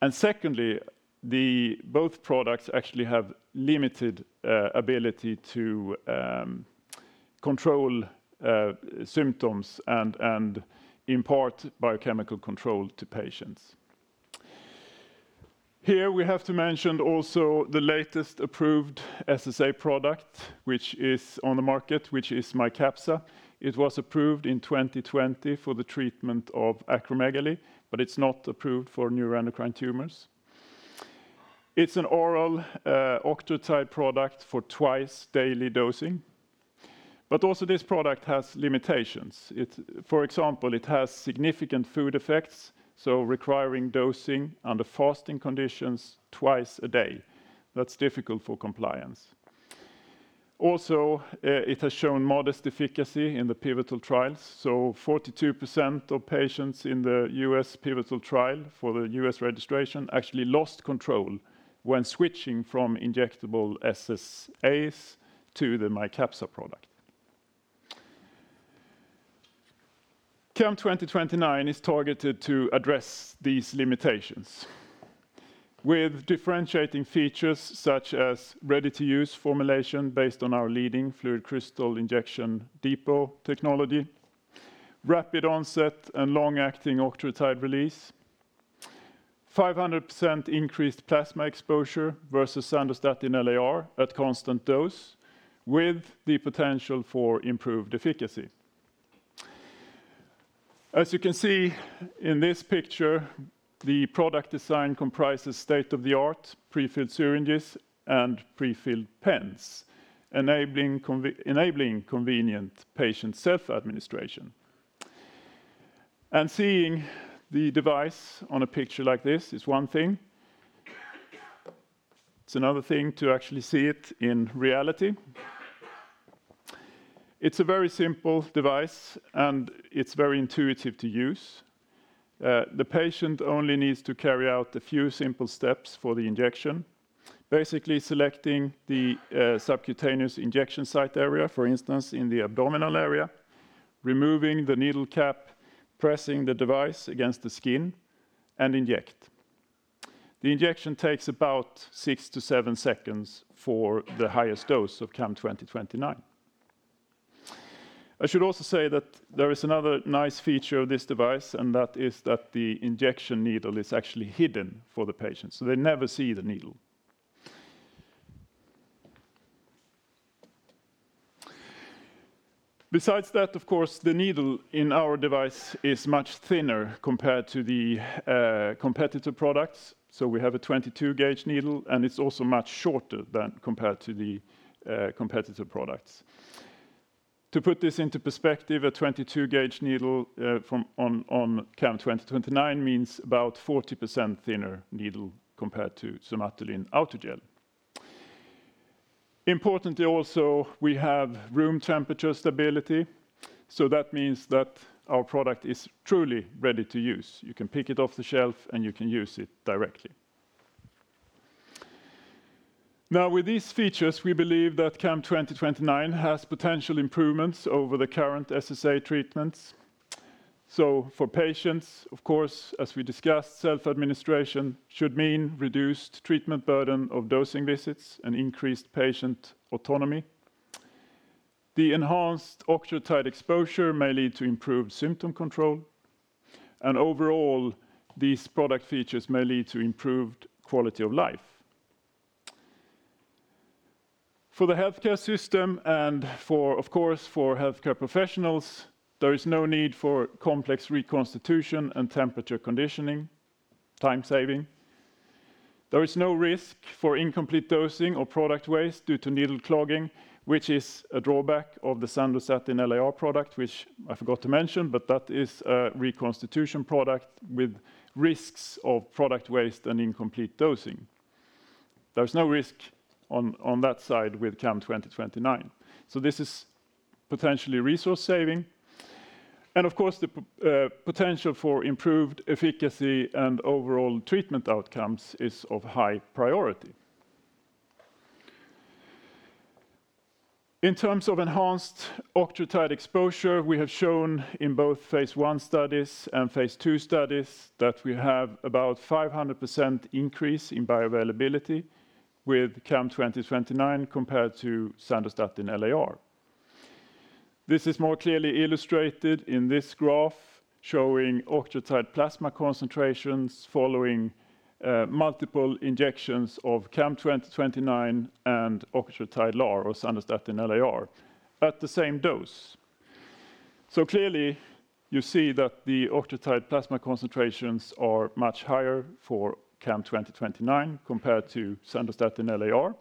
Secondly, the both products actually have limited ability to control symptoms and impart biochemical control to patients. Here we have to mention also the latest approved SSA product, which is on the market, which is Mycapssa. It was approved in 2020 for the treatment of acromegaly, but it's not approved for neuroendocrine tumors. It's an oral octreotide product for twice daily dosing, but also this product has limitations. For example, it has significant food effects, requiring dosing under fasting conditions twice a day. That's difficult for compliance. Also, it has shown modest efficacy in the pivotal trials, so 42% of patients in the U.S. pivotal trial for the U.S. registration actually lost control when switching from injectable SSAs to the Mycapssa product. CAM2029 is targeted to address these limitations with differentiating features such as ready-to-use formulation based on our leading FluidCrystal injection depot technology, rapid onset and long-acting octreotide release, 500% increased plasma exposure versus Sandostatin LAR at constant dose with the potential for improved efficacy. As you can see in this picture, the product design comprises state-of-the-art prefilled syringes and prefilled pens, enabling convenient patient self-administration. Seeing the device on a picture like this is one thing. It's another thing to actually see it in reality. It's a very simple device, and it's very intuitive to use. The patient only needs to carry out a few simple steps for the injection. Basically selecting the subcutaneous injection site area, for instance, in the abdominal area, removing the needle cap, pressing the device against the skin, and inject. The injection takes about six to seven seconds for the highest dose of CAM2029. I should also say that there is another nice feature of this device, and that is that the injection needle is actually hidden for the patient, so they never see the needle. Besides that, of course, the needle in our device is much thinner compared to the competitor products. We have a 22-gauge needle, and it's also much shorter than compared to the competitor products. To put this into perspective, a 22-gauge needle for CAM2029 means about 40% thinner needle compared to Somatuline Autogel. Importantly also, we have room temperature stability, so that means that our product is truly ready to use. You can pick it off the shelf, and you can use it directly. Now with these features, we believe that CAM2029 has potential improvements over the current SSA treatments. For patients, of course, as we discussed, self-administration should mean reduced treatment burden of dosing visits and increased patient autonomy. The enhanced octreotide exposure may lead to improved symptom control. Overall, these product features may lead to improved quality of life. For the healthcare system and for, of course, for healthcare professionals, there is no need for complex reconstitution and temperature conditioning, time saving. There is no risk for incomplete dosing or product waste due to needle clogging, which is a drawback of the Sandostatin LAR product, which I forgot to mention, but that is a reconstitution product with risks of product waste and incomplete dosing. There is no risk on that side with CAM2029. This is potentially resource saving. Of course, the potential for improved efficacy and overall treatment outcomes is of high priority. In terms of enhanced octreotide exposure, we have shown in both phase I studies and phase II studies that we have about 500% increase in bioavailability with CAM2029 compared to Sandostatin LAR. This is more clearly illustrated in this graph showing octreotide plasma concentrations following multiple injections of CAM2029 and octreotide LAR or Sandostatin LAR at the same dose. Clearly, you see that the octreotide plasma concentrations are much higher for CAM2029 compared to Sandostatin LAR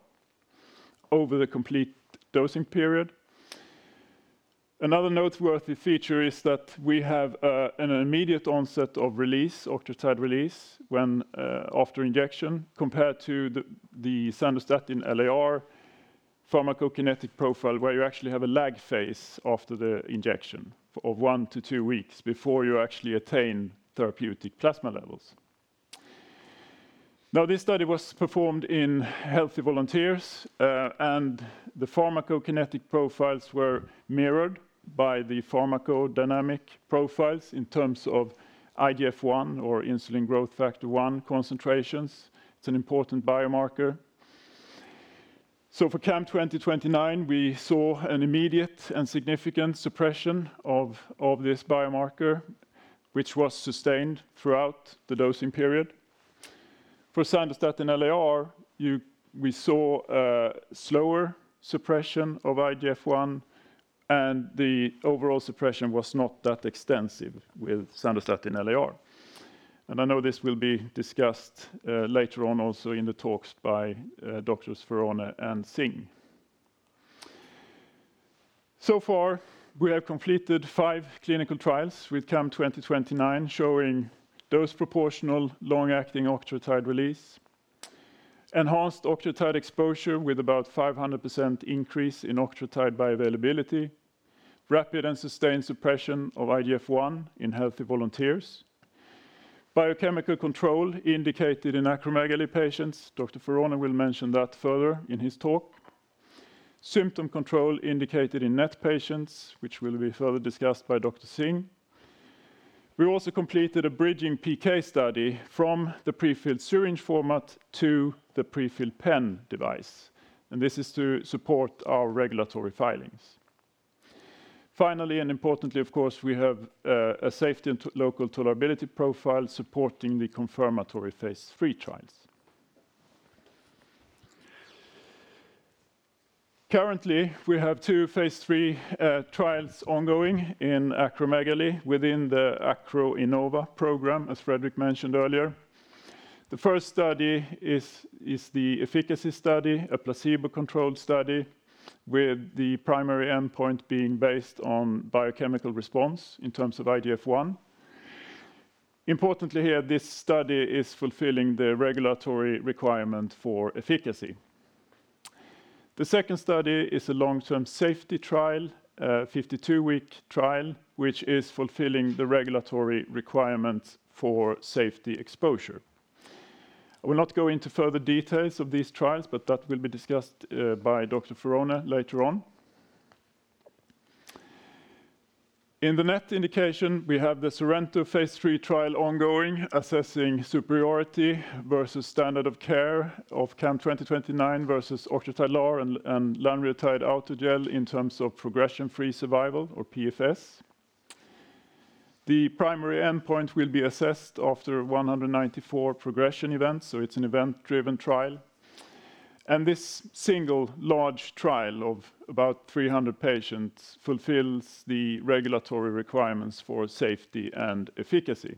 over the complete dosing period. Another noteworthy feature is that we have an immediate onset of release, octreotide release when after injection compared to the Sandostatin LAR pharmacokinetic profile, where you actually have a lag phase after the injection of one to two weeks before you actually attain therapeutic plasma levels. This study was performed in healthy volunteers, and the pharmacokinetic profiles were mirrored by the pharmacodynamic profiles in terms of IGF-1 or insulin-like growth factor 1 concentrations. It's an important biomarker. For CAM2029, we saw an immediate and significant suppression of this biomarker, which was sustained throughout the dosing period. For Sandostatin LAR, we saw a slower suppression of IGF-1, and the overall suppression was not that extensive with Sandostatin LAR. I know this will be discussed later on also in the talks by Doctors Ferone and Singh. So far, we have completed five clinical trials with CAM2029, showing dose proportional long-acting octreotide release, enhanced octreotide exposure with about 500% increase in octreotide bioavailability, rapid and sustained suppression of IGF-1 in healthy volunteers, biochemical control indicated in acromegaly patients. Dr. Ferone will mention that further in his talk. Symptom control indicated in NET patients, which will be further discussed by Dr. Singh. We also completed a bridging PK study from the prefilled syringe format to the prefilled pen device, and this is to support our regulatory filings. Finally, and importantly, of course, we have a safety and local tolerability profile supporting the confirmatory phase III trials. Currently, we have two phase III trials ongoing in acromegaly within the ACROINNOVA program, as Fredrik mentioned earlier. The first study is the efficacy study, a placebo-controlled study with the primary endpoint being based on biochemical response in terms of IGF-1. Importantly here, this study is fulfilling the regulatory requirement for efficacy. The second study is a long-term safety trial, a 52-week trial, which is fulfilling the regulatory requirement for safety exposure. I will not go into further details of these trials, but that will be discussed by Dr. Ferone later on. In the NET indication, we have the SORENTO phase III trial ongoing, assessing superiority versus standard of care of CAM2029 versus octreotide LAR and lanreotide Autogel in terms of progression-free survival or PFS. The primary endpoint will be assessed after 194 progression events, so it's an event-driven trial. This single large trial of about 300 patients fulfills the regulatory requirements for safety and efficacy.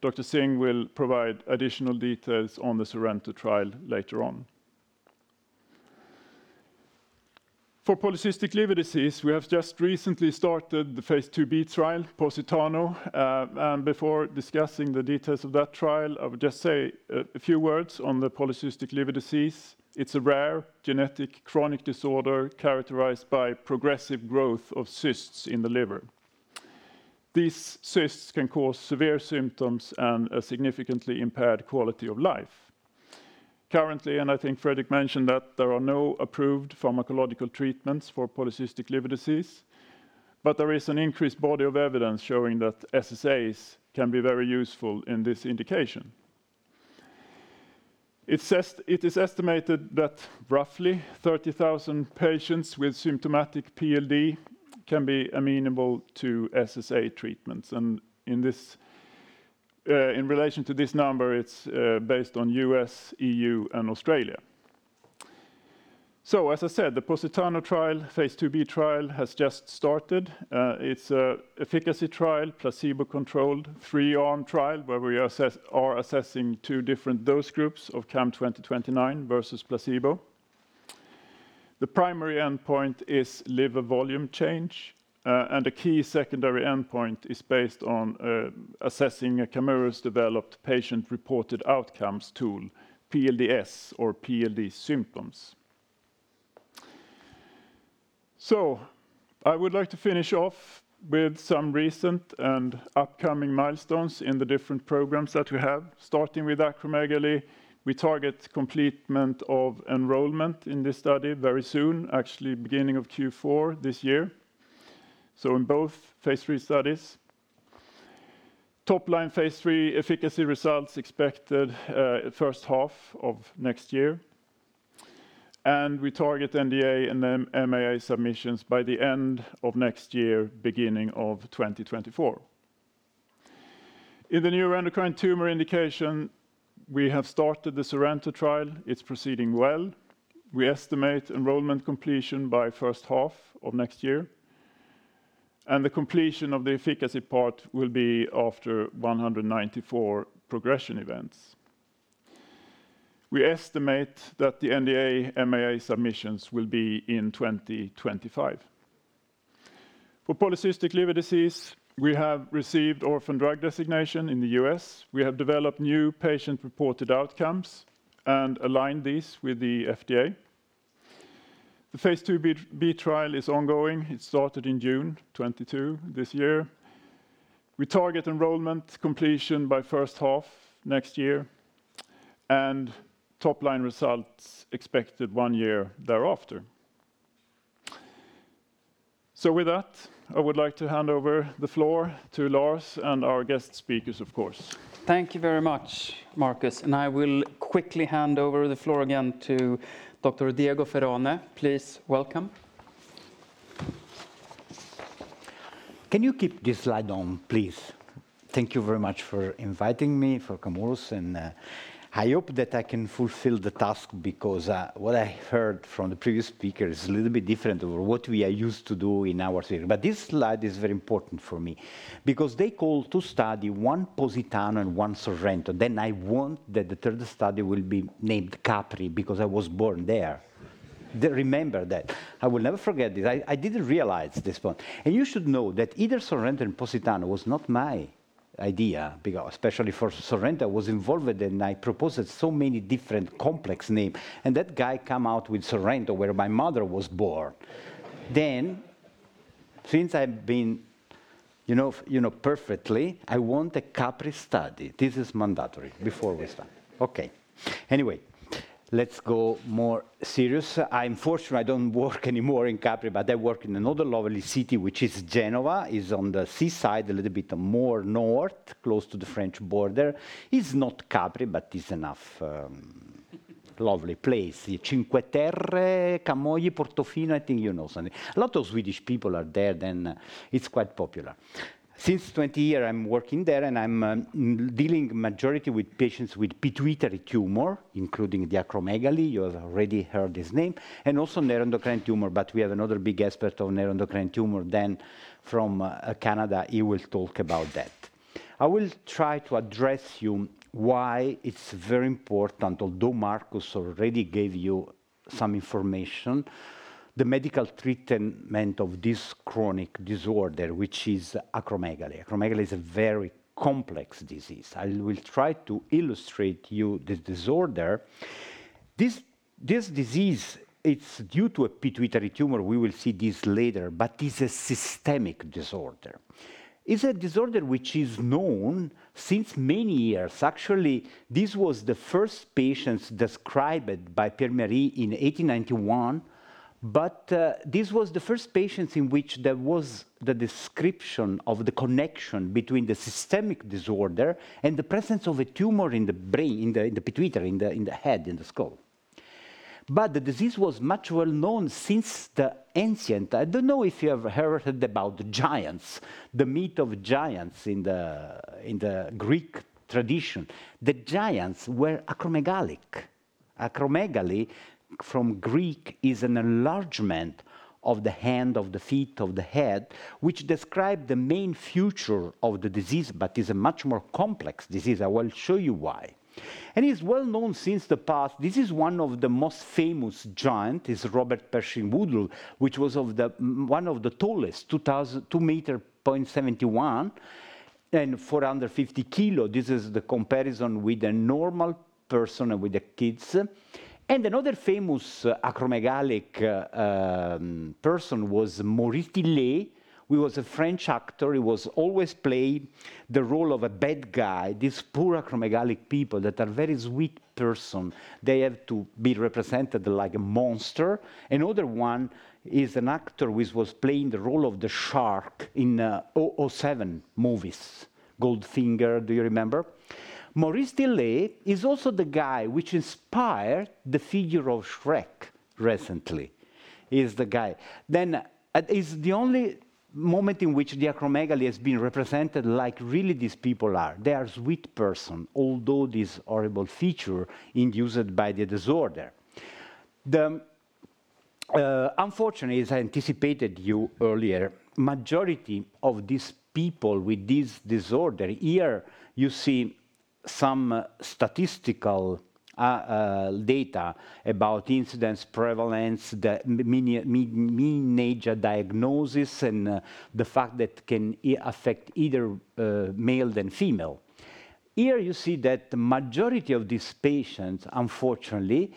Dr. Simron Singh will provide additional details on the SORENTO trial later on. For polycystic liver disease, we have just recently started the phase II-B trial, POSITANO. Before discussing the details of that trial, I would just say a few words on the polycystic liver disease. It's a rare genetic chronic disorder characterized by progressive growth of cysts in the liver. These cysts can cause severe symptoms and a significantly impaired quality of life. Currently, I think Fredrik mentioned that, there are no approved pharmacological treatments for polycystic liver disease, but there is an increased body of evidence showing that SSAs can be very useful in this indication. It is estimated that roughly 30,000 patients with symptomatic PLD can be amenable to SSA treatments, and in this, in relation to this number it's based on U.S., EU, and Australia. As I said, the POSITANO trial, phase II-B trial, has just started. It's an efficacy trial, placebo-controlled, 3-arm trial where we are assessing two different dose groups of CAM2029 versus placebo. The primary endpoint is liver volume change, and the key secondary endpoint is based on assessing a Camurus-developed patient-reported outcomes tool, PLDS or PLD symptoms. I would like to finish off with some recent and upcoming milestones in the different programs that we have. Starting with acromegaly, we target completion of enrollment in this study very soon, actually beginning of Q4 this year, so in both phase III studies. Top-line phase III efficacy results expected first half of next year, and we target NDA and then MAA submissions by the end of next year, beginning of 2024. In the neuroendocrine tumor indication, we have started the SORENTO trial. It's proceeding well. We estimate enrollment completion by first half of next year, and the completion of the efficacy part will be after 194 progression events. We estimate that the NDA MAA submissions will be in 2025. For polycystic liver disease, we have received orphan drug designation in the U.S. We have developed new patient-reported outcomes and aligned these with the FDA. The phase II-B trial is ongoing. It started in June 2022. We target enrollment completion by first half next year, and top-line results expected one year thereafter. With that, I would like to hand over the floor to Lars and our guest speakers of course. Thank you very much, Markus, and I will quickly hand over the floor again to Dr. Diego Ferone. Please welcome. Can you keep this slide on, please? Thank you very much for inviting me for Camurus. I hope that I can fulfill the task because what I heard from the previous speaker is a little bit different from what we are used to do in our series. This slide is very important for me because they called two studies, one POSITANO and one SORENTO. I want the third study will be named Capri because I was born there. They remember that. I will never forget this. I didn't realize this one. You should know that neither SORENTO nor POSITANO was my idea because especially for SORENTO, I was involved and I proposed so many different complex names, and that guy came up with Sorrento, where my mother was born. Since I've been perfectly, I want a Capri study. This is mandatory before we start. Okay. Anyway, let's go more serious. I'm fortunate I don't work anymore in Capri, but I work in another lovely city, which is Genoa. It is on the seaside, a little bit more north, close to the French border. It is not Capri, but it is enough lovely place. The Cinque Terre, Camogli, Portofino, I think you know something. A lot of Swedish people are there, then it is quite popular. Since 20 year I'm working there, and I'm dealing majority with patients with pituitary tumor, including the acromegaly, you have already heard this name, and also neuroendocrine tumor, but we have another big expert on neuroendocrine tumor from Canada. He will talk about that. I will try to address why it's very important, although Markus already gave you some information, the medical treatment of this chronic disorder, which is acromegaly. Acromegaly is a very complex disease. I will try to illustrate the disorder. This disease, it's due to a pituitary tumor, we will see this later, but is a systemic disorder. It is a disorder which is known since many years. Actually, this was the first patients described by Pierre Marie in 1891, but this was the first patients in which there was the description of the connection between the systemic disorder and the presence of a tumor in the brain, in the pituitary, in the head, in the skull. The disease was much well-known since the ancient. I don't know if you have heard about the giants, the myth of giants in the Greek tradition. The giants were acromegalic. Acromegaly from Greek is an enlargement of the hand, of the feet, of the head, which describes the main feature of the disease but is a much more complex disease. I will show you why. Is well-known since the past. This is one of the most famous giant, is Robert Pershing Wadlow, which was one of the tallest, 2.71 m. And 450 lbs. This is the comparison with a normal person and with the kids. Another famous acromegalic person was Maurice Tillet who was a French actor. He was always play the role of a bad guy. These poor acromegalic people that are very sweet person, they have to be represented like a monster. Another one is an actor which was playing the role of the shark in 007 movies. Goldfinger, do you remember? Maurice Tillet is also the guy which inspired the figure of Shrek recently. He's the guy. Is the only moment in which acromegaly has been represented like really these people are. They are sweet person although this horrible feature induced by the disorder. Unfortunately, as I anticipated you earlier, majority of these people with this disorder, here you see some statistical data about incidence, prevalence, the mean age of diagnosis and the fact that can affect either male than female. Here you see that the majority of these patients, unfortunately,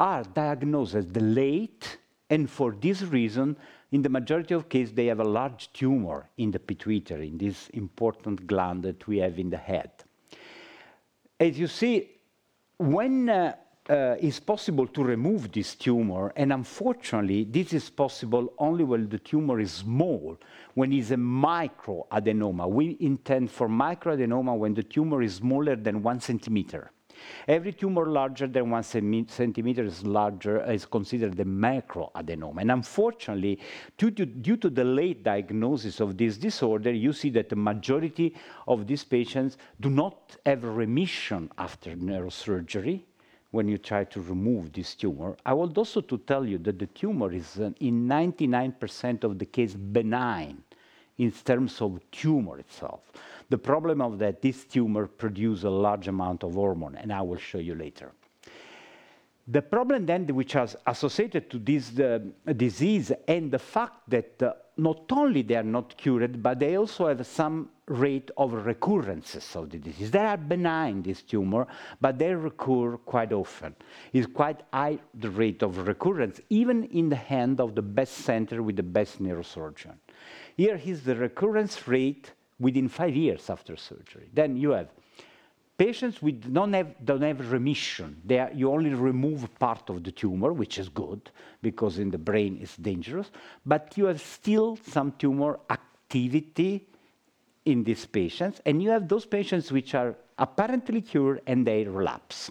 are diagnosed as delayed and for this reason, in the majority of case, they have a large tumor in the pituitary, in this important gland that we have in the head. As you see, when it's possible to remove this tumor, and unfortunately this is possible only when the tumor is small, when is a microadenoma. We intend for microadenoma when the tumor is smaller than 1 cm. Every tumor larger than 1 cm is considered the macroadenoma. Unfortunately, due to delayed diagnosis of this disorder, you see that the majority of these patients do not have remission after neurosurgery when you try to remove this tumor. I want also to tell you that the tumor is, in 99% of the case, benign in terms of tumor itself. The problem of that this tumor produce a large amount of hormone, and I will show you later. The problem then which is associated to this disease and the fact that, not only they are not cured, but they also have some rate of recurrences of the disease. They are benign, this tumor, but they recur quite often. Is quite high the rate of recurrence even in the hand of the best center with the best neurosurgeon. Here is the recurrence rate within five years after surgery. Then you have patients don't have remission. You only remove part of the tumor, which is good because in the brain it's dangerous, but you have still some tumor activity in these patients. You have those patients which are apparently cured and they relapse.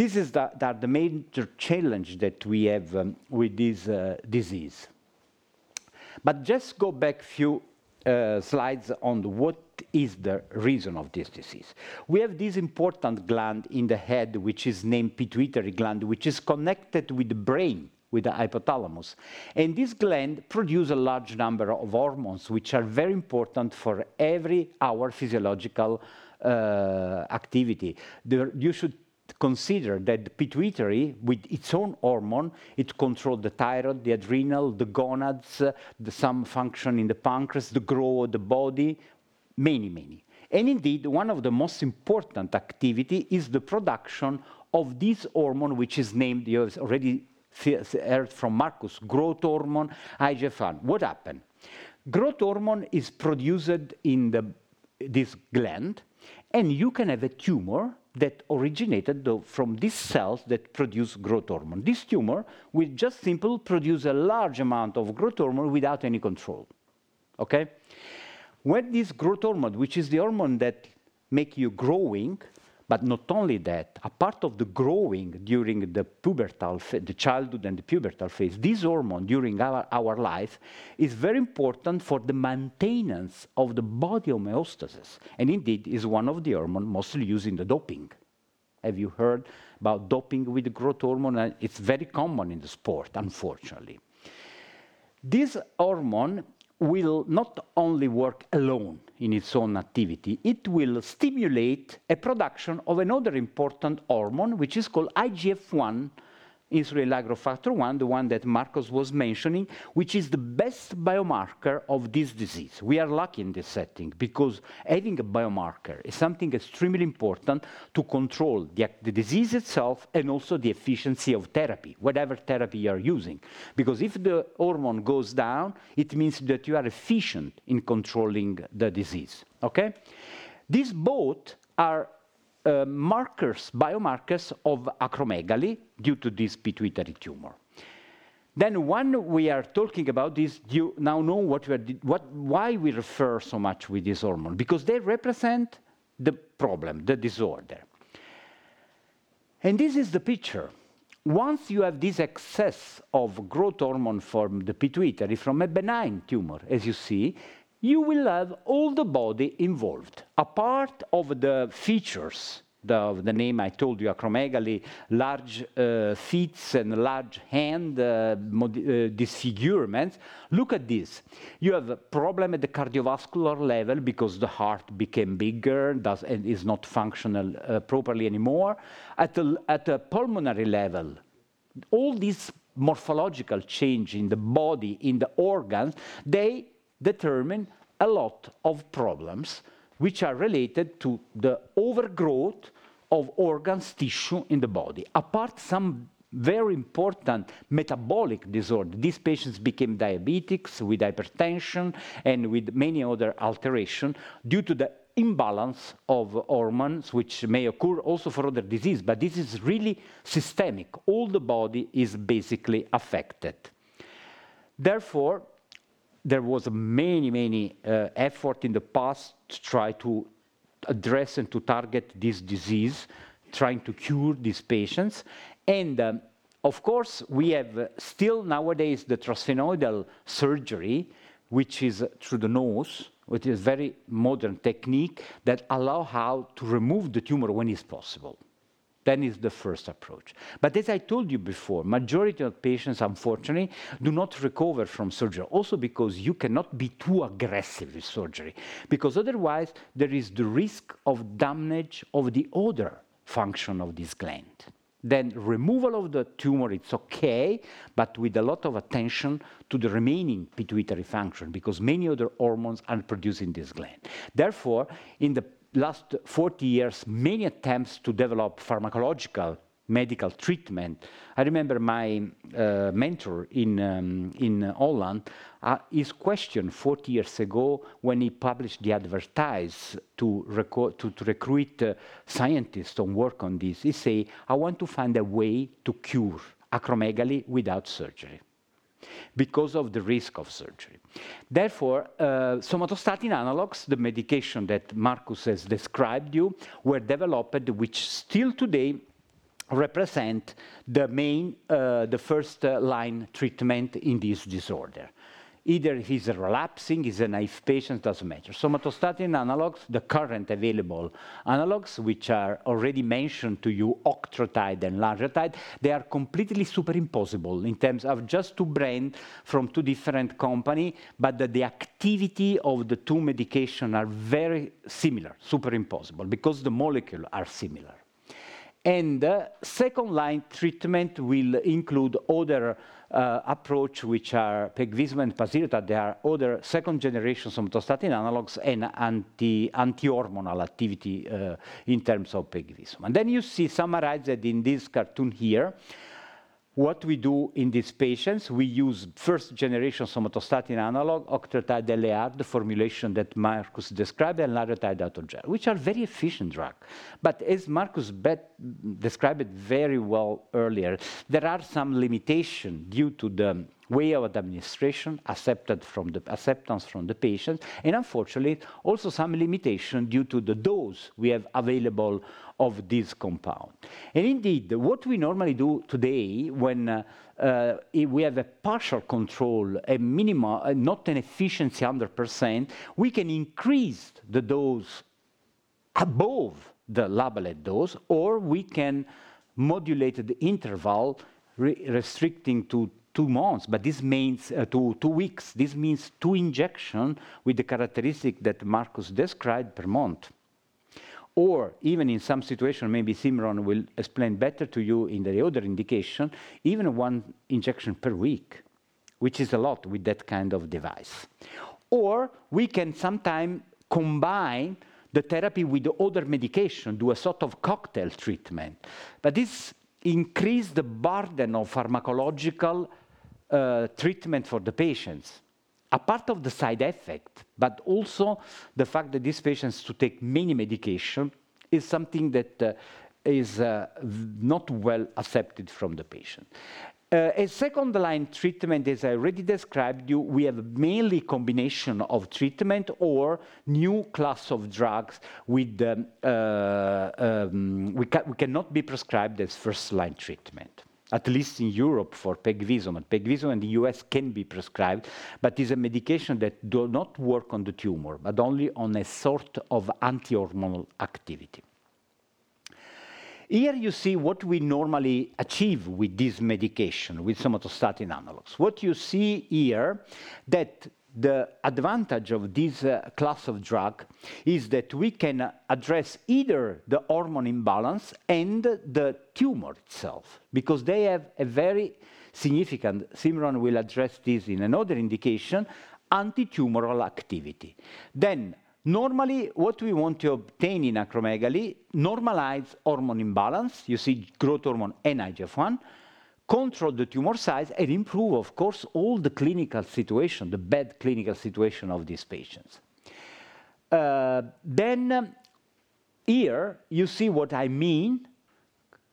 This is the major challenge that we have with this disease. Just go back few slides on what is the reason of this disease. We have this important gland in the head which is named pituitary gland, which is connected with the brain, with the hypothalamus. This gland produce a large number of hormones which are very important for every our physiological activity. There, you should consider that the pituitary, with its own hormone, it control the thyroid, the adrenal, the gonads, the some function in the pancreas, the growth, the body, many, many. Indeed, one of the most important activity is the production of this hormone which is named, you have already heard from Markus, growth hormone, IGF-1. What happen? Growth hormone is produced in the, this gland, and you can have a tumor that originated though from this cells that produce growth hormone. This tumor will just simple produce a large amount of growth hormone without any control. Okay? When this growth hormone, which is the hormone that make you growing, but not only that, a part of the growing during the childhood and the pubertal phase, this hormone during our life is very important for the maintenance of the body homeostasis, and indeed is one of the hormone mostly used in the doping. Have you heard about doping with growth hormone? It's very common in the sport, unfortunately. This hormone will not only work alone in its own activity. It will stimulate a production of another important hormone, which is called IGF-1, insulin-like growth factor 1, the one that Markus was mentioning, which is the best biomarker of this disease. We are lucky in this setting because having a biomarker is something extremely important to control the disease itself and also the efficiency of therapy, whatever therapy you're using. Because if the hormone goes down, it means that you are efficient in controlling the disease. Okay? These both are markers, biomarkers of acromegaly due to this pituitary tumor. When we are talking about this, you now know what, why we refer so much with this hormone, because they represent the problem, the disorder. This is the picture. Once you have this excess of growth hormone from the pituitary, from a benign tumor as you see, you will have all the body involved. Apart from the features of the name I told you, acromegaly, large feet and large hands, disfigurements, look at this. You have a problem at the cardiovascular level because the heart became bigger and is not functional properly anymore. At a pulmonary level, all these morphological changes in the body, in the organs, they determine a lot of problems which are related to the overgrowth of organs, tissue in the body. Apart from some very important metabolic disorders, these patients became diabetics with hypertension and with many other alterations due to the imbalance of hormones which may occur also for other diseases, but this is really systemic. All the body is basically affected. Therefore, there was many effort in the past to try to address and to target this disease, trying to cure these patients. Of course, we have still nowadays the transsphenoidal surgery, which is through the nose, which is very modern technique that allow how to remove the tumor when it's possible. Is the first approach. As I told you before, majority of patients unfortunately do not recover from surgery also because you cannot be too aggressive with surgery because otherwise there is the risk of damage of the other function of this gland. Removal of the tumor, it's okay, but with a lot of attention to the remaining pituitary function because many other hormones are produced in this gland. Therefore, in the last 40 years, many attempts to develop pharmacological medical treatment. I remember my mentor in Holland his question 40 years ago when he published the ad to recruit scientists to work on this. He say, "I want to find a way to cure acromegaly without surgery because of the risk of surgery." Therefore, somatostatin analogs, the medication that Markus has described to you, were developed which still today represent the main, the first line treatment in this disorder. Either he's relapsing, he's a nice patient, doesn't matter. Somatostatin analogs, the current available analogs, which are already mentioned to you, octreotide and lanreotide, they are completely superimposable in terms of just two brand from two different company, but the activity of the two medication are very similar, superimposable because the molecule are similar. Second-line treatment will include other approach, which are pegvisomant, pasireotide. There are other second-generation somatostatin analogs and anti-hormonal activity in terms of pegvisomant. You see summarized in this cartoon here what we do in these patients. We use first-generation somatostatin analog, octreotide LAR, the formulation that Markus described, and lanreotide Autogel, which are very effective drugs. As Markus described very well earlier, there are some limitations due to the way of administration, acceptance from the patient, and unfortunately, also some limitations due to the dose we have available of this compound. Indeed, what we normally do today when we have a partial control, not 100% efficacy, we can increase the dose above the labeled dose or we can modulate the interval restricting to two months, but this means to two weeks. This means two injections with the characteristic that Markus described per month. Even in some situations, maybe Simron will explain better to you in the other indication, even one injection per week, which is a lot with that kind of device. We can sometimes combine the therapy with the other medication, do a sort of cocktail treatment. This increases the burden of pharmacological treatment for the patients. Apart from the side effects, but also the fact that these patients to take many medications is something that is not well accepted from the patient. A second-line treatment, as I already described you, we have mainly combination of treatment or new class of drugs with the. We cannot be prescribed as first-line treatment, at least in Europe for pegvisomant. Pegvisomant in the U.S. can be prescribed, but is a medication that do not work on the tumor, but only on a sort of anti-hormonal activity. Here you see what we normally achieve with this medication, with somatostatin analogs. What you see here that the advantage of this, class of drug is that we can address either the hormone imbalance and the tumor itself because they have a very significant, Simron will address this in another indication, anti-tumoral activity. Normally what we want to obtain in acromegaly, normalize hormone imbalance, you see growth hormone and IGF-1, control the tumor size, and improve of course all the clinical situation, the bad clinical situation of these patients. Here you see what I mean,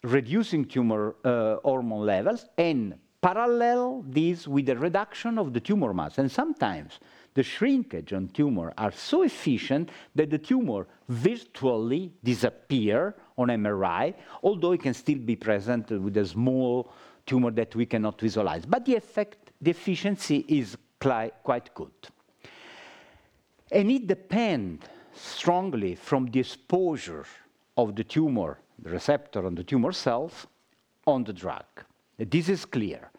reducing tumor, hormone levels and parallel this with the reduction of the tumor mass. Sometimes the shrinkage on tumor are so efficient that the tumor virtually disappear on MRI, although it can still be presented with a small tumor that we cannot visualize. But the effect, the efficiency is quite good. It depend strongly from the exposure of the tumor, the receptor on the tumor cells on the drug. This is clear.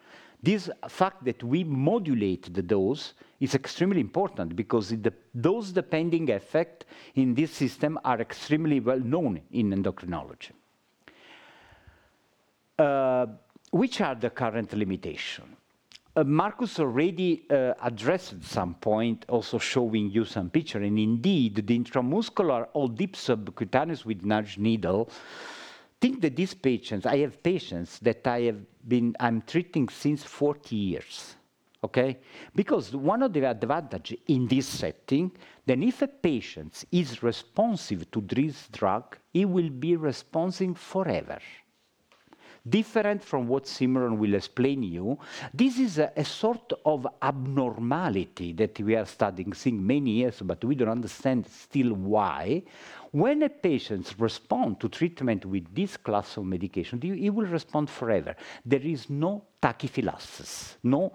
This fact that we modulate the dose is extremely important because those depending effect in this system are extremely well known in endocrinology. Which are the current limitation? Markus already addressed some point also showing you some picture, and indeed, the intramuscular or deep subcutaneous with large needle, think that these patients. I have patients that I have been treating since 40 years. Okay? Because one of the advantages in this setting, if a patient is responsive to this drug, he will be responding forever. Different from what Simron will explain to you, this is a sort of abnormality that we are studying for many years, but we don't understand still why. When a patient responds to treatment with this class of medication, he will respond forever. There is no tachyphylaxis, no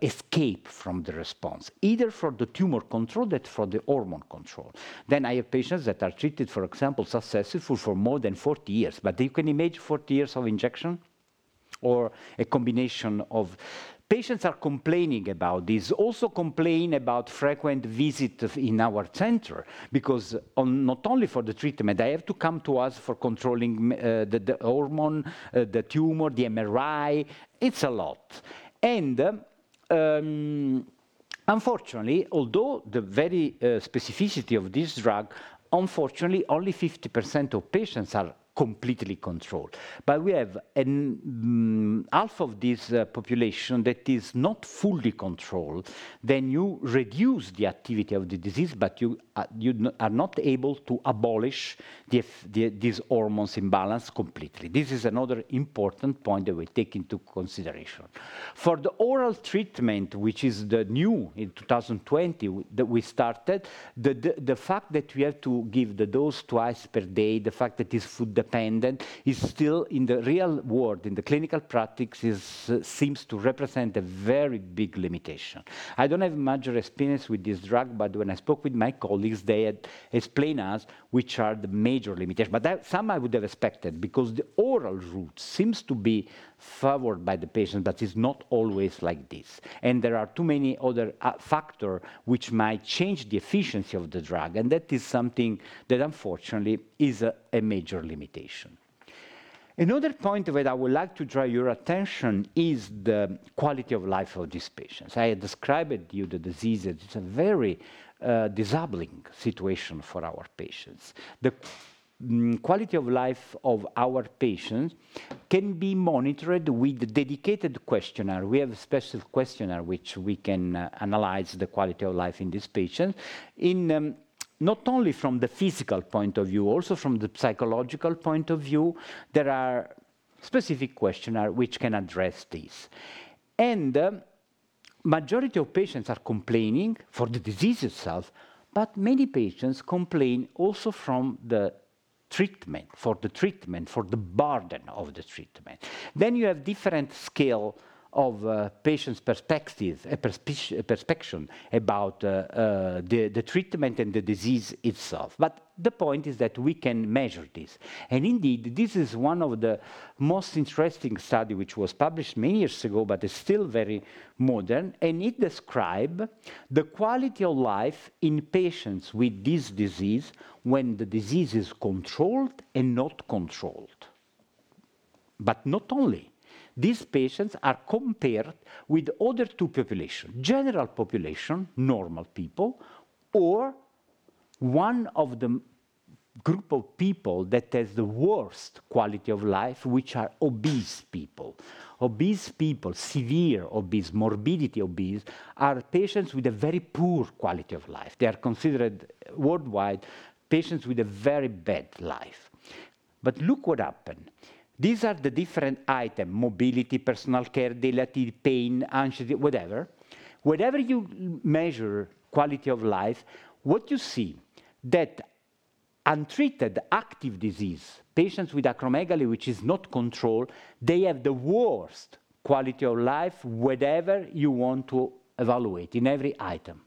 escape from the response, either for the tumor control or for the hormone control. I have patients that are treated, for example, successfully for more than 40 years. But you can imagine 40 years of injection or a combination of. Patients are complaining about this, also complain about frequent visits to our center because not only for the treatment, they have to come to us for controlling the hormone, the tumor, the MRI. It's a lot. Unfortunately, although the very specificity of this drug, unfortunately only 50% of patients are completely controlled. We have half of this population that is not fully controlled, then you reduce the activity of the disease, but you are not able to abolish this hormones imbalance completely. This is another important point that we take into consideration. For the oral treatment, which is the new in 2020 that we started, the fact that we have to give the dose twice per day, the fact that it's food dependent, is still in the real world, in the clinical practice seems to represent a very big limitation. I don't have much experience with this drug, but when I spoke with my colleagues, they had explained to us which are the major limitations. That some I would have expected because the oral route seems to be favored by the patient, but it's not always like this. There are too many other factors which might change the efficiency of the drug, and that is something that unfortunately is a major limitation. Another point where I would like to draw your attention is the quality of life of these patients. I described you the disease. It's a very disabling situation for our patients. The quality of life of our patients can be monitored with dedicated questionnaire. We have a special questionnaire which we can analyze the quality of life in this patient, in not only from the physical point of view, also from the psychological point of view. There are specific questionnaire which can address this. Majority of patients are complaining for the disease itself, but many patients complain also from the treatment, for the treatment, for the burden of the treatment. You have different scale of patients perspectives, perception about the treatment and the disease itself. The point is that we can measure this. Indeed, this is one of the most interesting study which was published many years ago, but is still very modern, and it describe the quality of life in patients with this disease when the disease is controlled and not controlled. Not only, these patients are compared with other two population, general population, normal people, or one of the group of people that has the worst quality of life, which are obese people. Obese people, severely obese, morbidly obese, are patients with a very poor quality of life. They are considered worldwide patients with a very bad life. Look what happened. These are the different items, mobility, personal care, daily living, pain, anxiety, whatever. Whatever you measure quality of life, what you see that untreated active disease, patients with acromegaly which is not controlled, they have the worst quality of life whatever you want to evaluate in every item.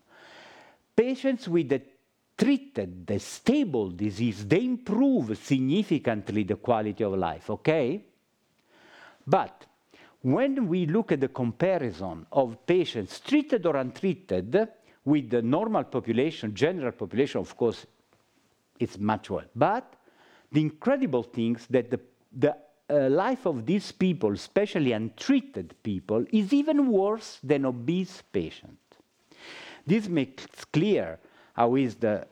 Patients with treated, stable disease, they improve significantly the quality of life. Okay. When we look at the comparison of patients treated or untreated with the normal population, general population, of course, it's much worse. The incredible things that the life of these people, especially untreated people, is even worse than obese patient. This makes clear how is the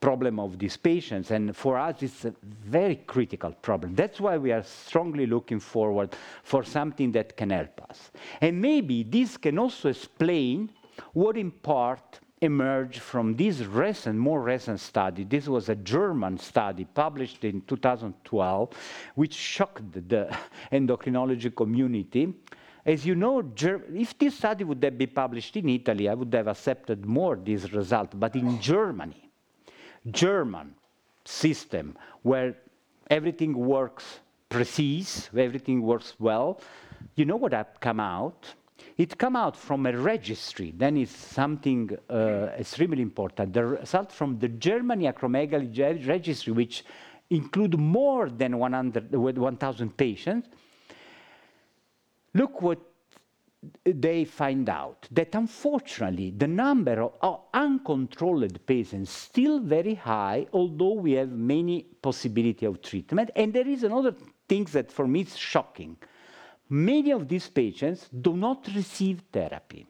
problem of these patients, and for us it's a very critical problem. That's why we are strongly looking forward for something that can help us. Maybe this can also explain what in part emerged from this recent, more recent study. This was a German study published in 2012, which shocked the endocrinology community. As you know, if this study would have been published in Italy, I would have accepted more this result. But in Germany, German system where everything works precise, where everything works well, you know what have come out? It come out from a registry, then is something extremely important. The result from the German Acromegaly Registry, which include more than 1,000 patients. Look what they find out, that unfortunately, the number of uncontrolled patients still very high, although we have many possibility of treatment. There is another thing that for me it's shocking. Many of these patients do not receive therapy.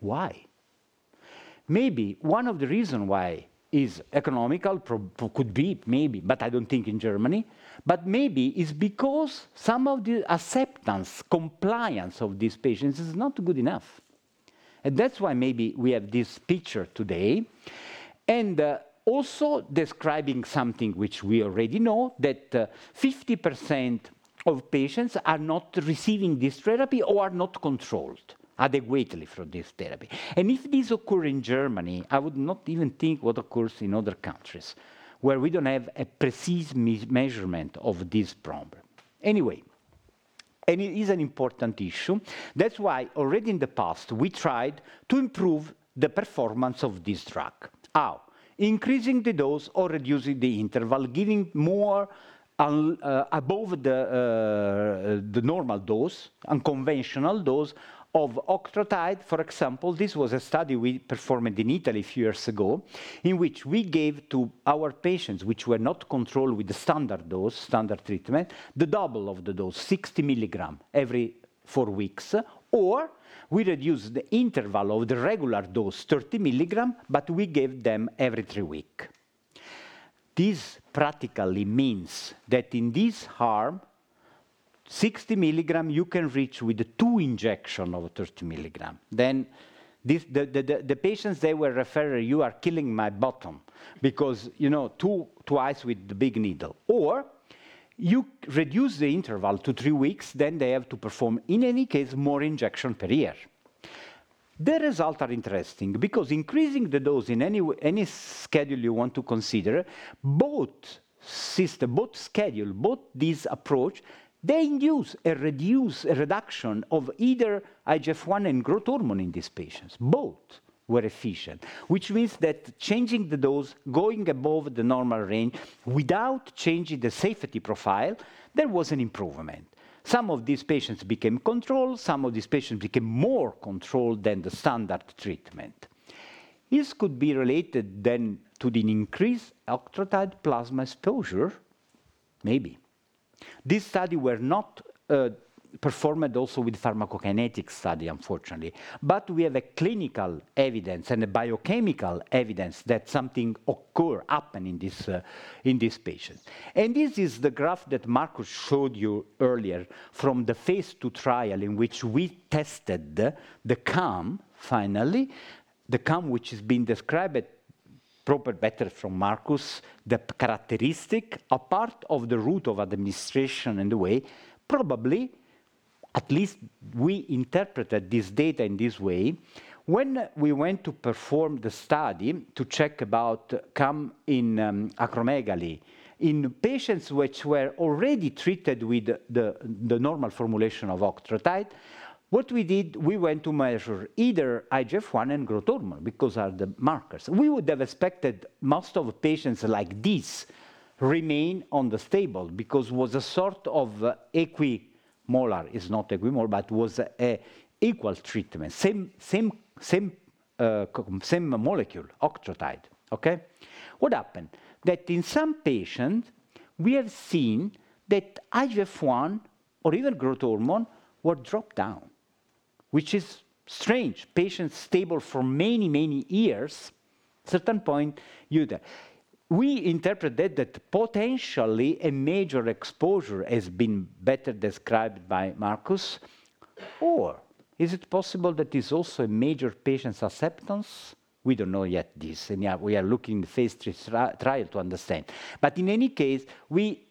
Why? Maybe one of the reason why is economic problems could be, maybe, but I don't think in Germany. Maybe it's because some of the acceptance, compliance of these patients is not good enough. That's why maybe we have this picture today and also describing something which we already know, that 50% of patients are not receiving this therapy or are not controlled adequately for this therapy. If this occur in Germany, I would not even think what occurs in other countries where we don't have a precise measurement of this problem. Anyway, it is an important issue. That's why already in the past we tried to improve the performance of this drug. How? Increasing the dose or reducing the interval, giving more than the normal dose, unconventional dose of octreotide. For example, this was a study we performed in Italy a few years ago, in which we gave to our patients, which were not controlled with the standard dose, standard treatment, the double of the dose, 60 mg every four weeks, or we reduced the interval of the regular dose, 30 mg, but we gave them every three weeks. This practically means that in this arm, 60 mg you can reach with the two injections of 30 mg. This, the patients, they were referring, "You are killing my bottom," because, you know, twice with the big needle. You reduce the interval to three weeks, then they have to perform, in any case, more injections per year. The results are interesting because increasing the dose in any schedule you want to consider, both systemic, both schedule, both this approach, they induce a reduction of either IGF-1 and growth hormone in these patients. Both were effective, which means that changing the dose, going above the normal range without changing the safety profile, there was an improvement. Some of these patients became controlled, some of these patients became more controlled than the standard treatment. This could be related then to the increased octreotide plasma exposure. Maybe. This study were not performed also with pharmacokinetic study, unfortunately. But we have a clinical evidence and a biochemical evidence that something happen in this patient. This is the graph that Markus showed you earlier from the phase II trial in which we tested the CAM, finally. The CAM which has been described properly better from Markus, the characteristic, a part of the route of administration and the way, probably, at least we interpreted this data in this way. When we went to perform the study to check about CAM in acromegaly, in patients which were already treated with the normal formulation of octreotide, what we did, we went to measure either IGF-1 and growth hormone, because are the markers. We would have expected most of patients like this remain on the stable, because was a sort of equimolar. It's not equimolar, but was a equal treatment. Same molecule, octreotide. Okay? What happened? That in some patient, we have seen that IGF-1 or even growth hormone were dropped down, which is strange. Patients stable for many years, certain point, you there. We interpreted that potentially a major exposure has been better described by Markus, or is it possible that is also a major patient's acceptance? We don't know yet this. We are looking to the phase III trial to understand. In any case, we,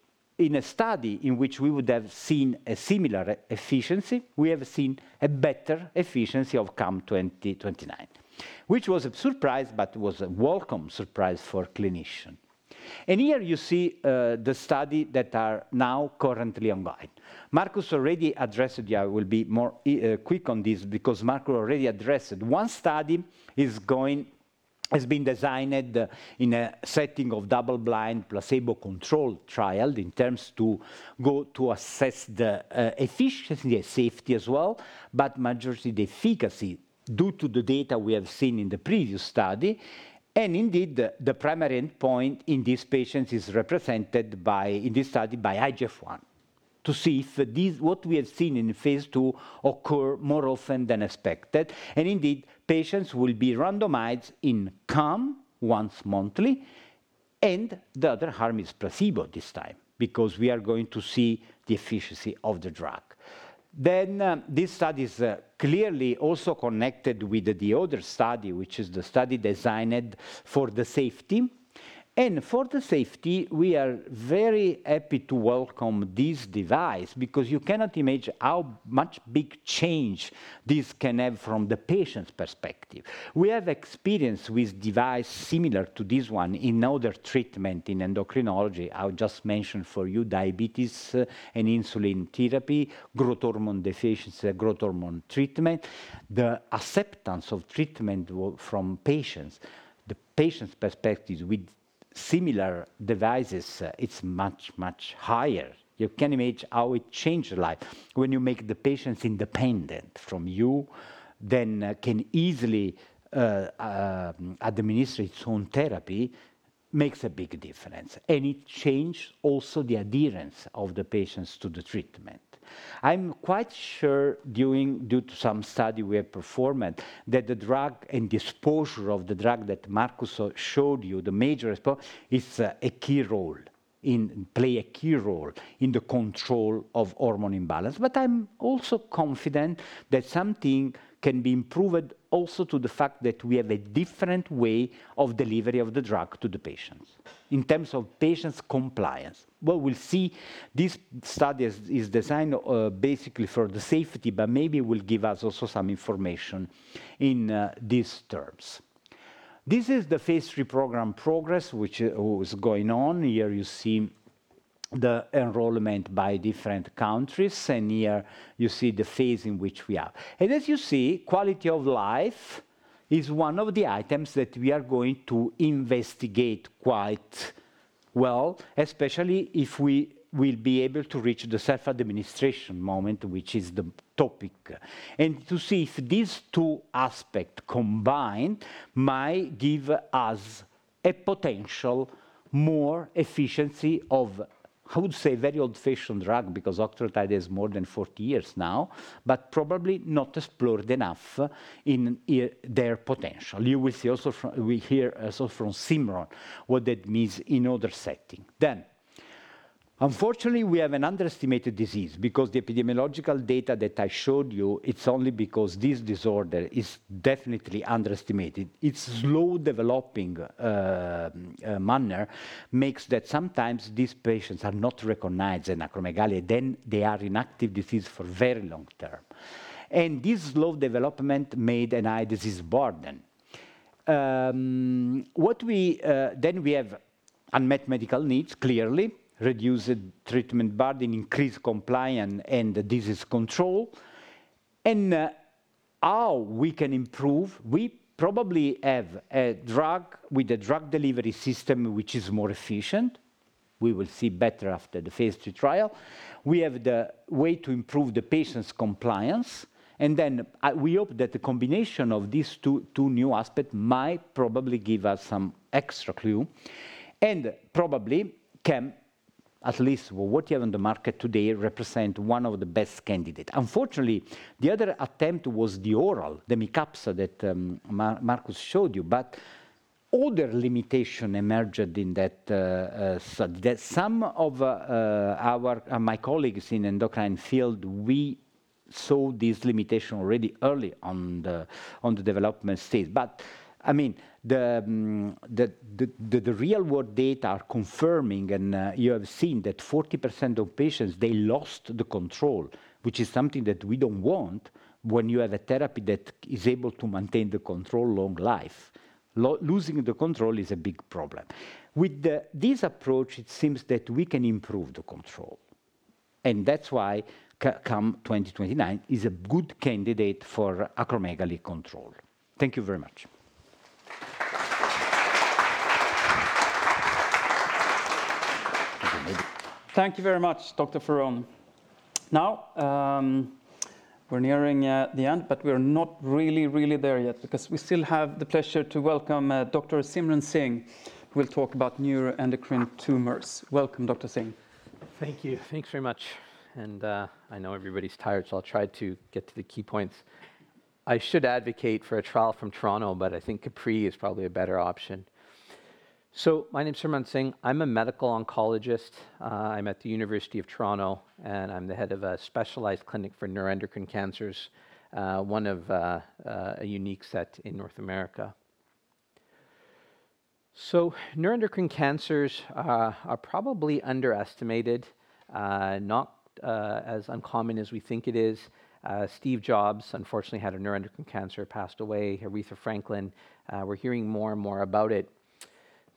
in a study in which we would have seen a similar efficacy, we have seen a better efficacy of CAM2029, which was a surprise, but was a welcome surprise for clinician. Here you see the study that are now currently ongoing. Markus already addressed. I will be more quick on this because Markus already addressed it. One study is going, has been designed in a setting of double-blind placebo-controlled trial intended to assess the efficacy and safety as well, but mainly the efficacy due to the data we have seen in the previous study. Indeed, the primary endpoint in these patients is represented by, in this study, by IGF-1, to see if these, what we have seen in phase II occur more often than expected. Indeed, patients will be randomized in CAM once monthly, and the other arm is placebo this time, because we are going to see the efficacy of the drug. This study is clearly also connected with the other study, which is the study designed for the safety. For the safety, we are very happy to welcome this device because you cannot imagine how much big change this can have from the patient's perspective. We have experience with device similar to this one in other treatment in endocrinology. I'll just mention for you diabetes, and insulin therapy, growth hormone deficiencies, growth hormone treatment. The acceptance of treatment from patients, the patient's perspectives with similar devices, it's much higher. You can imagine how it change life when you make the patients independent from you, then can easily administer its own therapy, makes a big difference, and it change also the adherence of the patients to the treatment. I'm quite sure due to some study we have performed that the drug and depot of the drug that Markus showed you, the major exposure plays a key role in the control of hormone imbalance. I'm also confident that something can be improved also to the fact that we have a different way of delivery of the drug to the patients in terms of patients' compliance. Well, we'll see. This study is designed basically for the safety, but maybe will give us also some information in these terms. This is the phase III program progress which was going on. Here you see the enrollment by different countries, and here you see the phase in which we are. As you see, quality of life is one of the items that we are going to investigate quite well, especially if we will be able to reach the self-administration moment, which is the topic, and to see if these two aspect combined might give us a potential more efficiency of, I would say, very old-fashioned drug, because octreotide is more than 40 years now, but probably not explored enough in their potential. You will see also we hear also from Simron what that means in other setting. Unfortunately, we have an underestimated disease because the epidemiological data that I showed you, it's only because this disorder is definitely underestimated. It's slow-developing manner makes that sometimes these patients are not recognized in acromegaly, then they are in active disease for very long term. This slow development made a high disease burden. We have unmet medical needs, clearly. Reduce the treatment burden, increase compliance and disease control. How we can improve, we probably have a drug with a drug delivery system which is more efficient. We will see better after the phase II trial. We have the way to improve the patient's compliance. We hope that the combination of these two new aspect might probably give us some extra clue, and probably can, at least what you have on the market today, represent one of the best candidate. Unfortunately, the other attempt was the oral, the Mycapssa that Markus showed you. Other limitation emerged in that study, that some of my colleagues in endocrine field, we saw this limitation already early on the development stage. I mean, the real world data are confirming, and you have seen that 40% of patients, they lost the control, which is something that we don't want when you have a therapy that is able to maintain the control long life. Losing the control is a big problem. With this approach, it seems that we can improve the control, and that's why CAM2029 is a good candidate for acromegaly control. Thank you very much. Thank you very much, Dr. Ferone. Now, we're nearing the end, but we're not really there yet because we still have the pleasure to welcome Dr. Simron Singh, who will talk about neuroendocrine tumors. Welcome, Dr. Singh. Thank you. Thanks very much. I know everybody's tired, so I'll try to get to the key points. I should advocate for a trial from Toronto, but I think Capri is probably a better option. My name is Simron Singh. I'm a medical oncologist. I'm at the University of Toronto, and I'm the head of a specialized clinic for neuroendocrine cancers, one of a unique set in North America. Neuroendocrine cancers are probably underestimated, not as uncommon as we think it is. Steve Jobs, unfortunately, had a neuroendocrine cancer, passed away. Aretha Franklin. We're hearing more and more about it.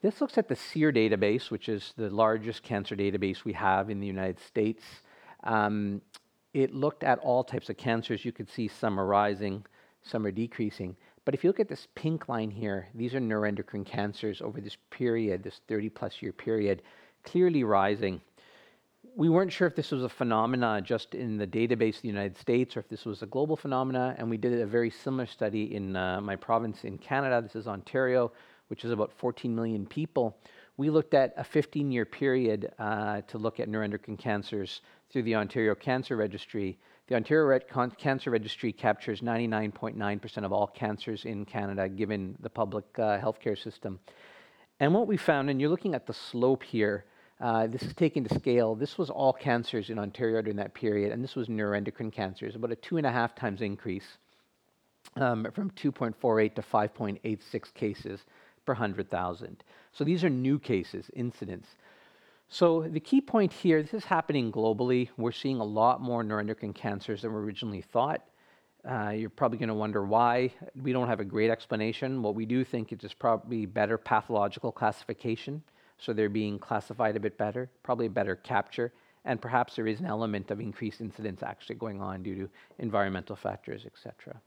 This looks at the SEER database, which is the largest cancer database we have in the United States. It looked at all types of cancers. You could see some are rising, some are decreasing. If you look at this pink line here, these are neuroendocrine cancers over this period, this 30+ year period, clearly rising. We weren't sure if this was a phenomenon just in the database of the United States or if this was a global phenomenon, and we did a very similar study in my province in Canada. This is Ontario, which is about 14 million people. We looked at a 15-year period to look at neuroendocrine cancers through the Ontario Cancer Registry. The Ontario Cancer Registry captures 99.9% of all cancers in Canada, given the public healthcare system. What we found, and you're looking at the slope here, this is taking the scale. This was all cancers in Ontario during that period, and this was neuroendocrine cancers, about a 2.5x increase. From 2.48 to 5.86 cases per 100,000. These are new cases, incidence. The key point here, this is happening globally. We're seeing a lot more neuroendocrine cancers than were originally thought. You're probably gonna wonder why. We don't have a great explanation. What we do think it is probably better pathological classification, so they're being classified a bit better, probably better capture, and perhaps there is an element of increased incidence actually going on due to environmental factors, et cetera.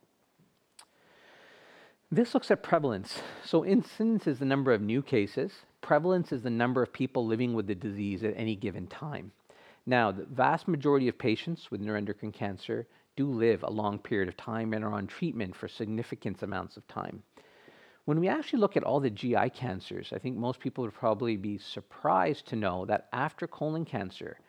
This looks at prevalence. Incidence is the number of new cases. Prevalence is the number of people living with the disease at any given time. The vast majority of patients with neuroendocrine cancer do live a long period of time and are on treatment for significant amounts of time. When we actually look at all the GI cancers, I think most people would probably be surprised to know that after colon cancer,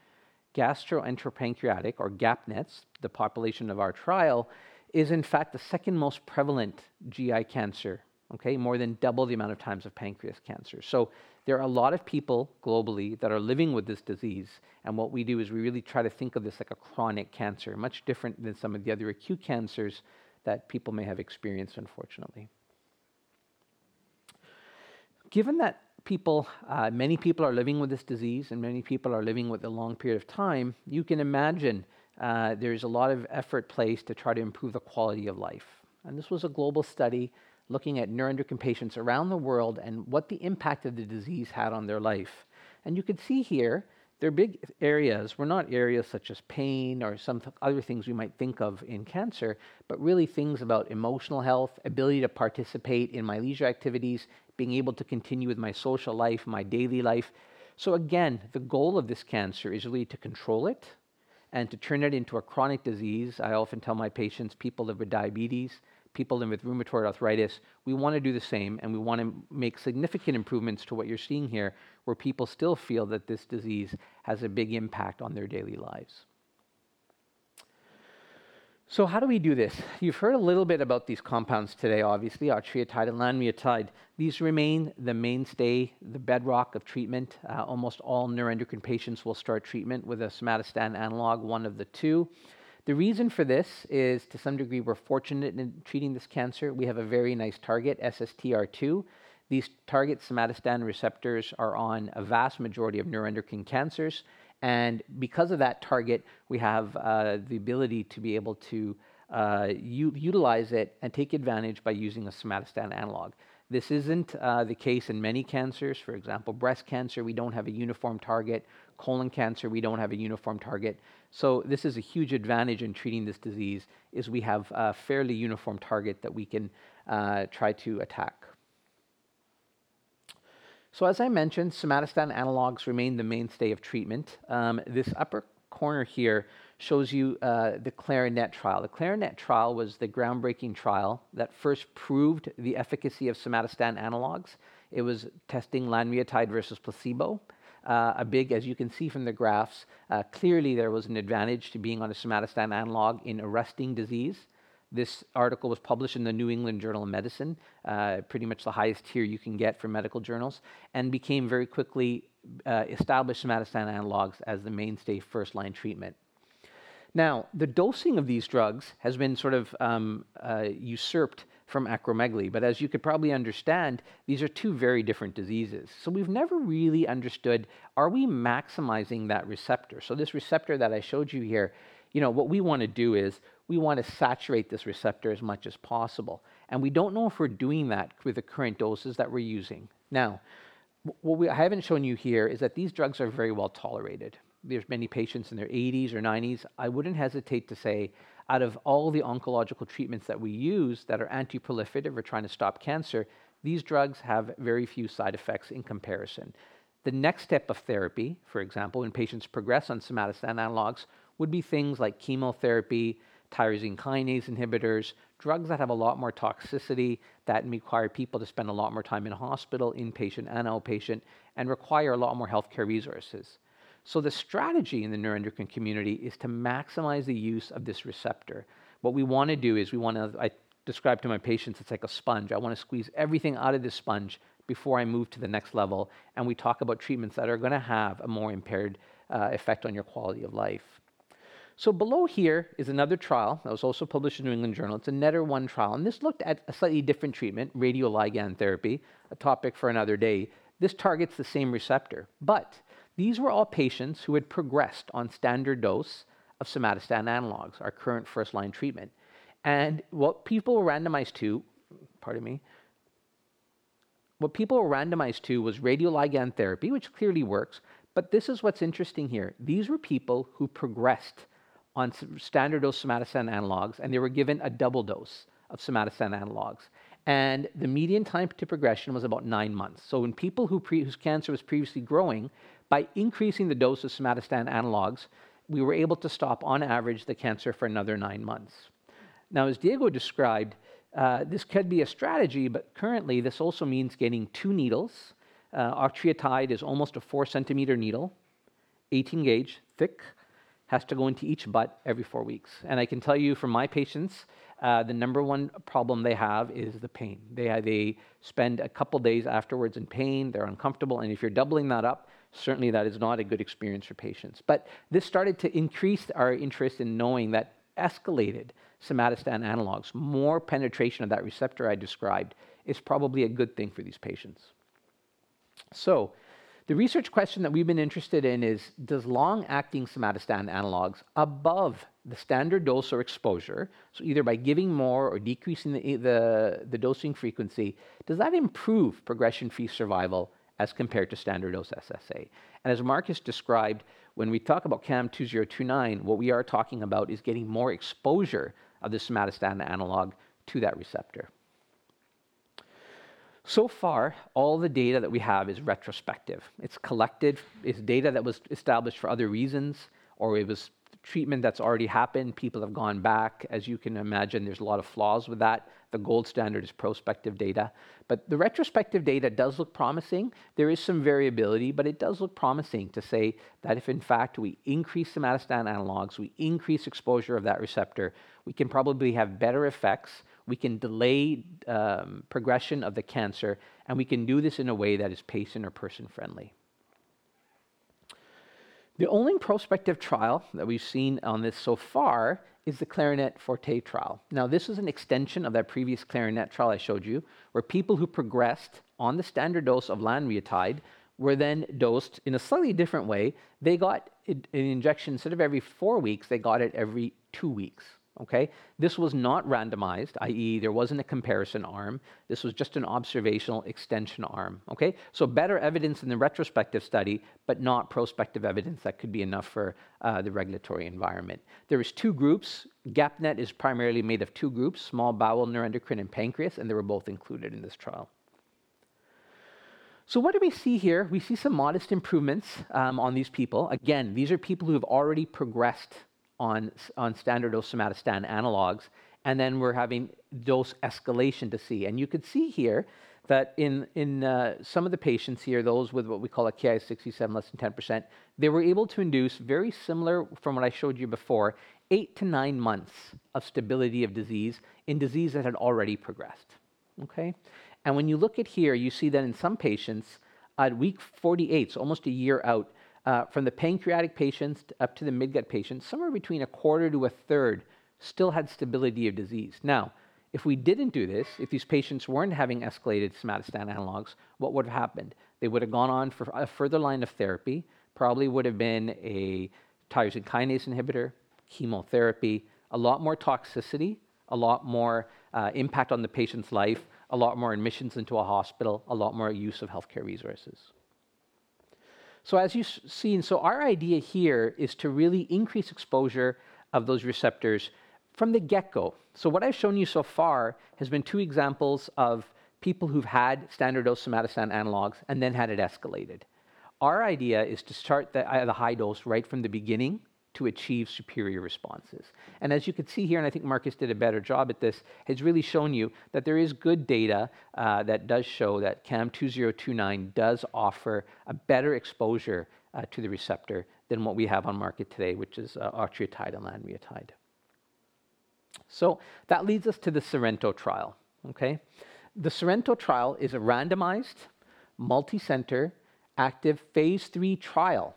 gastroenteropancreatic, or GEP-NETs, the population of our trial, is in fact the second most prevalent GI cancer, okay? More than double the amount of times of pancreas cancer. There are a lot of people globally that are living with this disease, and what we do is we really try to think of this like a chronic cancer, much different than some of the other acute cancers that people may have experienced, unfortunately. Given that people, many people are living with this disease and many people are living with a long period of time, you can imagine, there's a lot of effort placed to try to improve the quality of life. This was a global study looking at neuroendocrine patients around the world and what the impact of the disease had on their life. You can see here, their big areas were not areas such as pain or some other things we might think of in cancer, but really things about emotional health, ability to participate in my leisure activities, being able to continue with my social life, my daily life. Again, the goal of this cancer is really to control it and to turn it into a chronic disease. I often tell my patients, people live with diabetes, people live with rheumatoid arthritis, we wanna do the same, and we wanna make significant improvements to what you're seeing here, where people still feel that this disease has a big impact on their daily lives. So how do we do this? You've heard a little bit about these compounds today, obviously, octreotide and lanreotide. These remain the mainstay, the bedrock of treatment. Almost all neuroendocrine patients will start treatment with a somatostatin analog, one of the two. The reason for this is, to some degree, we're fortunate in treating this cancer. We have a very nice target, SSTR2. These target somatostatin receptors are on a vast majority of neuroendocrine cancers. Because of that target, we have the ability to be able to utilize it and take advantage by using a somatostatin analog. This isn't the case in many cancers. For example, breast cancer, we don't have a uniform target. Colon cancer, we don't have a uniform target. This is a huge advantage in treating this disease, is we have a fairly uniform target that we can try to attack. As I mentioned, somatostatin analogs remain the mainstay of treatment. This upper corner here shows you the CLARINET trial. The CLARINET trial was the groundbreaking trial that first proved the efficacy of somatostatin analogs. It was testing lanreotide versus placebo. A big, as you can see from the graphs, clearly there was an advantage to being on a somatostatin analog in arresting disease. This article was published in the New England Journal of Medicine, pretty much the highest tier you can get for medical journals, and became very quickly established somatostatin analogs as the mainstay first-line treatment. Now, the dosing of these drugs has been sort of usurped from acromegaly. As you can probably understand, these are two very different diseases. We've never really understood, are we maximizing that receptor? This receptor that I showed you here, you know, what we wanna do is we wanna saturate this receptor as much as possible, and we don't know if we're doing that with the current doses that we're using. Now, what I haven't shown you here is that these drugs are very well-tolerated. There's many patients in their 80s or 90s. I wouldn't hesitate to say, out of all the oncological treatments that we use that are antiproliferative or trying to stop cancer, these drugs have very few side effects in comparison. The next step of therapy, for example, when patients progress on somatostatin analogs, would be things like chemotherapy, tyrosine kinase inhibitors, drugs that have a lot more toxicity, that require people to spend a lot more time in a hospital, inpatient and outpatient, and require a lot more healthcare resources. The strategy in the neuroendocrine community is to maximize the use of this receptor. What we wanna do is I describe to my patients, it's like a sponge. I wanna squeeze everything out of this sponge before I move to the next level, and we talk about treatments that are gonna have a more impaired effect on your quality of life. Below here is another trial that was also published in New England Journal. It's a NETTER-1 trial, and this looked at a slightly different treatment, radioligand therapy, a topic for another day. This targets the same receptor, but these were all patients who had progressed on standard dose of somatostatin analogs, our current first-line treatment. What people were randomized to was radioligand therapy, which clearly works, but this is what's interesting here. These were people who progressed on standard dose somatostatin analogs, and they were given a double dose of somatostatin analogs. The median time to progression was about nine months. When people whose cancer was previously growing, by increasing the dose of somatostatin analogs, we were able to stop, on average, the cancer for another nine months. Now, as Diego described, this could be a strategy, but currently, this also means getting two needles. Octreotide is almost a 4 cm needle, 18 gauge, thick, has to go into each butt every four weeks. I can tell you from my patients, the number one problem they have is the pain. They spend a couple days afterwards in pain, they're uncomfortable, and if you're doubling that up, certainly that is not a good experience for patients. This started to increase our interest in knowing that escalated somatostatin analogs, more penetration of that receptor I described, is probably a good thing for these patients. The research question that we've been interested in is, does long-acting somatostatin analogs above the standard dose or exposure, so either by giving more or decreasing the dosing frequency, does that improve progression-free survival as compared to standard dose SSA? As Markus described, when we talk about CAM2029, what we are talking about is getting more exposure of the somatostatin analog to that receptor. So far, all the data that we have is retrospective. It's data that was established for other reasons, or it was treatment that's already happened. People have gone back. As you can imagine, there's a lot of flaws with that. The gold standard is prospective data. The retrospective data does look promising. There is some variability, but it does look promising to say that if in fact we increase somatostatin analogs, we increase exposure of that receptor, we can probably have better effects, we can delay progression of the cancer, and we can do this in a way that is patient or person-friendly. The only prospective trial that we've seen on this so far is the CLARINET FORTE trial. Now, this is an extension of that previous CLARINET trial I showed you, where people who progressed on the standard dose of lanreotide were then dosed in a slightly different way. They got an injection instead of every four weeks, they got it every two weeks. Okay? This was not randomized, i.e., there wasn't a comparison arm. This was just an observational extension arm. Okay? Better evidence in the retrospective study, but not prospective evidence that could be enough for the regulatory environment. There is two groups. GEP-NET is primarily made of two groups, small bowel neuroendocrine and pancreas, and they were both included in this trial. What do we see here? We see some modest improvements on these people. Again, these are people who have already progressed on standard dose somatostatin analogs, and then we're having dose escalation to see. You can see here that in some of the patients here, those with what we call a Ki-67 less than 10%, they were able to induce very similar from what I showed you before, eight to nine months of stability of disease in disease that had already progressed. Okay. When you look at here, you see that in some patients at week 48, so almost a year out, from the pancreatic patients up to the midgut patients, somewhere between a quarter to a third still had stability of disease. Now, if we didn't do this, if these patients weren't having escalated somatostatin analogs, what would have happened? They would have gone on for a further line of therapy, probably would have been a tyrosine kinase inhibitor, chemotherapy, a lot more toxicity, a lot more impact on the patient's life, a lot more admissions into a hospital, a lot more use of healthcare resources. As you see, and so our idea here is to really increase exposure of those receptors from the get-go. What I've shown you so far has been two examples of people who've had standard dose somatostatin analogs and then had it escalated. Our idea is to start the high dose right from the beginning to achieve superior responses. As you can see here, and I think Markus did a better job at this, has really shown you that there is good data that does show that CAM2029 does offer a better exposure to the receptor than what we have on market today, which is octreotide and lanreotide. That leads us to the SORENTO trial. Okay? The SORENTO trial is a randomized, multicenter, active phase III trial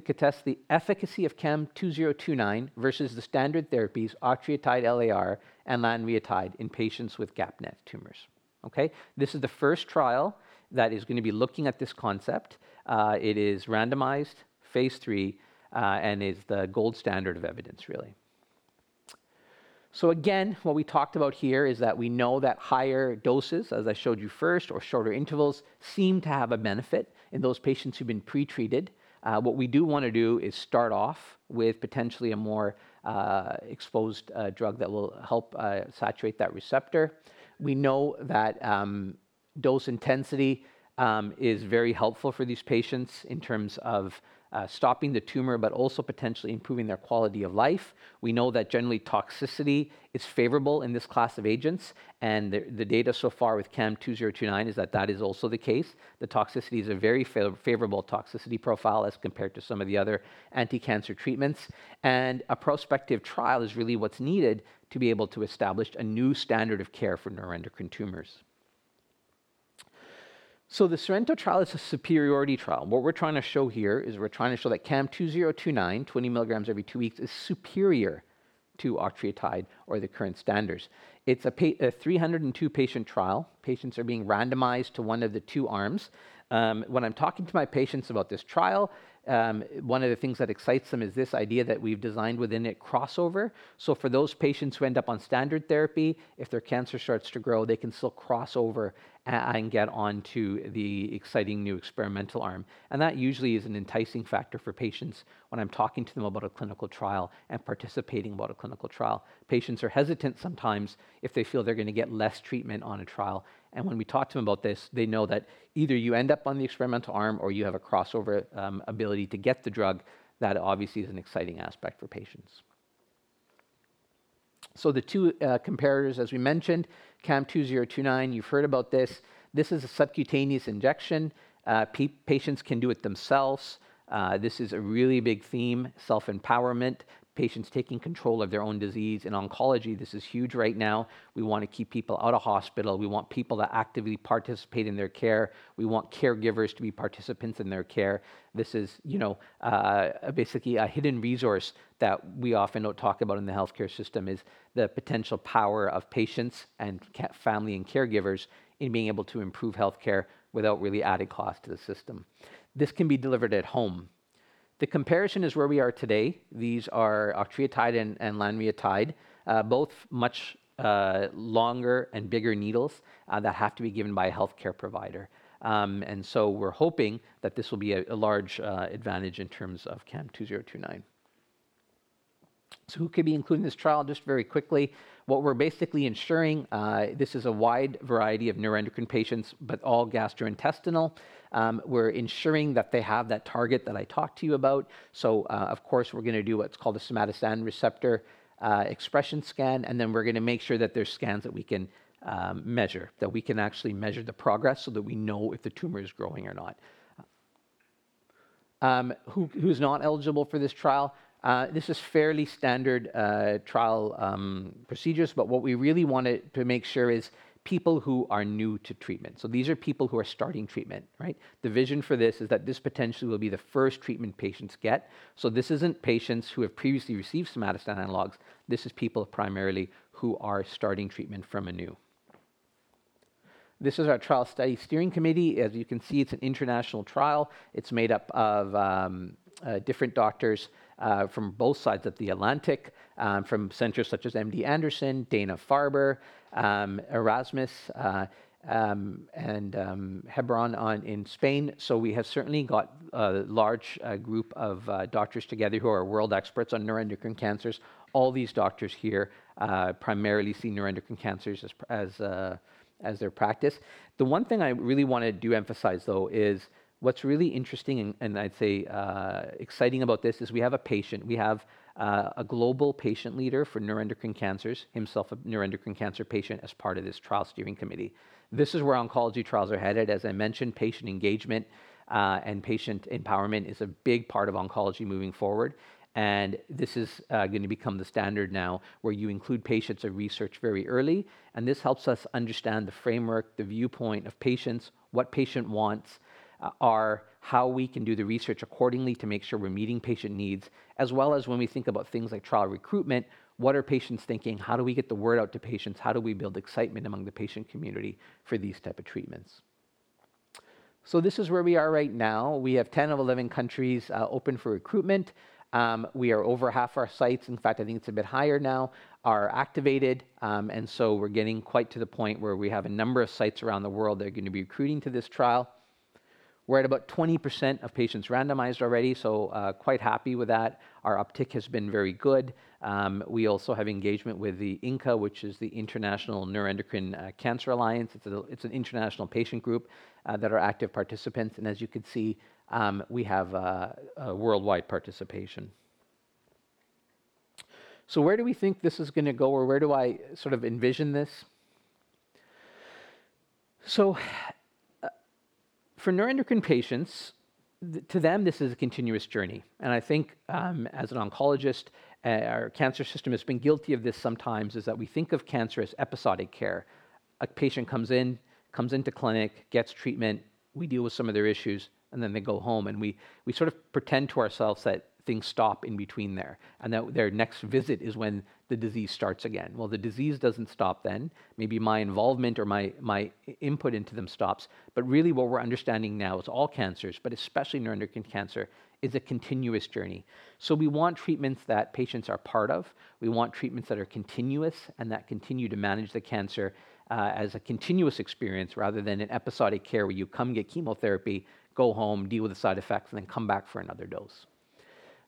to assess the efficacy of CAM2029 versus the standard therapies octreotide LAR and lanreotide in patients with GEP-NET tumors. Okay? This is the first trial that is gonna be looking at this concept. It is randomized phase III, and is the gold standard of evidence, really. Again, what we talked about here is that we know that higher doses, as I showed you first or shorter intervals, seem to have a benefit in those patients who've been pretreated. What we do wanna do is start off with potentially a more exposed drug that will help saturate that receptor. We know that dose intensity is very helpful for these patients in terms of stopping the tumor, but also potentially improving their quality of life. We know that generally toxicity is favorable in this class of agents, and the data so far with CAM2029 is that that is also the case. The toxicity is a very favorable toxicity profile as compared to some of the other anti-cancer treatments. A prospective trial is really what's needed to be able to establish a new standard of care for neuroendocrine tumors. The SORENTO trial is a superiority trial. What we're trying to show here is that CAM2029, 20 mg every two weeks, is superior to octreotide or the current standards. It's a 302-patient trial. Patients are being randomized to one of the two arms. When I'm talking to my patients about this trial, one of the things that excites them is this idea that we've designed within it crossover. For those patients who end up on standard therapy, if their cancer starts to grow, they can still cross over and get onto the exciting new experimental arm. That usually is an enticing factor for patients when I'm talking to them about a clinical trial and participating about a clinical trial. Patients are hesitant sometimes if they feel they're gonna get less treatment on a trial. When we talk to them about this, they know that either you end up on the experimental arm or you have a crossover ability to get the drug. That obviously is an exciting aspect for patients. The two comparators, as we mentioned, CAM2029, you've heard about this. This is a subcutaneous injection. Patients can do it themselves. This is a really big theme, self-empowerment, patients taking control of their own disease. In oncology, this is huge right now. We wanna keep people out of hospital. We want people to actively participate in their care. We want caregivers to be participants in their care. This is basically a hidden resource that we often don't talk about in the healthcare system is the potential power of patients and family and caregivers in being able to improve healthcare without really adding cost to the system. This can be delivered at home. The comparison is where we are today. These are octreotide and lanreotide, both much longer and bigger needles that have to be given by a healthcare provider. We're hoping that this will be a large advantage in terms of CAM2029. Who could be included in this trial? Just very quickly, what we're basically ensuring this is a wide variety of neuroendocrine patients, but all gastrointestinal. We're ensuring that they have that target that I talked to you about. Of course, we're gonna do what's called a somatostatin receptor expression scan, and then we're gonna make sure that there's scans that we can measure, that we can actually measure the progress so that we know if the tumor is growing or not. Who's not eligible for this trial? This is fairly standard trial procedures, but what we really wanted to make sure is people who are new to treatment. These are people who are starting treatment, right? The vision for this is that this potentially will be the first treatment patients get. This isn't patients who have previously received somatostatin analogs. This is people primarily who are starting treatment from anew. This is our trial study steering committee. As you can see, it's an international trial. It's made up of different doctors from both sides of the Atlantic from centers such as MD Anderson, Dana-Farber, Erasmus, and Vall d'Hebron in Spain. We have certainly got a large group of doctors together who are world experts on neuroendocrine cancers. All these doctors here primarily see neuroendocrine cancers as their practice. The one thing I really wanted to emphasize, though, is what's really interesting and I'd say exciting about this is we have a global patient leader for neuroendocrine cancers, himself a neuroendocrine cancer patient, as part of this trial steering committee. This is where oncology trials are headed. As I mentioned, patient engagement and patient empowerment is a big part of oncology moving forward, and this is gonna become the standard now where you include patients in research very early, and this helps us understand the framework, the viewpoint of patients, what patient wants are, how we can do the research accordingly to make sure we're meeting patient needs, as well as when we think about things like trial recruitment, what are patients thinking? How do we get the word out to patients? How do we build excitement among the patient community for these type of treatments? This is where we are right now. We have 10 of 11 countries open for recruitment. We are over half our sites, in fact, I think it's a bit higher now, are activated, and so we're getting quite to the point where we have a number of sites around the world that are gonna be recruiting to this trial. We're at about 20% of patients randomized already, so quite happy with that. Our uptick has been very good. We also have engagement with the INCA, which is the International Neuroendocrine Cancer Alliance. It's an international patient group that are active participants, and as you can see, we have a worldwide participation. Where do we think this is gonna go, or where do I sort of envision this? For neuroendocrine patients, to them, this is a continuous journey, and I think, as an oncologist, our cancer system has been guilty of this sometimes, is that we think of cancer as episodic care. A patient comes into clinic, gets treatment, we deal with some of their issues, and then they go home, and we sort of pretend to ourselves that things stop in between there and that their next visit is when the disease starts again. Well, the disease doesn't stop then. Maybe my involvement or my input into them stops, but really what we're understanding now is all cancers, but especially neuroendocrine cancer, is a continuous journey. We want treatments that patients are part of. We want treatments that are continuous and that continue to manage the cancer as a continuous experience rather than an episodic care where you come get chemotherapy, go home, deal with the side effects, and then come back for another dose.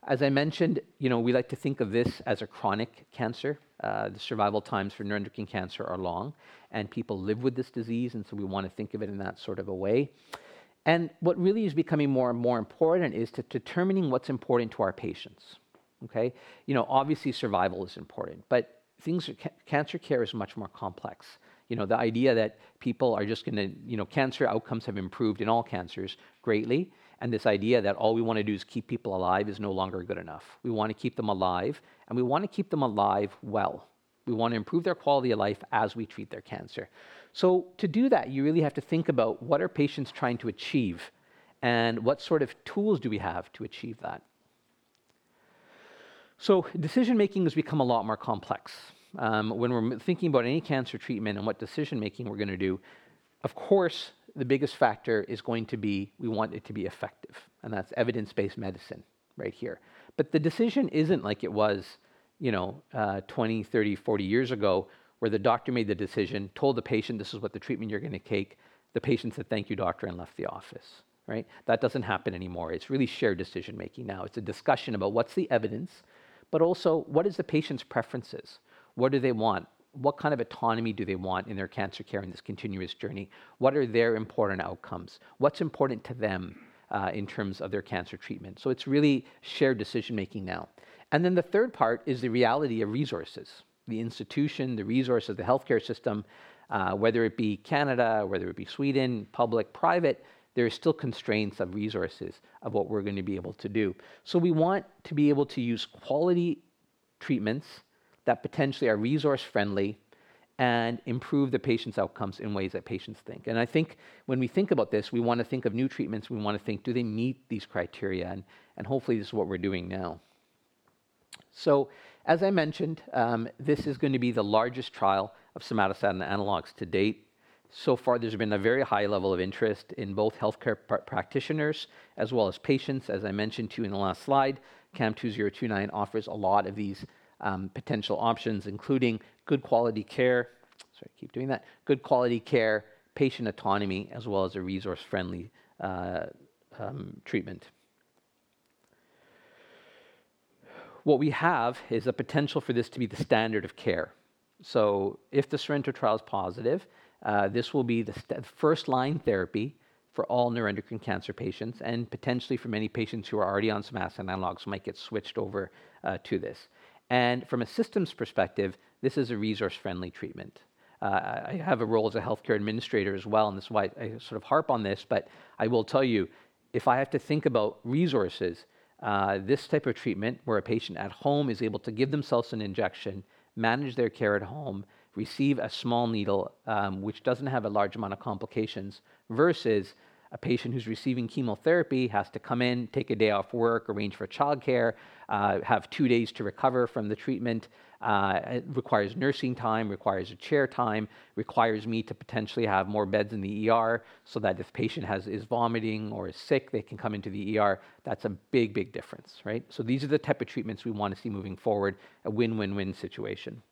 As I mentioned, you know, we like to think of this as a chronic cancer. The survival times for neuroendocrine cancer are long, and people live with this disease, and so we wanna think of it in that sort of a way. What really is becoming more and more important is determining what's important to our patients, okay? You know, obviously, survival is important, but cancer care is much more complex. You know, the idea that people are just gonna you know, cancer outcomes have improved in all cancers greatly, and this idea that all we wanna do is keep people alive is no longer good enough. We wanna keep them alive, and we wanna keep them alive well. We wanna improve their quality of life as we treat their cancer. To do that, you really have to think about what are patients trying to achieve, and what sort of tools do we have to achieve that? Decision-making has become a lot more complex. When we're thinking about any cancer treatment and what decision making we're gonna do, of course, the biggest factor is going to be we want it to be effective, and that's evidence-based medicine right here. The decision isn't like it was, you know, 20, 30, 40 years ago where the doctor made the decision, told the patient, "This is what the treatment you're gonna take," the patient said, "Thank you, doctor," and left the office, right? That doesn't happen anymore. It's really shared decision-making now. It's a discussion about what's the evidence, but also what is the patient's preferences? What do they want? What kind of autonomy do they want in their cancer care in this continuous journey? What are their important outcomes? What's important to them, in terms of their cancer treatment? It's really shared decision-making now. Then the third part is the reality of resources. The institution, the resources, the healthcare system, whether it be Canada, whether it be Sweden, public, private, there are still constraints of resources of what we're gonna be able to do. We want to be able to use quality treatments that potentially are resource-friendly and improve the patient's outcomes in ways that patients think. I think when we think about this, we wanna think of new treatments. We wanna think, do they meet these criteria? Hopefully this is what we're doing now. As I mentioned, this is gonna be the largest trial of somatostatin analogs to date. There's been a very high level of interest in both healthcare practitioners as well as patients, as I mentioned to you in the last slide. CAM2029 offers a lot of these potential options including good quality care, patient autonomy, as well as a resource-friendly treatment. What we have is a potential for this to be the standard of care. If the SORENTO trial is positive, this will be the first-line therapy for all neuroendocrine cancer patients and potentially for many patients who are already on somatostatin analogs might get switched over to this. From a systems perspective, this is a resource-friendly treatment. I have a role as a healthcare administrator as well, and this is why I sort of harp on this, but I will tell you, if I have to think about resources, this type of treatment where a patient at home is able to give themselves an injection, manage their care at home, receive a small needle, which doesn't have a large amount of complications versus a patient who's receiving chemotherapy has to come in, take a day off work, arrange for childcare, have two days to recover from the treatment, it requires nursing time, requires a chair time, requires me to potentially have more beds in the ER so that if patient is vomiting or is sick, they can come into the ER. That's a big difference, right? These are the type of treatments we wanna see moving forward, a win-win-win situation.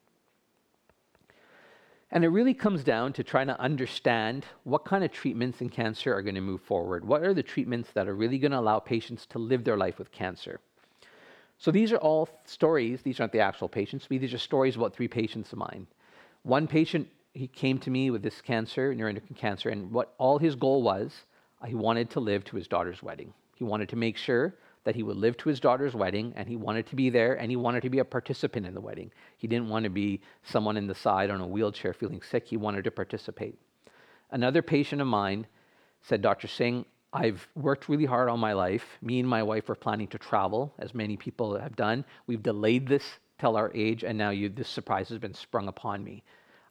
It really comes down to trying to understand what kind of treatments in cancer are gonna move forward. What are the treatments that are really gonna allow patients to live their life with cancer? These are all stories. These aren't the actual patients. These are stories about three patients of mine. One patient, he came to me with this cancer, neuroendocrine cancer, and what all his goal was, he wanted to live to his daughter's wedding. He wanted to make sure that he would live to his daughter's wedding, and he wanted to be there, and he wanted to be a participant in the wedding. He didn't want to be someone in the side on a wheelchair feeling sick. He wanted to participate. Another patient of mine said, "Dr. Singh, I've worked really hard all my life. Me and my wife are planning to travel, as many people have done. We've delayed this till our age, and now, this surprise has been sprung upon me.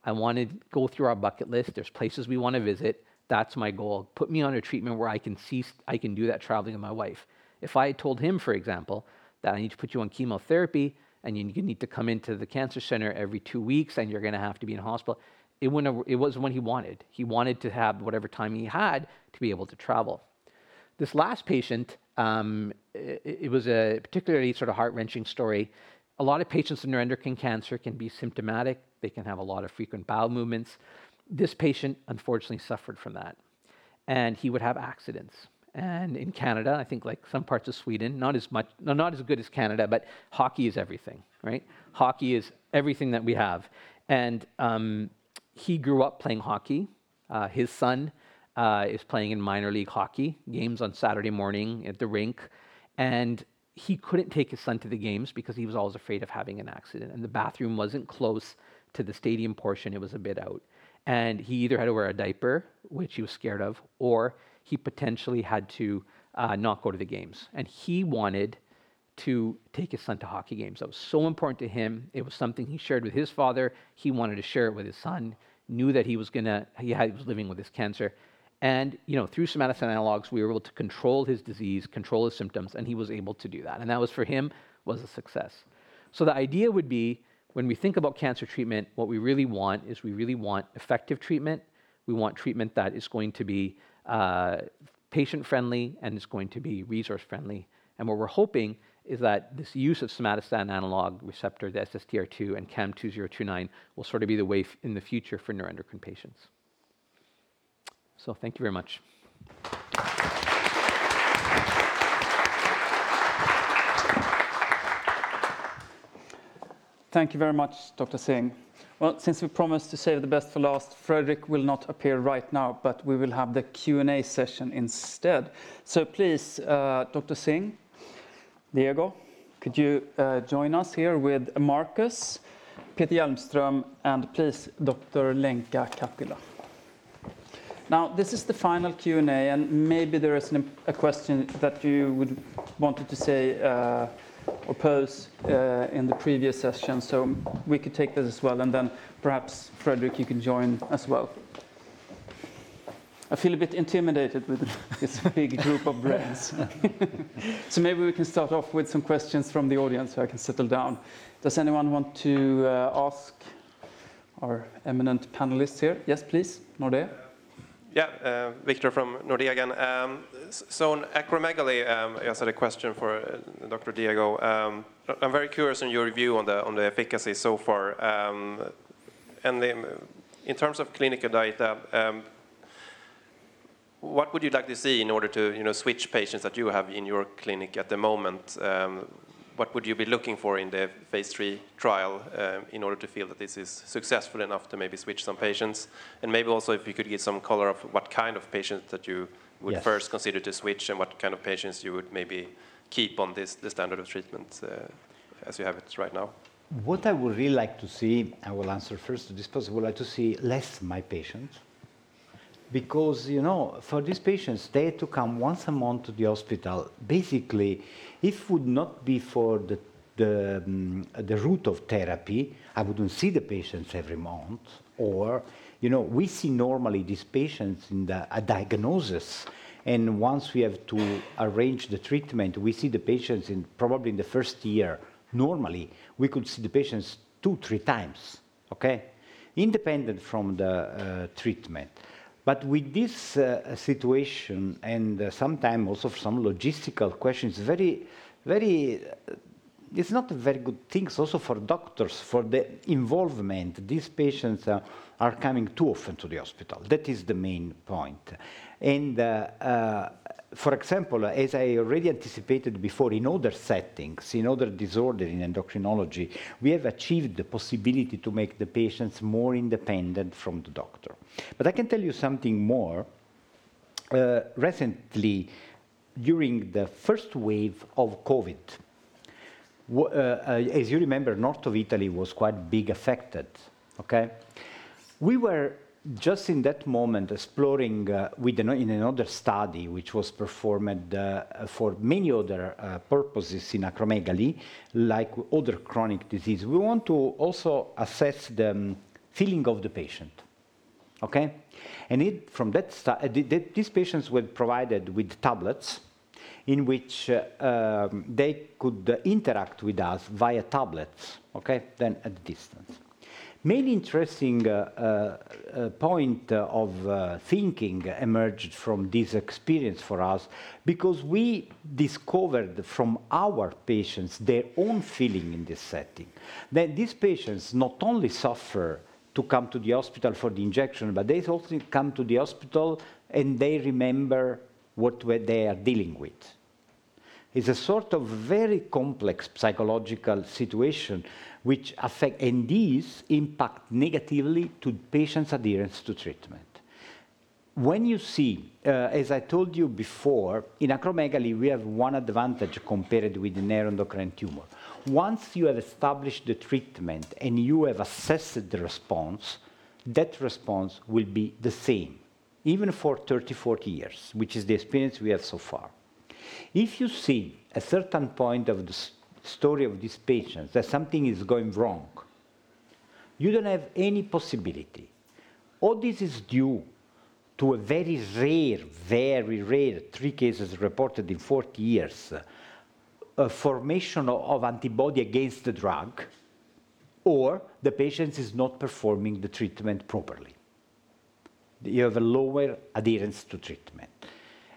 I wanna go through our bucket list. There's places we wanna visit. That's my goal. Put me on a treatment where I can see I can do that traveling with my wife. If I had told him, for example, that "I need to put you on chemotherapy, and you need to come into the cancer center every two weeks, and you're gonna have to be in a hospital," it wasn't what he wanted. He wanted to have whatever time he had to be able to travel. This last patient, it was a particularly sort of heart-wrenching story. A lot of patients in neuroendocrine cancer can be symptomatic. They can have a lot of frequent bowel movements. This patient unfortunately suffered from that, and he would have accidents. In Canada, I think like some parts of Sweden, not as good as Canada, but hockey is everything, right? Hockey is everything that we have. He grew up playing hockey. His son is playing in minor league hockey games on Saturday morning at the rink, and he couldn't take his son to the games because he was always afraid of having an accident, and the bathroom wasn't close to the stadium portion. It was a bit out. He either had to wear a diaper, which he was scared of, or he potentially had to not go to the games, and he wanted to take his son to hockey games. That was so important to him. It was something he shared with his father. He wanted to share it with his son, knew that he was living with this cancer. You know, through somatostatin analogs, we were able to control his disease, control his symptoms, and he was able to do that, and that was, for him, a success. The idea would be when we think about cancer treatment, what we really want is we really want effective treatment. We want treatment that is going to be patient-friendly, and it's going to be resource-friendly. What we're hoping is that this use of somatostatin analog receptor, the SSTR2 and CAM2029, will sort of be the way in the future for neuroendocrine patients. Thank you very much. Thank you very much, Dr. Singh. Since we promised to save the best for last, Fredrik will not appear right now, but we will have the Q&A session instead. Please, Dr. Singh, Diego, could you join us here with Markus, Peter Hjelmström, and please, Dr. Lenka Katila. Now, this is the final Q&A, and maybe there is a question that you would wanted to say or pose in the previous session, so we could take this as well, and then perhaps, Fredrik, you can join as well. I feel a bit intimidated with this big group of brains. Maybe we can start off with some questions from the audience, so I can settle down. Does anyone want to ask our eminent panelists here? Yes, please. Nordea. Yeah. Viktor from Nordea again. So on acromegaly, I just had a question for Dr. Diego. I'm very curious on your view on the efficacy so far. In terms of clinical data, what would you like to see in order to, you know, switch patients that you have in your clinic at the moment? What would you be looking for in the phase III trial, in order to feel that this is successful enough to maybe switch some patients? Maybe also if you could give some color of what kind of patients that you would first consider to switch and what kind of patients you would maybe keep on the standard of treatment, as you have it right now. What I would really like to see, I will answer first to this, because I would like to see less my patients. Because, you know, for these patients, they had to come once a month to the hospital. Basically, if would not be for the route of therapy, I wouldn't see the patients every month. Or, you know, we see normally these patients in a diagnosis, and once we have to arrange the treatment, we see the patients in probably in the first year. Normally, we could see the patients two, three times, okay? Independent from the treatment. With this situation and sometime also for some logistical questions, very, very. It's not a very good things also for doctors, for the involvement. These patients are coming too often to the hospital. That is the main point. For example, as I already anticipated before, in other settings, in other disorder in endocrinology, we have achieved the possibility to make the patients more independent from the doctor. I can tell you something more. Recently, during the first wave of COVID, as you remember, north of Italy was quite big affected, okay? We were just in that moment exploring, in another study, which was performed, for many other purposes in acromegaly, like other chronic disease. We want to also assess the feeling of the patient, okay? These patients were provided with tablets in which, they could interact with us via tablets, okay? Then at a distance. main interesting point that emerged from this experience for us because we discovered from our patients their own feeling in this setting, that these patients not only suffer to come to the hospital for the injection, but they also come to the hospital, and they remember what they are dealing with. It's a sort of very complex psychological situation which affect and this impact negatively to patients' adherence to treatment. When you see, as I told you before, in acromegaly, we have one advantage compared with neuroendocrine tumor. Once you have established the treatment and you have assessed the response, that response will be the same, even for 30, 40 years, which is the experience we have so far. If you see a certain point of the story of this patient that something is going wrong, you don't have any possibility. All this is due to a very rare, three cases reported in 40 years, a formation of antibody against the drug, or the patients is not performing the treatment properly. You have a lower adherence to treatment.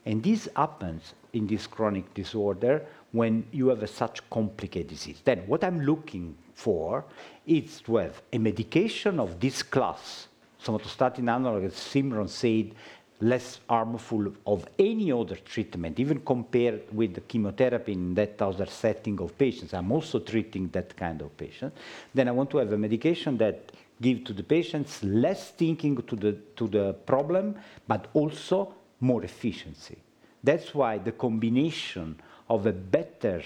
This happens in this chronic disorder when you have a such complicated disease. What I'm looking for is to have a medication of this class, somatostatin analog, as Simron said, less harmful of any other treatment, even compared with the chemotherapy in that other setting of patients. I'm also treating that kind of patient. I want to have a medication that give to the patients less thinking to the problem, but also more efficiency. That's why the combination of a better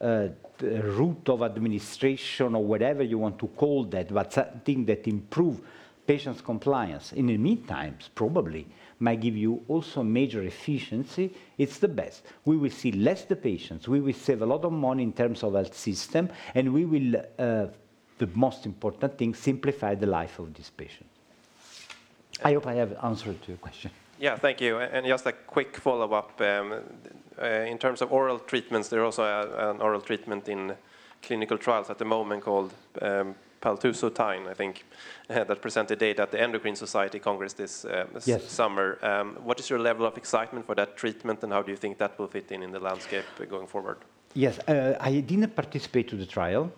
route of administration or whatever you want to call that, but something that improve patients' compliance, in the meantime, probably, might give you also major efficiency. It's the best. We will see less the patients, we will save a lot of money in terms of health system, and we will, the most important thing, simplify the life of this patient. I hope I have answered your question. Yeah. Thank you. Just a quick follow-up. In terms of oral treatments, there are also an oral treatment in clinical trials at the moment called paltusotine, I think, that presented data at the Endocrine Society Congress this summer. Yes. What is your level of excitement for that treatment, and how do you think that will fit in the landscape going forward? Yes. I didn't participate to the trial,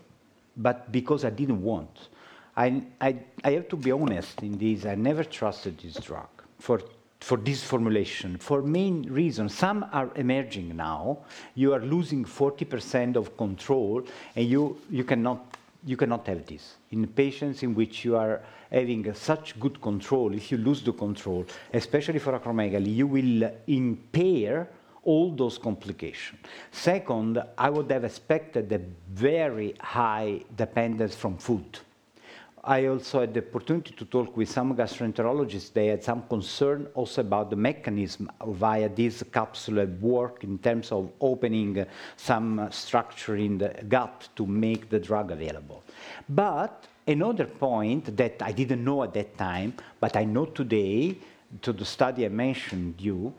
but because I didn't want. I have to be honest in this, I never trusted this drug for this formulation, for main reasons. Some are emerging now. You are losing 40% of control, and you cannot have this. In patients in which you are having such good control, if you lose the control, especially for acromegaly, you will impair all those complications. Second, I would have expected a very high dependence from food. I also had the opportunity to talk with some gastroenterologists. They had some concern also about the mechanism via this capsule at work in terms of opening some structure in the gut to make the drug available. Another point that I didn't know at that time, but I know today, to the study I mentioned you,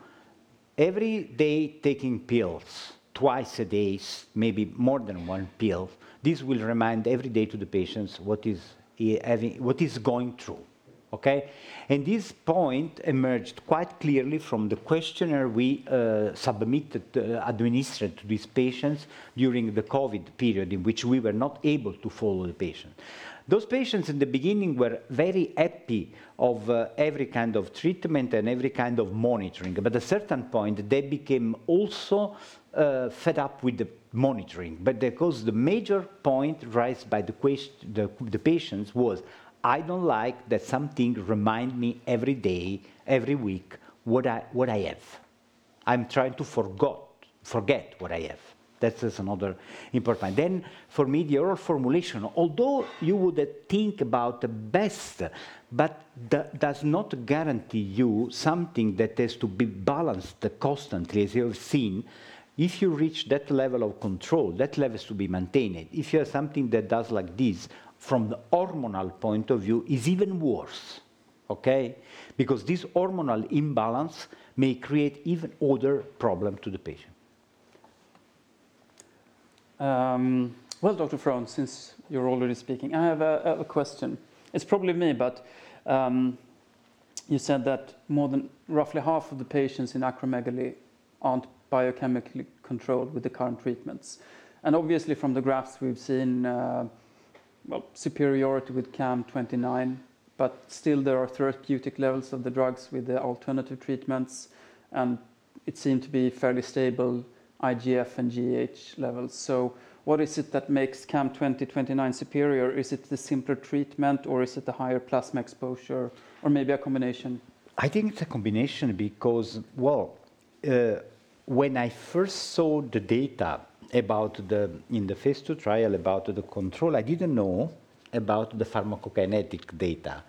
every day taking pills twice a day, maybe more than one pill, this will remind every day to the patients what he's going through, okay? This point emerged quite clearly from the questionnaire we submitted, administered to these patients during the COVID period in which we were not able to follow the patient. Those patients in the beginning were very happy of every kind of treatment and every kind of monitoring. A certain point, they became also fed up with the monitoring. Because the major point raised by the patients was, "I don't like that something remind me every day, every week what I have. I'm trying to forget what I have. That is another important. For me the overall formulation, although you would think about the best, but that does not guarantee you something that has to be balanced constantly as you have seen. If you reach that level of control, that level is to be maintained. If you have something that does like this, from the hormonal point of view is even worse, okay? Because this hormonal imbalance may create even other problem to the patient. Dr. Ferone, since you're already speaking, I have a question. It's probably me, but you said that more than roughly half of the patients in acromegaly aren't biochemically controlled with the current treatments. Obviously from the graphs we've seen, superiority with CAM2029, but still there are therapeutic levels of the drugs with the alternative treatments, and it seemed to be fairly stable IGF and GH levels. What is it that makes CAM2029 superior? Is it the simpler treatment or is it the higher plasma exposure or maybe a combination? I think it's a combination because, well, when I first saw the data about in the phase II trial about the control, I didn't know about the pharmacokinetic data.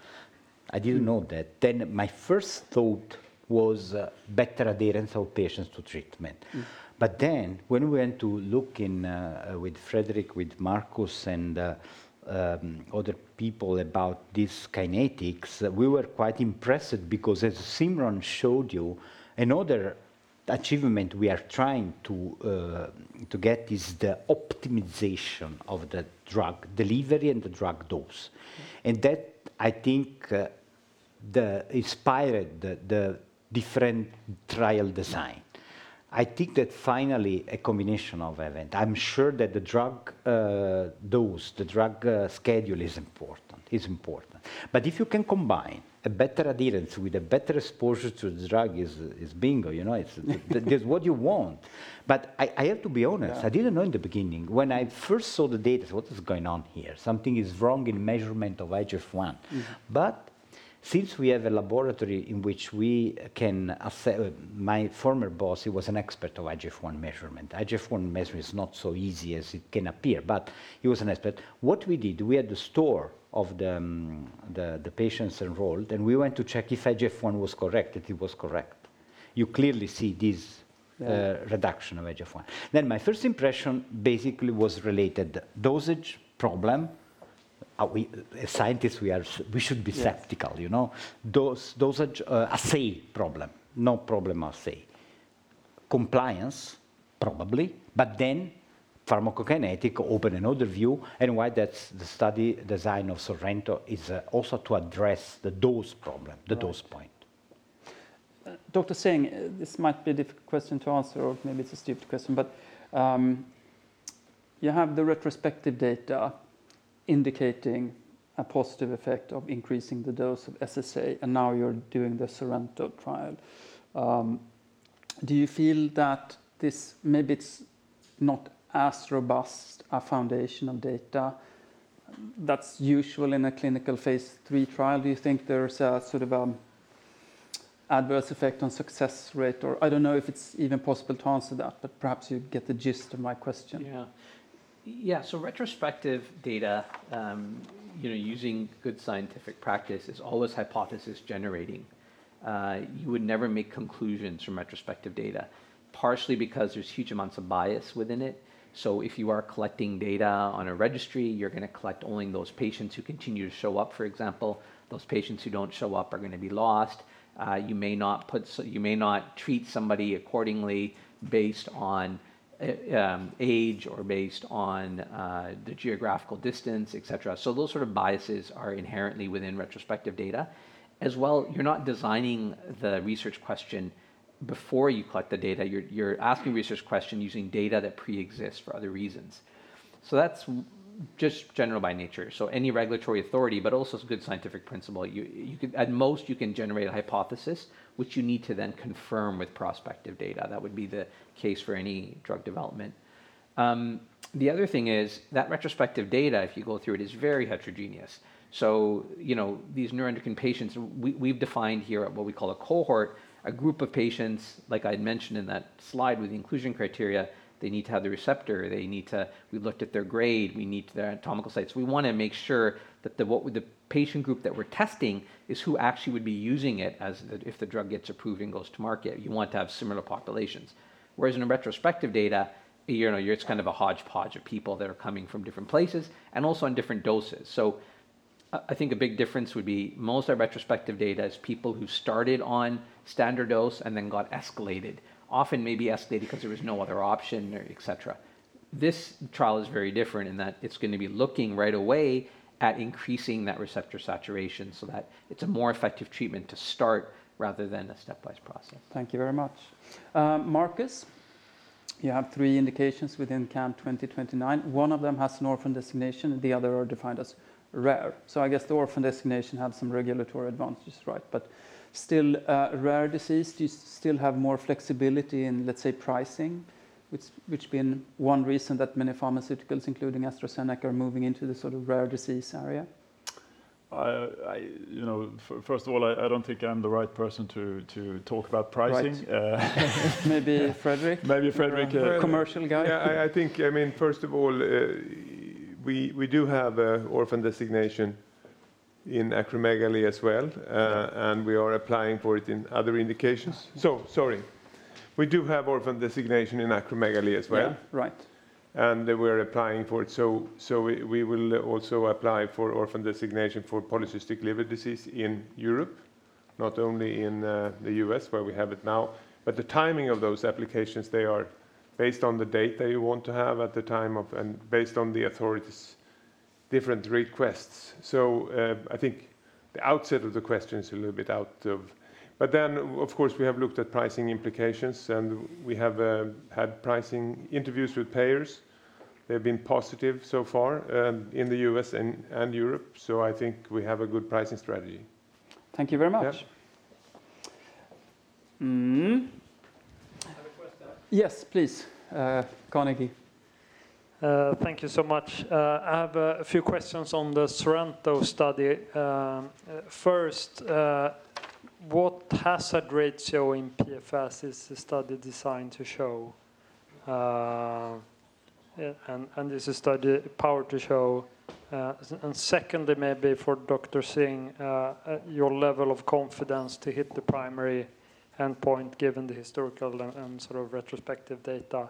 I didn't know that. My first thought was, better adherence of patients to treatment. But then when we went to look in, with Fredrik, with Markus and, other people about this kinetics, we were quite impressed because as Simron showed you, another achievement we are trying to get is the optimization of the drug delivery and the drug dose. And that I think, the inspired the different trial design. I think that finally a combination of event. I'm sure that the drug, dose, the drug, schedule is important. Is important. But if you can combine a better adherence with a better exposure to the drug is, bingo. You know, that's what you want. I have to be honest. Yeah. I didn't know in the beginning. When I first saw the data, I said, "What is going on here? Something is wrong in measurement of IGF-1. Mm. Since we have a laboratory in which we can assess. My former boss, he was an expert of IGF-1 measurement. IGF-1 measurement is not so easy as it can appear, but he was an expert. What we did, we had the scores of the patients enrolled, and we went to check if IGF-1 was correct. If it was correct. You clearly see this. Yeah Reduction of IGF-1. My first impression basically was related dosage problem. As scientists we should be skeptical, you know. Dose, dosage, assay problem. No problem assay. Compliance, probably, but pharmacokinetic open another view and why that's the study design of SORENTO is also to address the dose problem. Right. The dose point. Dr. Singh, this might be a difficult question to answer or maybe it's a stupid question, but you have the retrospective data indicating a positive effect of increasing the dose of SSA, and now you're doing the SORENTO trial. Do you feel that this maybe it's not as robust a foundation of data that's usual in a clinical phase III trial? Do you think there's a sort of adverse effect on success rate? Or I don't know if it's even possible to answer that, but perhaps you get the gist of my question. Yeah. Yeah. Retrospective data, you know, using good scientific practice is always hypothesis generating. You would never make conclusions from retrospective data, partially because there's huge amounts of bias within it. If you are collecting data on a registry, you're gonna collect only those patients who continue to show up, for example. Those patients who don't show up are gonna be lost. You may not treat somebody accordingly based on age or based on the geographical distance, et cetera. Those sort of biases are inherently within retrospective data. As well, you're not designing the research question before you collect the data. You're asking research question using data that preexists for other reasons. That's just general by nature. Any regulatory authority, but also it's good scientific principle. At most, you can generate a hypothesis, which you need to then confirm with prospective data. That would be the case for any drug development. The other thing is that retrospective data, if you go through it, is very heterogeneous. You know, these neuroendocrine patients, we've defined here what we call a cohort, a group of patients, like I'd mentioned in that slide with inclusion criteria, they need to have the receptor. We looked at their grade, we need their anatomical sites. We wanna make sure that what would the patient group that we're testing is who actually would be using it if the drug gets approved and goes to market. You want to have similar populations. Whereas in retrospective data, you know, it's kind of a hodgepodge of people that are coming from different places and also on different doses. I think a big difference would be most of our retrospective data is people who started on standard dose and then got escalated. Often maybe escalated 'cause there was no other option or et cetera. This trial is very different in that it's gonna be looking right away at increasing that receptor saturation so that it's a more effective treatment to start rather than a stepwise process. Thank you very much. Markus, you have three indications within CAM2029. One of them has an orphan designation, the other are defined as rare. I guess the orphan designation have some regulatory advantages, right. But still, rare disease, do you still have more flexibility in, let's say, pricing? Which has been one reason that many pharmaceuticals, including AstraZeneca, are moving into the sort of rare disease area. You know, first of all, I don't think I'm the right person to talk about pricing. Maybe Fredrik. Maybe Fredrik. Commercial guy. Yeah, I think, I mean, first of all, we do have an orphan designation in acromegaly as well, and we are applying for it in other indications. Sorry. We do have orphan designation in acromegaly as well. Yeah, right. We're applying for it. We will also apply for orphan designation for polycystic liver disease in Europe, not only in the U.S. Where we have it now. The timing of those applications, they are based on the data you want to have at the time of and based on the authorities' different requests. I think the outset of the question is a little bit out of. Of course, we have looked at pricing implications and we have had pricing interviews with payers. They've been positive so far in the U.S. and Europe. I think we have a good pricing strategy. Thank you very much. Yeah. Mm. I have a question. Yes, please. Carnegie. Thank you so much. I have a few questions on the SORENTO study. First, what hazard ratio in PFS is the study designed to show? Is the study powered to show? Secondly, maybe for Dr. Singh, your level of confidence to hit the primary endpoint given the historical and sort of retrospective data.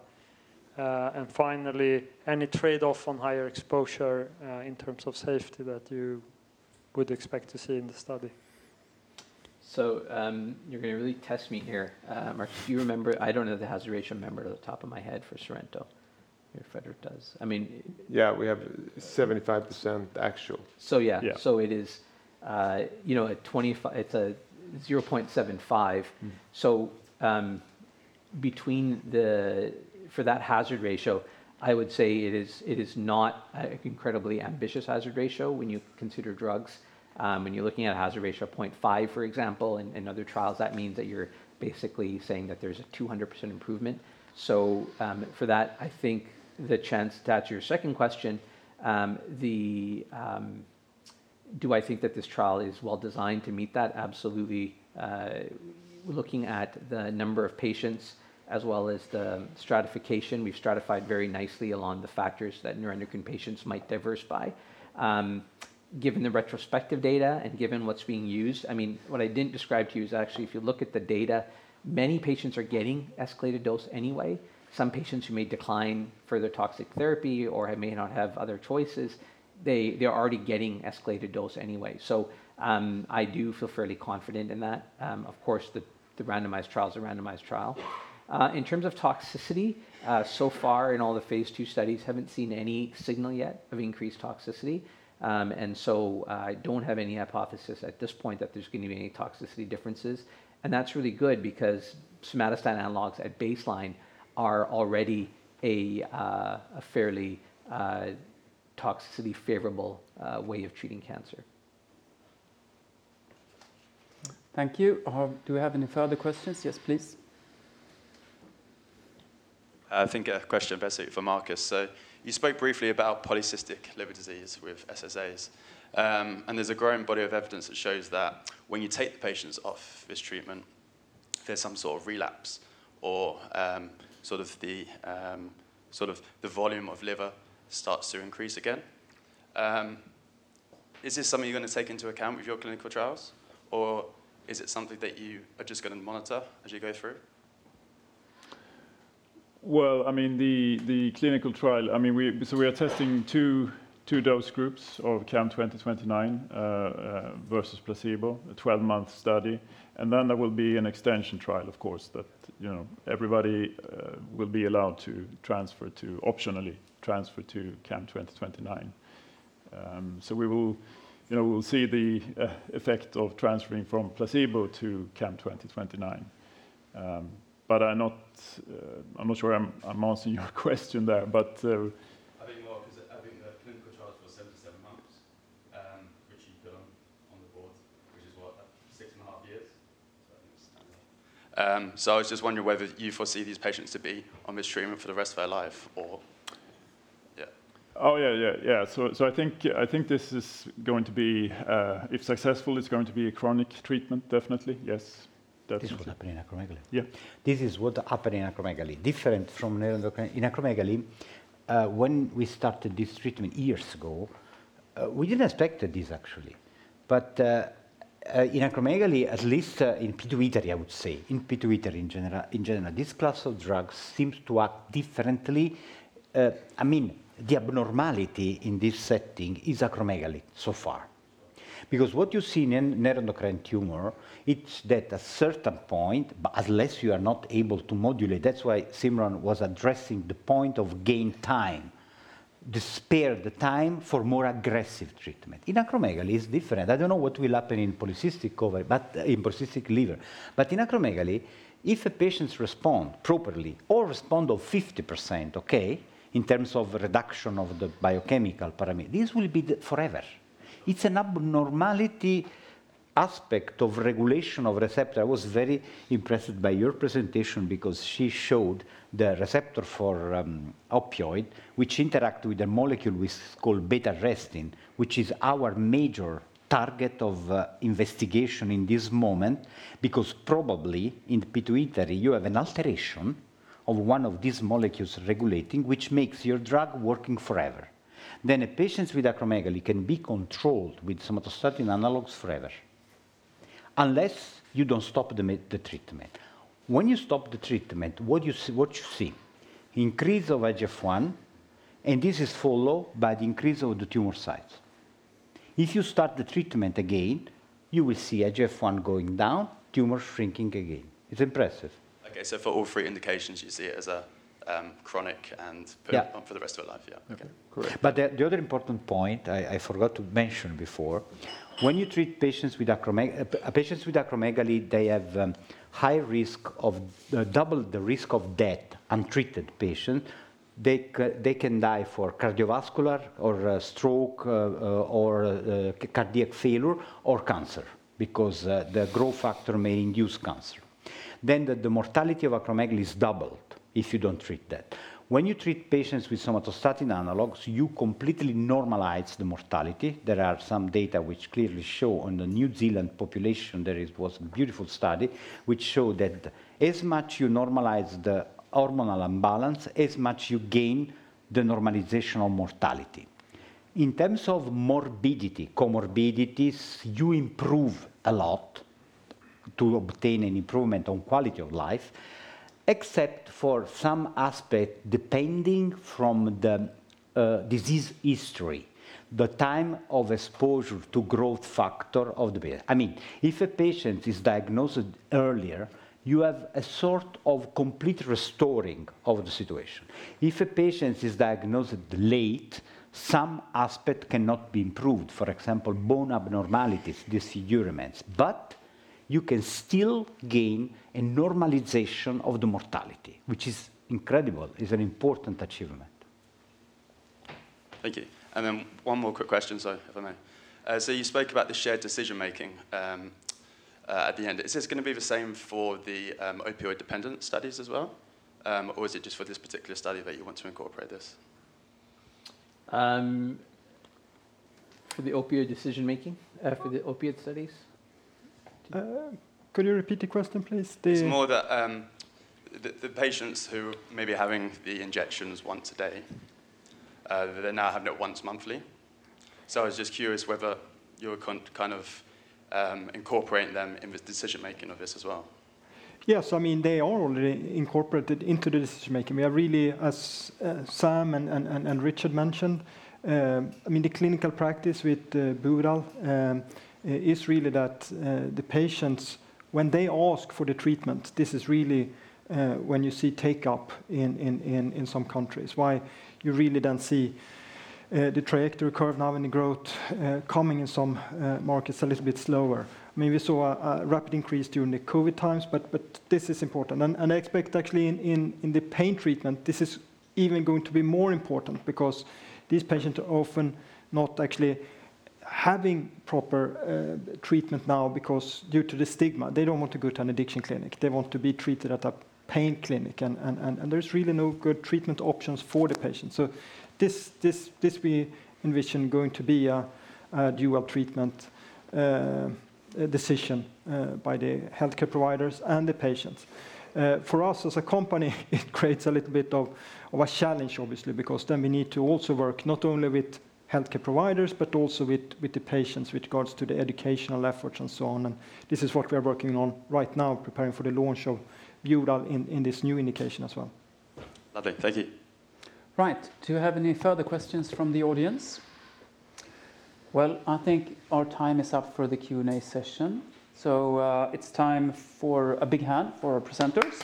Finally, any trade-off on higher exposure in terms of safety that you would expect to see in the study? You're gonna really test me here, or if you remember, I don't know the hazard ratio remember off the top of my head for SORENTO. Maybe Fredrik does. I mean- Yeah, we have 75% actual. Yeah. Yeah. It is, you know, at 25 it's 0.75. For that hazard ratio, I would say it is not an incredibly ambitious hazard ratio when you consider drugs. When you're looking at a hazard ratio of 0.5, for example, in other trials, that means that you're basically saying that there's a 200% improvement. For that, I think the chance to add to your second question, do I think that this trial is well designed to meet that? Absolutely. Looking at the number of patients as well as the stratification, we've stratified very nicely along the factors that neuroendocrine patients might diversify. Given the retrospective data and given what's being used, I mean, what I didn't describe to you is actually if you look at the data, many patients are getting escalated dose anyway. Some patients who may decline further toxic therapy or may not have other choices, they're already getting escalated dose anyway. I do feel fairly confident in that. Of course, the randomized trial is a randomized trial. In terms of toxicity, so far in all the phase II studies haven't seen any signal yet of increased toxicity. I don't have any hypothesis at this point that there's gonna be any toxicity differences. That's really good because somatostatin analogs at baseline are already a fairly toxicity favorable way of treating cancer. Thank you. Do we have any further questions? Yes, please. I think a question basically for Markus. You spoke briefly about polycystic liver disease with SSAs. There's a growing body of evidence that shows that when you take the patients off this treatment, there's some sort of relapse or sort of the volume of liver starts to increase again. Is this something you're gonna take into account with your clinical trials, or is it something that you are just gonna monitor as you go through? Well, I mean, the clinical trial, I mean, we are testing two dose groups of CAM2029 versus placebo, a 12-month study. Then there will be an extension trial, of course, that you know everybody will be allowed to optionally transfer to CAM2029. We will, you know, we'll see the effect of transferring from placebo to CAM2029. But I'm not sure I'm answering your question there, but. I think, well, 'cause I think the clinical trial is for 77 months, which you've done on the board, which is what? Six and a half years. I think it's standard. I was just wondering whether you foresee these patients to be on this treatment for the rest of their life or yeah. Oh, yeah. I think this is going to be, if successful, it's going to be a chronic treatment, definitely. Yes. Definitely. This is what happened in acromegaly. Yeah. This is what happened in acromegaly. Different from neuroendocrine. In acromegaly, when we started this treatment years ago, we didn't expect this actually. In acromegaly, at least, in pituitary I would say, in pituitary in general, this class of drugs seems to act differently. I mean, the abnormality in this setting is acromegaly so far. Because what you see in neuroendocrine tumor, it's that a certain point, but unless you are not able to modulate, that's why Simron was addressing the point of gain time to spare the time for more aggressive treatment. In acromegaly, it's different. I don't know what will happen in polycystic ovary, but in polycystic liver. In acromegaly, if the patients respond properly or respond of 50%, okay, in terms of reduction of the biochemical parameter, this will be the forever. It's an abnormality. Aspect of regulation of receptor. I was very impressed by your presentation because she showed the receptor for opioid which interact with the molecule which is called β-arrestin, which is our major target of investigation in this moment. Because probably in pituitary you have an alteration of one of these molecules regulating, which makes your drug working forever. Patients with acromegaly can be controlled with somatostatin analogs forever, unless you don't stop the treatment. When you stop the treatment, what you see? Increase of IGF-1, and this is followed by the increase of the tumor size. If you start the treatment again, you will see IGF-1 going down, tumor shrinking again. It's impressive. Okay. For all three indications, you see it as a, chronic and- Yeah for the rest of your life. Yeah. Okay, great. The other important point I forgot to mention before, when you treat patients with acromegaly, they have high risk of double the risk of death, untreated patient. They can die from cardiovascular or stroke or cardiac failure or cancer because the growth factor may induce cancer. The mortality of acromegaly is doubled if you don't treat that. When you treat patients with somatostatin analogs, you completely normalize the mortality. There are some data which clearly show in the New Zealand population, there was a beautiful study which showed that as much you normalize the hormonal imbalance, as much you gain the normalization of mortality. In terms of morbidity, comorbidities, you improve a lot to obtain an improvement on quality of life, except for some aspect, depending from the disease history, the time of exposure to growth factor of the patient. I mean, if a patient is diagnosed earlier, you have a sort of complete restoring of the situation. If a patient is diagnosed late, some aspect cannot be improved. For example, bone abnormalities, disfigurements. You can still gain a normalization of the mortality, which is incredible. It's an important achievement. Thank you. One more quick question, so if I may. You spoke about the shared decision-making at the end. Is this gonna be the same for the opioid dependent studies as well? Is it just for this particular study that you want to incorporate this? For the opioid decision-making? For the opioid studies? Could you repeat the question, please? It's more that the patients who may be having the injections once a day, they're now having it once monthly. I was just curious whether you were kind of incorporating them in the decision-making of this as well. Yes. I mean, they are already incorporated into the decision-making. We are really, as Sam and Richard mentioned, I mean, the clinical practice with Buvidal is really that the patients, when they ask for the treatment, this is really when you see take-up in some countries. Why you really don't see the trajectory curve now in the growth coming in some markets a little bit slower. I mean, we saw a rapid increase during the COVID times, but this is important. I expect actually in the pain treatment, this is even going to be more important because these patients are often not actually having proper treatment now because due to the stigma. They don't want to go to an addiction clinic. They want to be treated at a pain clinic. There's really no good treatment options for the patient. This we envision going to be a dual treatment decision by the healthcare providers and the patients. For us as a company, it creates a little bit of a challenge obviously, because then we need to also work not only with healthcare providers, but also with the patients with regards to the educational efforts and so on. This is what we are working on right now, preparing for the launch of Buvidal in this new indication as well. Lovely. Thank you. Right. Do you have any further questions from the audience? Well, I think our time is up for the Q&A session, so it's time for a big hand for our presenters.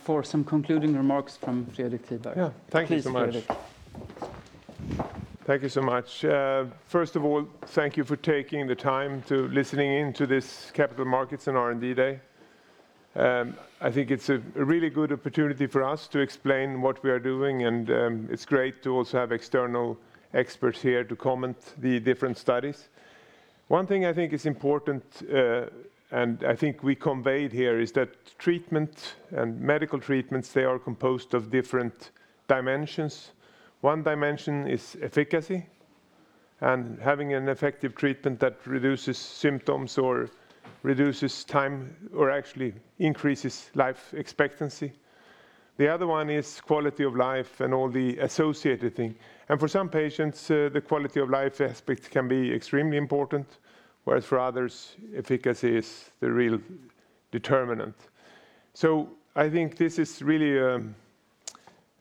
For some concluding remarks from Fredrik Tiberg. Yeah. Thank you so much. Please, Fredrik. Thank you so much. First of all, thank you for taking the time to listen in to this capital markets and R&D day. I think it's a really good opportunity for us to explain what we are doing and it's great to also have external experts here to comment on the different studies. One thing I think is important and I think we conveyed here is that treatment and medical treatments, they are composed of different dimensions. One dimension is efficacy and having an effective treatment that reduces symptoms or reduces time or actually increases life expectancy. The other one is quality of life and all the associated thing. For some patients, the quality of life aspect can be extremely important, whereas for others, efficacy is the real determinant. I think this is really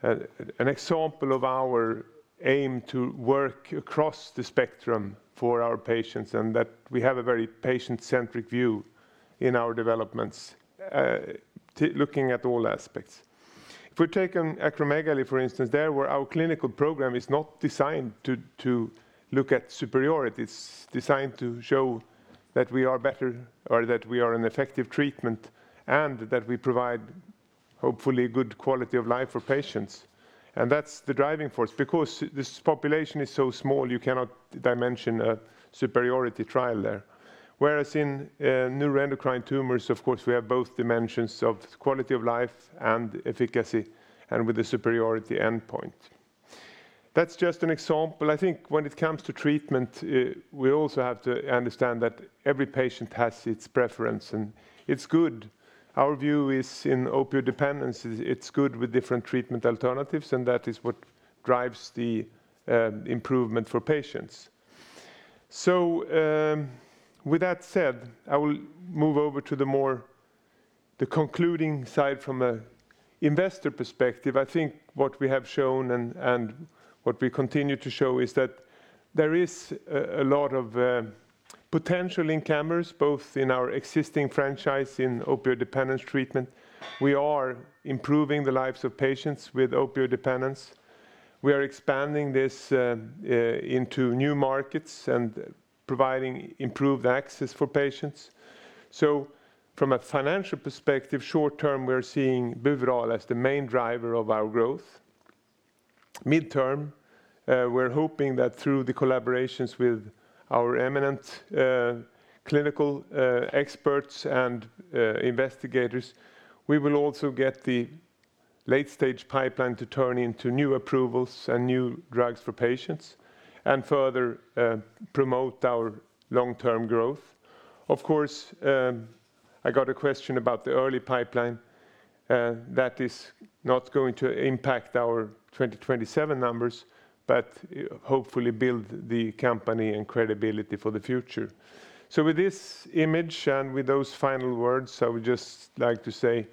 an example of our aim to work across the spectrum for our patients and that we have a very patient-centric view in our developments looking at all aspects. If we take acromegaly, for instance, there where our clinical program is not designed to look at superiority. It's designed to show that we are better or that we are an effective treatment and that we provide Hopefully good quality of life for patients. That's the driving force. Because this population is so small, you cannot dimension a superiority trial there. Whereas in neuroendocrine tumors, of course, we have both dimensions of quality of life and efficacy and with the superiority endpoint. That's just an example. I think when it comes to treatment, we also have to understand that every patient has its preference, and it's good. Our view is in opioid dependence, it's good with different treatment alternatives, and that is what drives the improvement for patients. With that said, I will move over to the concluding side from a investor perspective. I think what we have shown and what we continue to show is that there is a lot of potential in Camurus, both in our existing franchise in opioid dependence treatment. We are improving the lives of patients with opioid dependence. We are expanding this into new markets and providing improved access for patients. From a financial perspective, short term, we're seeing Buvidal as the main driver of our growth. Midterm, we're hoping that through the collaborations with our eminent clinical experts and investigators, we will also get the late-stage pipeline to turn into new approvals and new drugs for patients and further promote our long-term growth. Of course, I got a question about the early pipeline that is not going to impact our 2027 numbers, but hopefully build the company and credibility for the future. With this image and with those final words, I would just like to say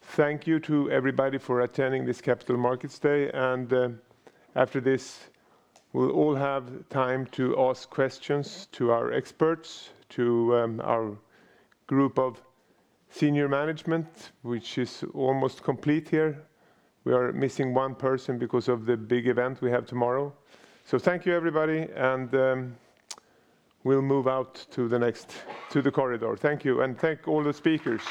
thank you to everybody for attending this Capital Markets Day. After this, we'll all have time to ask questions to our experts, our group of senior management, which is almost complete here. We are missing one person because of the big event we have tomorrow. Thank you, everybody, and we'll move out to the next, the corridor. Thank you, and thank all the speakers.